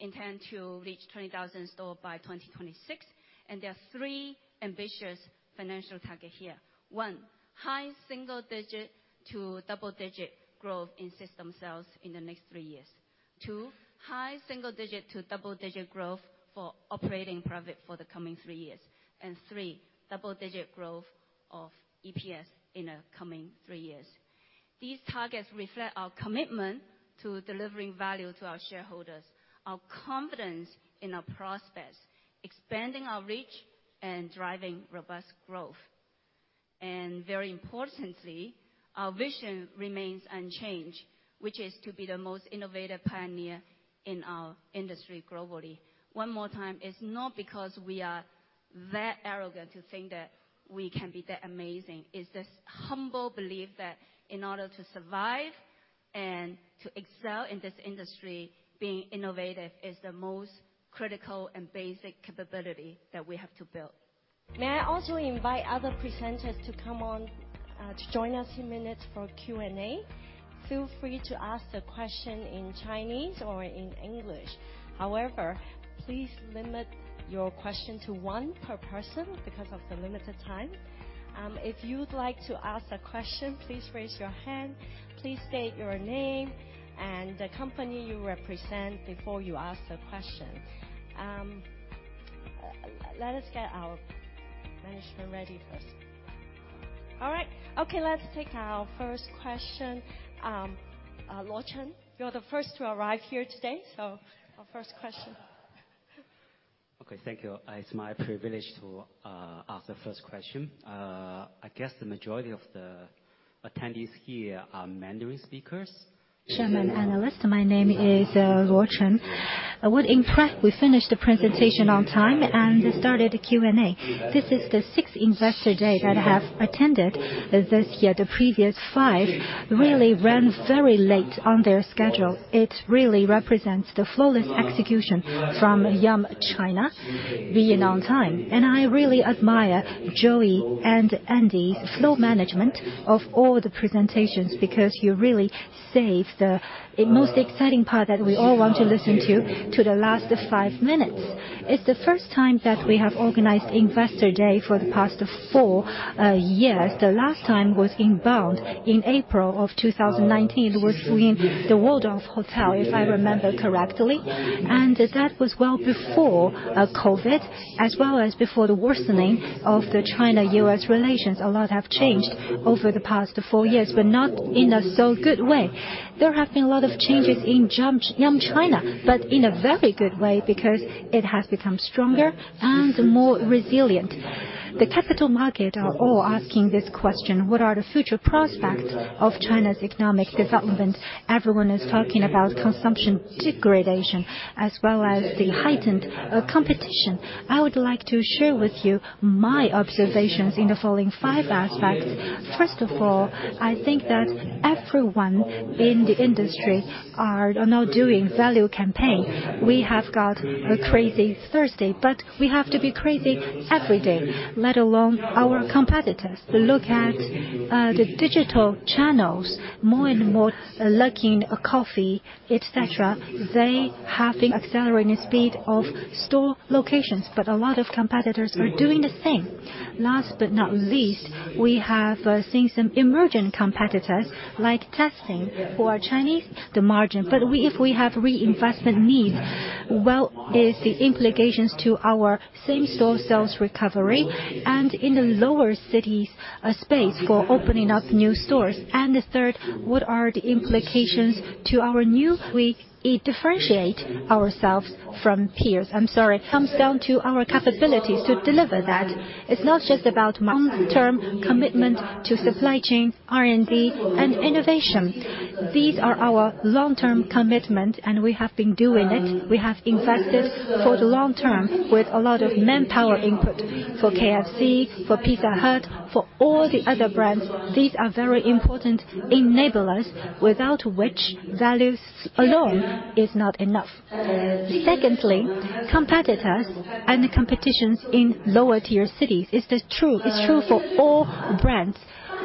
intend to reach 20,000 stores by 2026, and there are three ambitious financial targets here. One, high single-digit to double-digit growth in system sales in the next three years. Two, high single-digit to double-digit growth for operating profit for the coming three years. And three, double-digit growth of EPS in the coming three years. These targets reflect our commitment to delivering value to our shareholders, our confidence in our prospects, expanding our reach and driving robust growth. Very importantly, our vision remains unchanged, which is to be the most innovative pioneer in our industry globally. One more time, it's not because we are that arrogant to think that we can be that amazing. It's this humble belief that in order to survive and to excel in this industry, being innovative is the most critical and basic capability that we have to build. May I also invite other presenters to come on to join us in minutes for Q&A? Feel free to ask the question in Chinese or in English. However, please limit your question to one per person because of the limited time. If you'd like to ask a question, please raise your hand. Please state your name and the company you represent before you ask the question. Let us get our management ready first. All right. Okay, let's take our first question. Luo Chen, you're the first to arrive here today, so our first question. Okay, thank you. It's my privilege to ask the first question. I guess the majority of the attendees here are Mandarin speakers. ... Chairman, analyst, my name is, Luo Chen. I'm impressed we finished the presentation on time and started the Q&A. This is the sixth Investor Day that I have attended this year. The previous five really ran very late on their schedule. It really represents the flawless execution from Yum China being on time, and I really admire Joey and Andy's flow management of all the presentations, because you really saved the most exciting part that we all want to listen to, to the last five minutes. It's the first time that we have organized Investor Day for the past four years. The last time was in Beijing in April 2019, was in the Waldorf Hotel, if I remember correctly. And that was well before COVID, as well as before the worsening of the China-U.S. relations. A lot have changed over the past four years, but not in a so good way. There have been a lot of changes in Yum China, but in a very good way, because it has become stronger and more resilient. The capital market are all asking this question: What are the future prospects of China's economic development? Everyone is talking about consumption degradation, as well as the heightened competition. I would like to share with you my observations in the following five aspects. First of all, I think that everyone in the industry are now doing value campaign. We have got a Crazy Thursday, but we have to be crazy every day, let alone our competitors. Look at the digital channels, more and more Luckin Coffee, et cetera. They have been accelerating speed of store locations, but a lot of competitors are doing the same. Last but not least, we have seen some emergent competitors, like Tastien for Chinese, the margin. But if we have reinvestment needs, well, is the implications to our same-store sales recovery, and in the lower cities, a space for opening up new stores. And the third, what are the implications to our new we differentiate ourselves from peers? I'm sorry. Comes down to our capabilities to deliver that. It's not just about long-term commitment to supply chain, R&D, and innovation. These are our long-term commitment, and we have been doing it. We have invested for the long term with a lot of manpower input for KFC, for Pizza Hut, for all the other brands. These are very important enablers, without which values alone is not enough. Secondly, competitors and the competitions in lower tier cities. Is this true? It's true for all brands.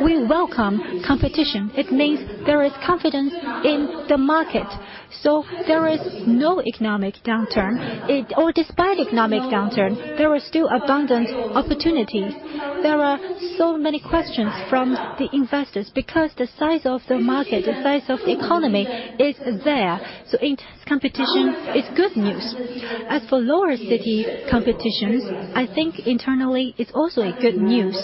We welcome competition. It means there is confidence in the market, so there is no economic downturn. Or despite economic downturn, there are still abundant opportunities. There are so many questions from the investors because the size of the market, the size of the economy is there, so intense competition is good news. As for lower city competitions, I think internally it's also a good news.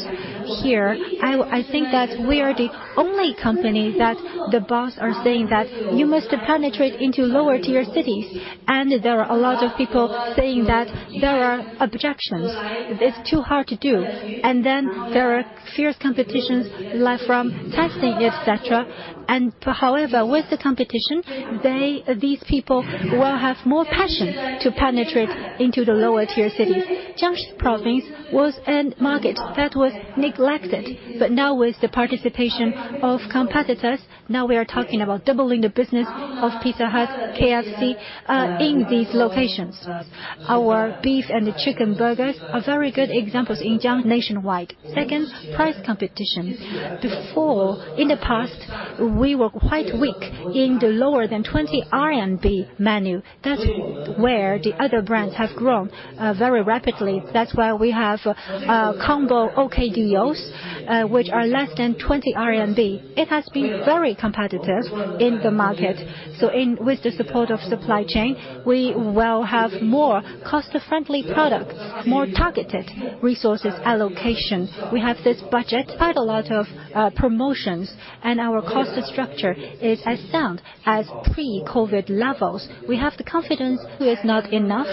Here, I think that we are the only company that the boss are saying that you must penetrate into lower tier cities, and there are a lot of people saying that there are objections. It's too hard to do. And then there are fierce competitions like from Tencent, et cetera. And however, with the competition, they, these people will have more passion to penetrate into the lower tier cities. Jiangxi Province was a market that was neglected, but now with the participation of competitors, now we are talking about doubling the business of Pizza Hut, KFC, in these locations. Our beef and the chicken burgers are very good examples in Jiangxi nationwide. Second, price competition. Before, in the past, we were quite weak in the lower than 20 RMB menu. That's where the other brands have grown, very rapidly. That's why we have a combo, OK Duos, which are less than 20 RMB. It has been very competitive in the market. So with the support of supply chain, we will have more customer-friendly products, more targeted resources allocation. We have this budget, quite a lot of, promotions, and our cost structure is as sound as pre-COVID levels. We have the confidence is not enough...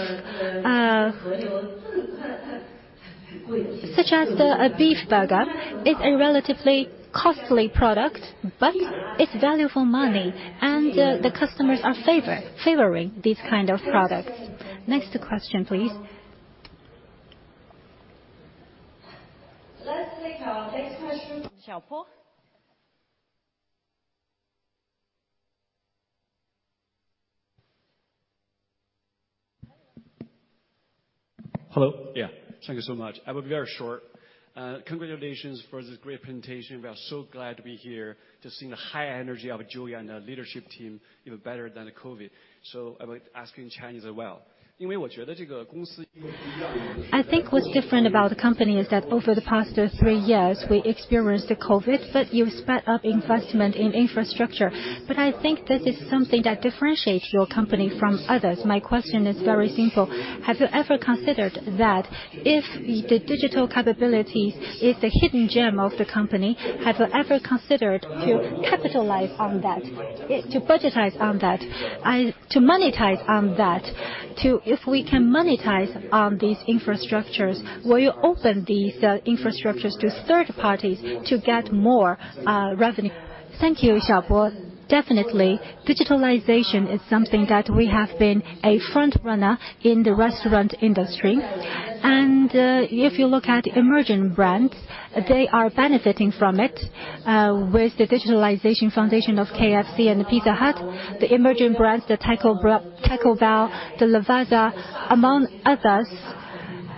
Such as a beef burger, it's a relatively costly product, but it's value for money, and the customers are favoring these kind of products. Next question, please. Let's take our next question from Xiaopo. Hello. Yeah, thank you so much. I will be very short. Congratulations for this great presentation. We are so glad to be here to see the high energy of Joey and the leadership team, even better than the COVID. I would ask in Chinese as well. I think what's different about the company is that over the past three years, we experienced the COVID, but you've sped up investment in infrastructure. But I think this is something that differentiates your company from others. My question is very simple: Have you ever considered that if the digital capabilities is the hidden gem of the company, have you ever considered to capitalize on that, to budgetize on that, and to monetize on that? If we can monetize on these infrastructures, will you open these infrastructures to third parties to get more revenue? Thank you, Xiaopo. Definitely, digitalization is something that we have been a front runner in the restaurant industry. And if you look at emerging brands, they are benefiting from it with the digitalization foundation of KFC and Pizza Hut, the emerging brands, the Taco Bell, the Lavazza, among others.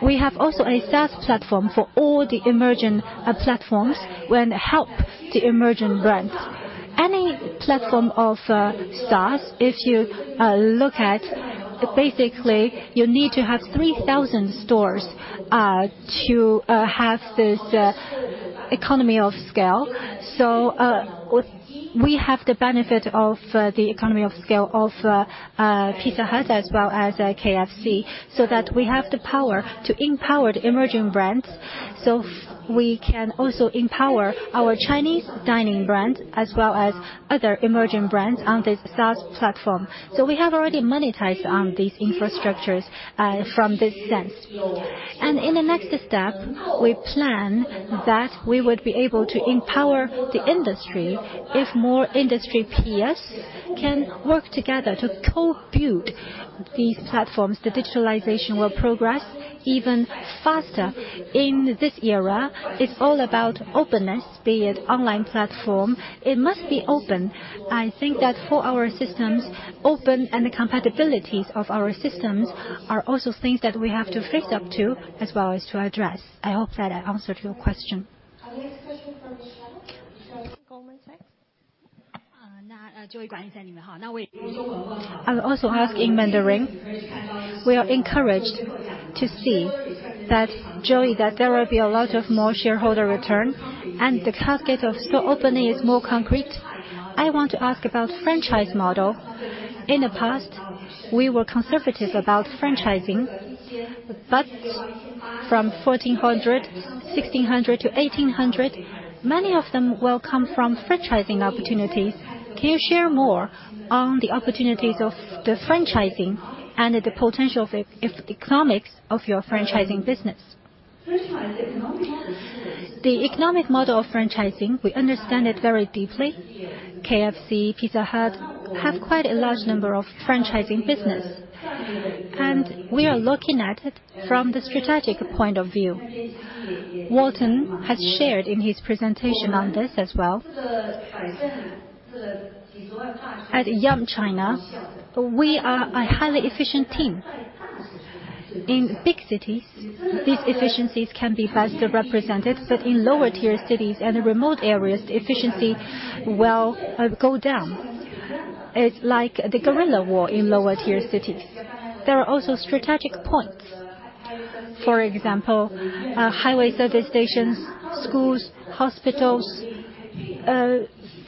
We have also a SaaS platform for all the emerging platforms when help the emerging brands. Any platform of SaaS, if you look at, basically, you need to have 3,000 stores to have this economy of scale. We have the benefit of the economy of scale of Pizza Hut as well as KFC, so that we have the power to empower the emerging brands. So we can also empower our Chinese dining brand, as well as other emerging brands on this SaaS platform. So we have already monetized on these infrastructures from this sense. And in the next step, we plan that we would be able to empower the industry. If more industry peers can work together to co-build these platforms, the digitalization will progress even faster. In this era, it's all about openness, be it online platform. It must be open. I think that for our systems, openness and the compatibility of our systems are also things that we have to face up to, as well as to address. I hope that I answered your question. The next question from Michelle, from Goldman Sachs. I'll also ask in Mandarin. We are encouraged to see that, Joey, that there will be a lot of more shareholder return, and the target of store opening is more concrete. I want to ask about franchise model. In the past, we were conservative about franchising, but from 1,400, 1,600 to 1,800, many of them will come from franchising opportunities. Can you share more on the opportunities of the franchising and the potential of economics of your franchising business? The economic model of franchising, we understand it very deeply. KFC, Pizza Hut, have quite a large number of franchising business, and we are looking at it from the strategic point of view. Warton has shared in his presentation on this as well. At Yum China, we are a highly efficient team. In big cities, these efficiencies can be best represented, but in lower tier cities and remote areas, efficiency will go down. It's like the guerrilla war in lower tier cities. There are also strategic points. For example, highway service stations, schools, hospitals.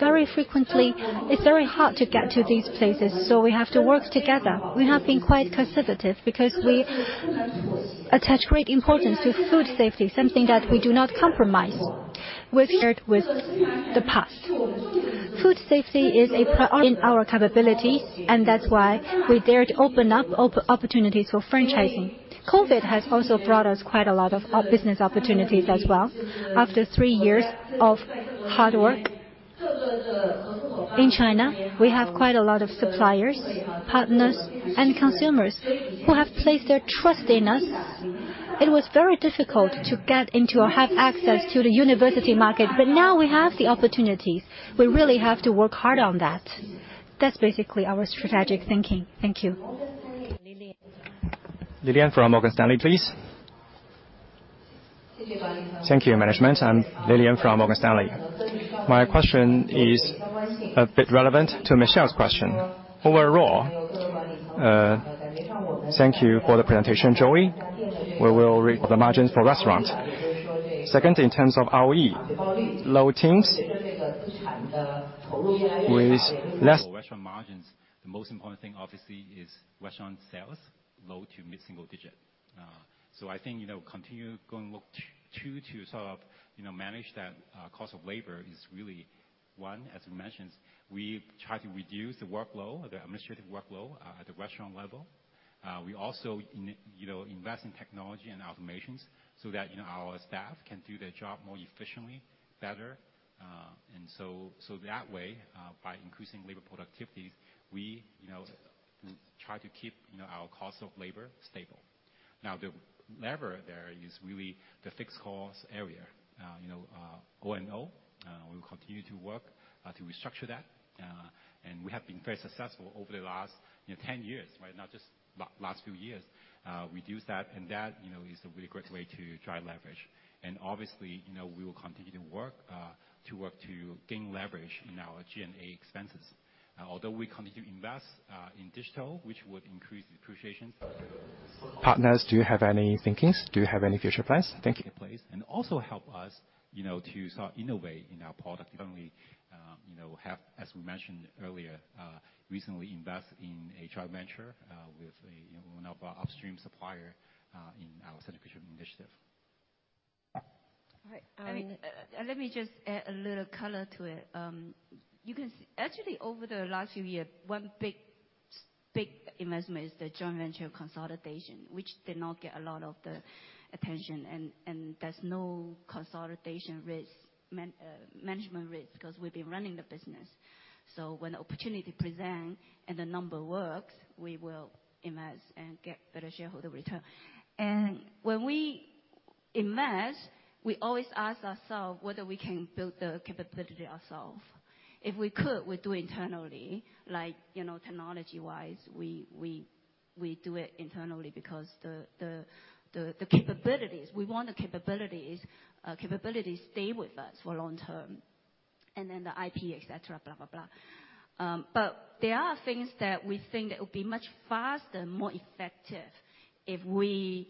Very frequently, it's very hard to get to these places, so we have to work together. We have been quite conservative because we attach great importance to food safety, something that we do not compromise. We've shared with the past. Food safety is a priority in our capabilities, and that's why we dare to open up opportunities for franchising. COVID has also brought us quite a lot of business opportunities as well. After three years of hard work in China, we have quite a lot of suppliers, partners, and consumers who have placed their trust in us. It was very difficult to get into or have access to the university market, but now we have the opportunities. We really have to work hard on that. That's basically our strategic thinking. Thank you. Lillian. Lillian from Morgan Stanley, please. Thank you, Management. I'm Lillian from Morgan Stanley. My question is a bit relevant to Michelle's question. Overall, thank you for the presentation, Joey. We will read the margins for restaurant. Second, in terms of ROE, low teens, with less- Restaurant margins, the most important thing obviously is restaurant sales, low- to mid-single-digit. So I think, you know, continue to look to, to sort of, you know, manage that, cost of labor is really one, as we mentioned, we try to reduce the workload, the administrative workload, at the restaurant level. We also... You know, invest in technology and automations so that, you know, our staff can do their job more efficiently, better. And so, so that way, by increasing labor productivity, we, you know, try to keep, you know, our cost of labor stable. Now, the lever there is really the fixed cost area. You know, O&O, we will continue to work to restructure that. And we have been very successful over the last, you know, 10 years, right? Not just last few years. Reduce that, and that, you know, is a really great way to drive leverage. And obviously, you know, we will continue to work, to work to gain leverage in our G&A expenses. Although we continue to invest in digital, which would increase the depreciation. Partners, do you have any thinkings? Do you have any future plans? Thank you. Take place, and also help us, you know, to sort of innovate in our product. Not only, you know, have, as we mentioned earlier, recently invest in a joint venture with one of our upstream supplier in our strategic initiative. All right, Let me just add a little color to it. You can see—Actually, over the last few years, one big, big investment is the joint venture consolidation, which did not get a lot of the attention, and there's no consolidation risk, management risk, because we've been running the business. So when the opportunity present and the number works, we will invest and get better shareholder return. And when we invest, we always ask ourselves whether we can build the capability ourselves. If we could, we do internally, like, you know, technology-wise, we do it internally because the capabilities we want the capabilities stay with us for long term.... and then the IP, et cetera, blah, blah, blah. But there are things that we think that will be much faster and more effective if we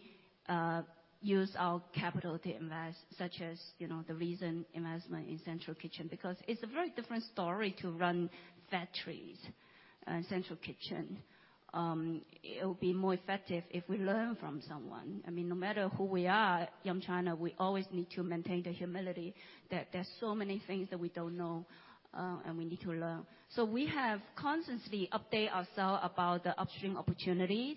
use our capital to invest, such as, you know, the recent investment in central kitchen, because it's a very different story to run factories and central kitchen. It'll be more effective if we learn from someone. I mean, no matter who we are, Yum China, we always need to maintain the humility that there are so many things that we don't know, and we need to learn. So we have constantly update ourselves about the upstream opportunities,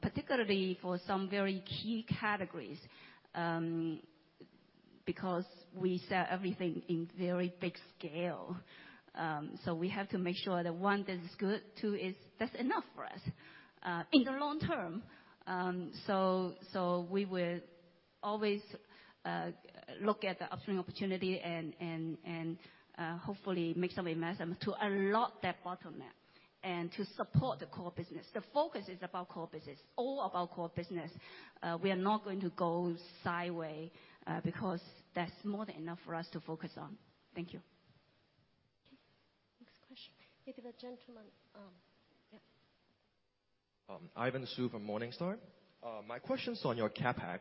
particularly for some very key categories, because we sell everything in very big scale. So we have to make sure that, one, this is good, two, is that's enough for us, in the long term. We will always look at the upstream opportunity and hopefully make some investment to bolster the bottom line and to support the core business. The focus is about core business, all of our core business. We are not going to go sideways because that's more than enough for us to focus on. Thank you. Next question. Maybe the gentleman. Yeah. Ivan Su from Morningstar. My question's on your CapEx.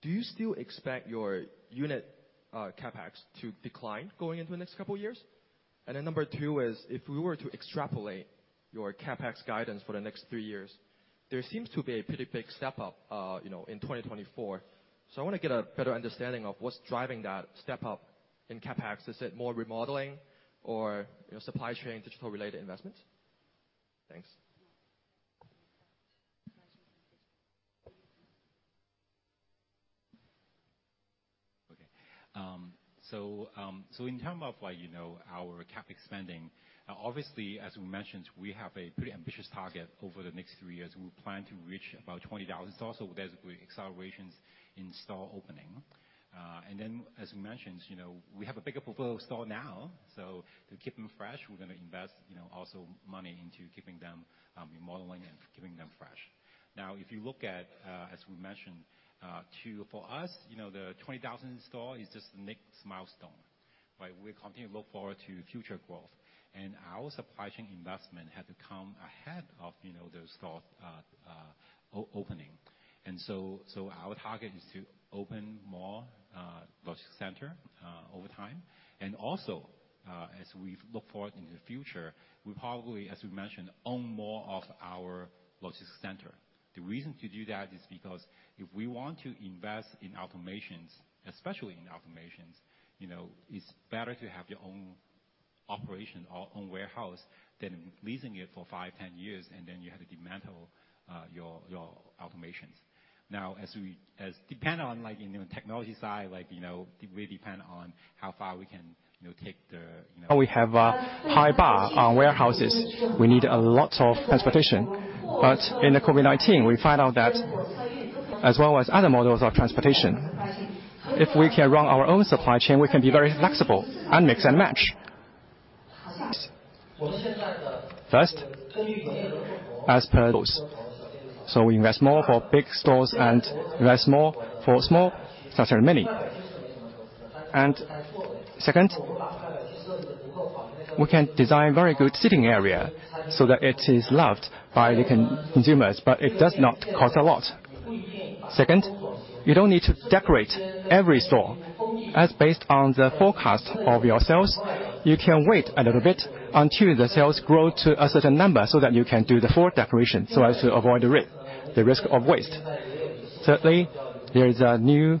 Do you still expect your unit CapEx to decline going into the next couple of years? And then number two is, if we were to extrapolate your CapEx guidance for the next three years, there seems to be a pretty big step-up, you know, in 2024. So I want to get a better understanding of what's driving that step up in CapEx. Is it more remodeling or, you know, supply chain, digital-related investments? Thanks. Okay. So in terms of, like, you know, our CapEx spending, obviously, as we mentioned, we have a pretty ambitious target over the next three years. We plan to reach about 20,000, so basically accelerations in store opening. And then, as we mentioned, you know, we have a bigger portfolio of store now, so to keep them fresh, we're gonna invest, you know, also money into keeping them remodeling and keeping them fresh. Now, if you look at, as we mentioned, for us, you know, the 20,000 in store is just the next milestone, right? We continue to look forward to future growth, and our supply chain investment had to come ahead of, you know, the store opening. So our target is to open more logistic center over time. And also, as we look forward in the future, we probably, as we mentioned, own more of our logistics center. The reason to do that is because if we want to invest in automations, especially in automations, you know, it's better to have your own operation or own warehouse than leasing it for five, 10 years, and then you have to dismantle your automations. Now, as dependent on, like, you know, technology side, like, you know, we depend on how far we can, you know, take the, you know- We have a high bar on warehouses. We need a lot of transportation, but in the COVID-19, we found out that as well as other models of transportation, if we can run our own supply chain, we can be very flexible and mix and match. First, as per those. So we invest more for big stores and invest more for small, such are many. And second, we can design very good sitting area so that it is loved by the consumers, but it does not cost a lot. Second, you don't need to decorate every store. As based on the forecast of your sales, you can wait a little bit until the sales grow to a certain number, so that you can do the full decoration, so as to avoid the risk of waste. Thirdly, there is a new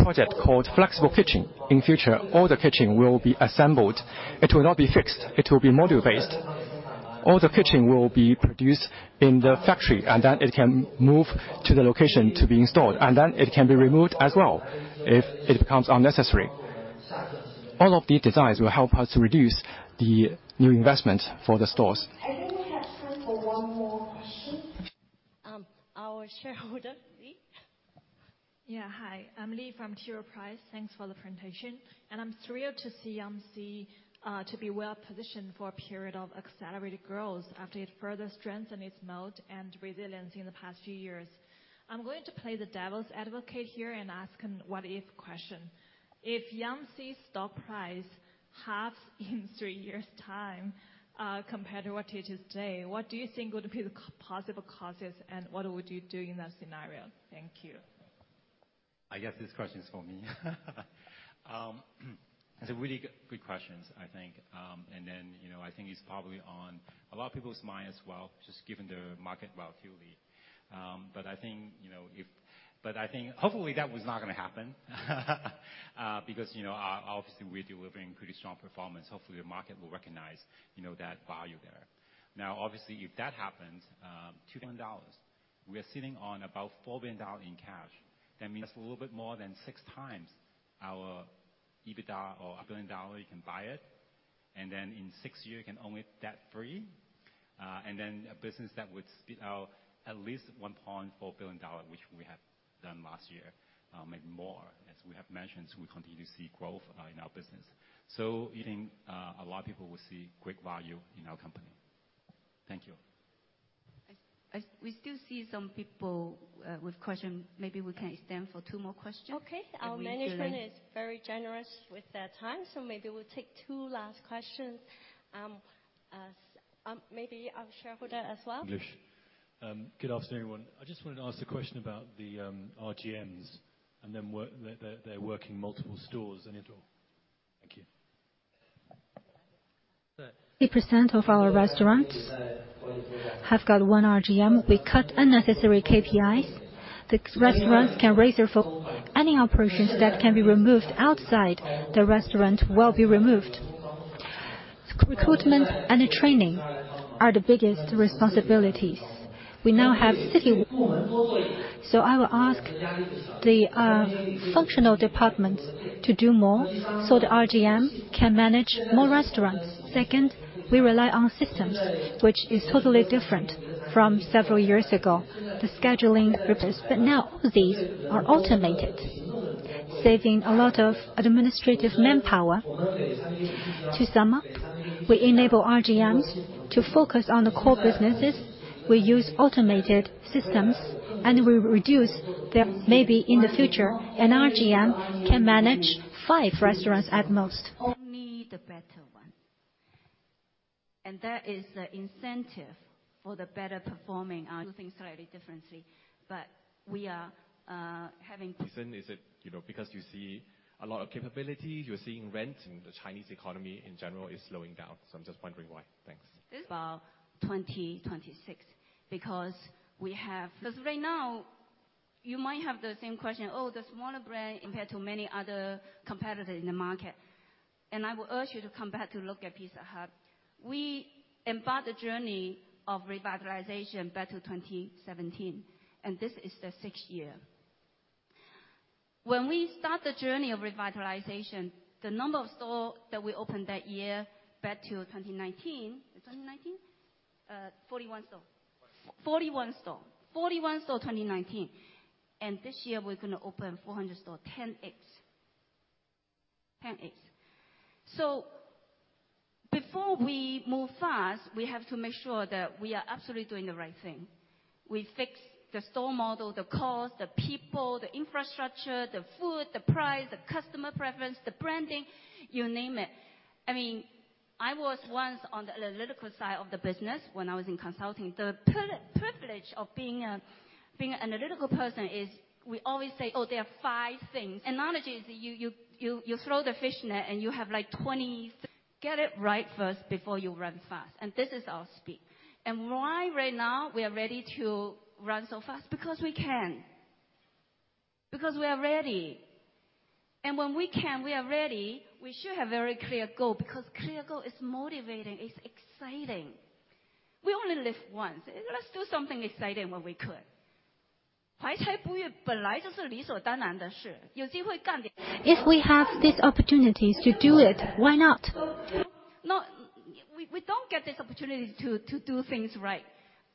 project called Flexible Kitchen. In future, all the kitchen will be assembled. It will not be fixed, it will be module-based. All the kitchen will be produced in the factory, and then it can move to the location to be installed, and then it can be removed as well if it becomes unnecessary. All of these designs will help us reduce the new investment for the stores. I think we have time for one more question. Our shareholder, Lee? Yeah. Hi, I'm Lee from T. Rowe Price. Thanks for the presentation, and I'm thrilled to see Yum China to be well-positioned for a period of accelerated growth after it further strengthened its moat and resiliency in the past few years. I'm going to play the devil's advocate here and ask an what-if question. If Yum China's stock price halves in three years' time, compared to what it is today, what do you think would be the possible causes, and what would you do in that scenario? Thank you. I guess this question is for me. It's a really good question, I think. And then, you know, I think it's probably on a lot of people's mind as well, just given the market volatility. But I think, you know, but I think hopefully that was not gonna happen, because, you know, obviously, we're delivering pretty strong performance. Hopefully, the market will recognize, you know, that value there. Now, obviously, if that happens, $200, we are sitting on about $4 billion in cash. That means a little bit more than six times our EBITDA or $1 billion, you can buy it, and then in six years, you can own it debt-free. And then a business that would spit out at least $1.4 billion, which we have done last year, maybe more. As we have mentioned, we continue to see growth in our business. So I think a lot of people will see great value in our company. Thank you. ... we still see some people with question. Maybe we can extend for two more questions? Okay. We can- Our management is very generous with their time, so maybe we'll take two last questions. Maybe our shareholder as well. English. Good afternoon, everyone. I just wanted to ask a question about the RGMs, and then work—they, they're working multiple stores, and it... Thank you.... 50% of our restaurants have got one RGM. We cut unnecessary KPIs. The restaurants can raise their phone. Any operations that can be removed outside the restaurant will be removed. Recruitment and training are the biggest responsibilities. We now have city. So I will ask the functional departments to do more, so the RGM can manage more restaurants. Second, we rely on systems, which is totally different from several years ago. The scheduling purpose, but now these are automated, saving a lot of administrative manpower. To sum up, we enable RGMs to focus on the core businesses. We use automated systems, and we reduce the. Maybe in the future, an RGM can manage five restaurants at most. Only the better one. And that is the incentive for the better performing our things slightly differently, but we are having- Is it, you know, because you see a lot of capability, you're seeing rents, and the Chinese economy in general is slowing down? So I'm just wondering why. Thanks. This is about 2026, because we have... 'Cause right now, you might have the same question, "Oh, the smaller brand compared to many other competitors in the market." And I will urge you to come back to look at Pizza Hut. We embarked the journey of revitalization back to 2017, and this is the sixth year. When we start the journey of revitalization, the number of stores that we opened that year back to 2019. Is 2019? 41 stores. 41 stores. 41 stores, 2019. And this year, we're gonna open 400 stores, 10x. 10x. So before we move fast, we have to make sure that we are absolutely doing the right thing. We fix the store model, the cost, the people, the infrastructure, the food, the price, the customer preference, the branding, you name it. I mean, I was once on the analytical side of the business when I was in consulting. The privilege of being an analytical person is we always say, "Oh, there are five things." Analogy is you throw the fish net, and you have, like, 20... Get it right first before you run fast, and this is our speed. And why right now we are ready to run so fast? Because we can. Because we are ready. And when we can, we are ready, we should have very clear goal, because clear goal is motivating, it's exciting. We only live once. Let's do something exciting when we could. If we have these opportunities to do it, why not? We don't get this opportunity to do things right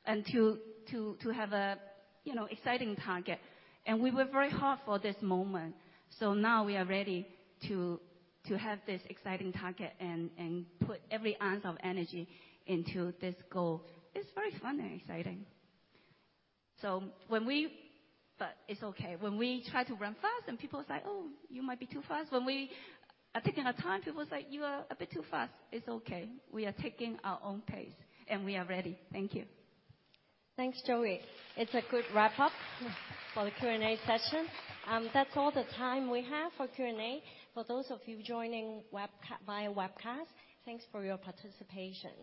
and to have a, you know, exciting target, and we work very hard for this moment. So now we are ready to have this exciting target and put every ounce of energy into this goal. It's very fun and exciting. But it's okay. When we try to run fast, and people say, "Oh, you might be too fast." When we are taking our time, people say, "You are a bit too fast." It's okay. We are taking our own pace, and we are ready. Thank you. Thanks, Joey. It's a good wrap-up for the Q&A session. That's all the time we have for Q&A. For those of you joining via webcast, thanks for your participation.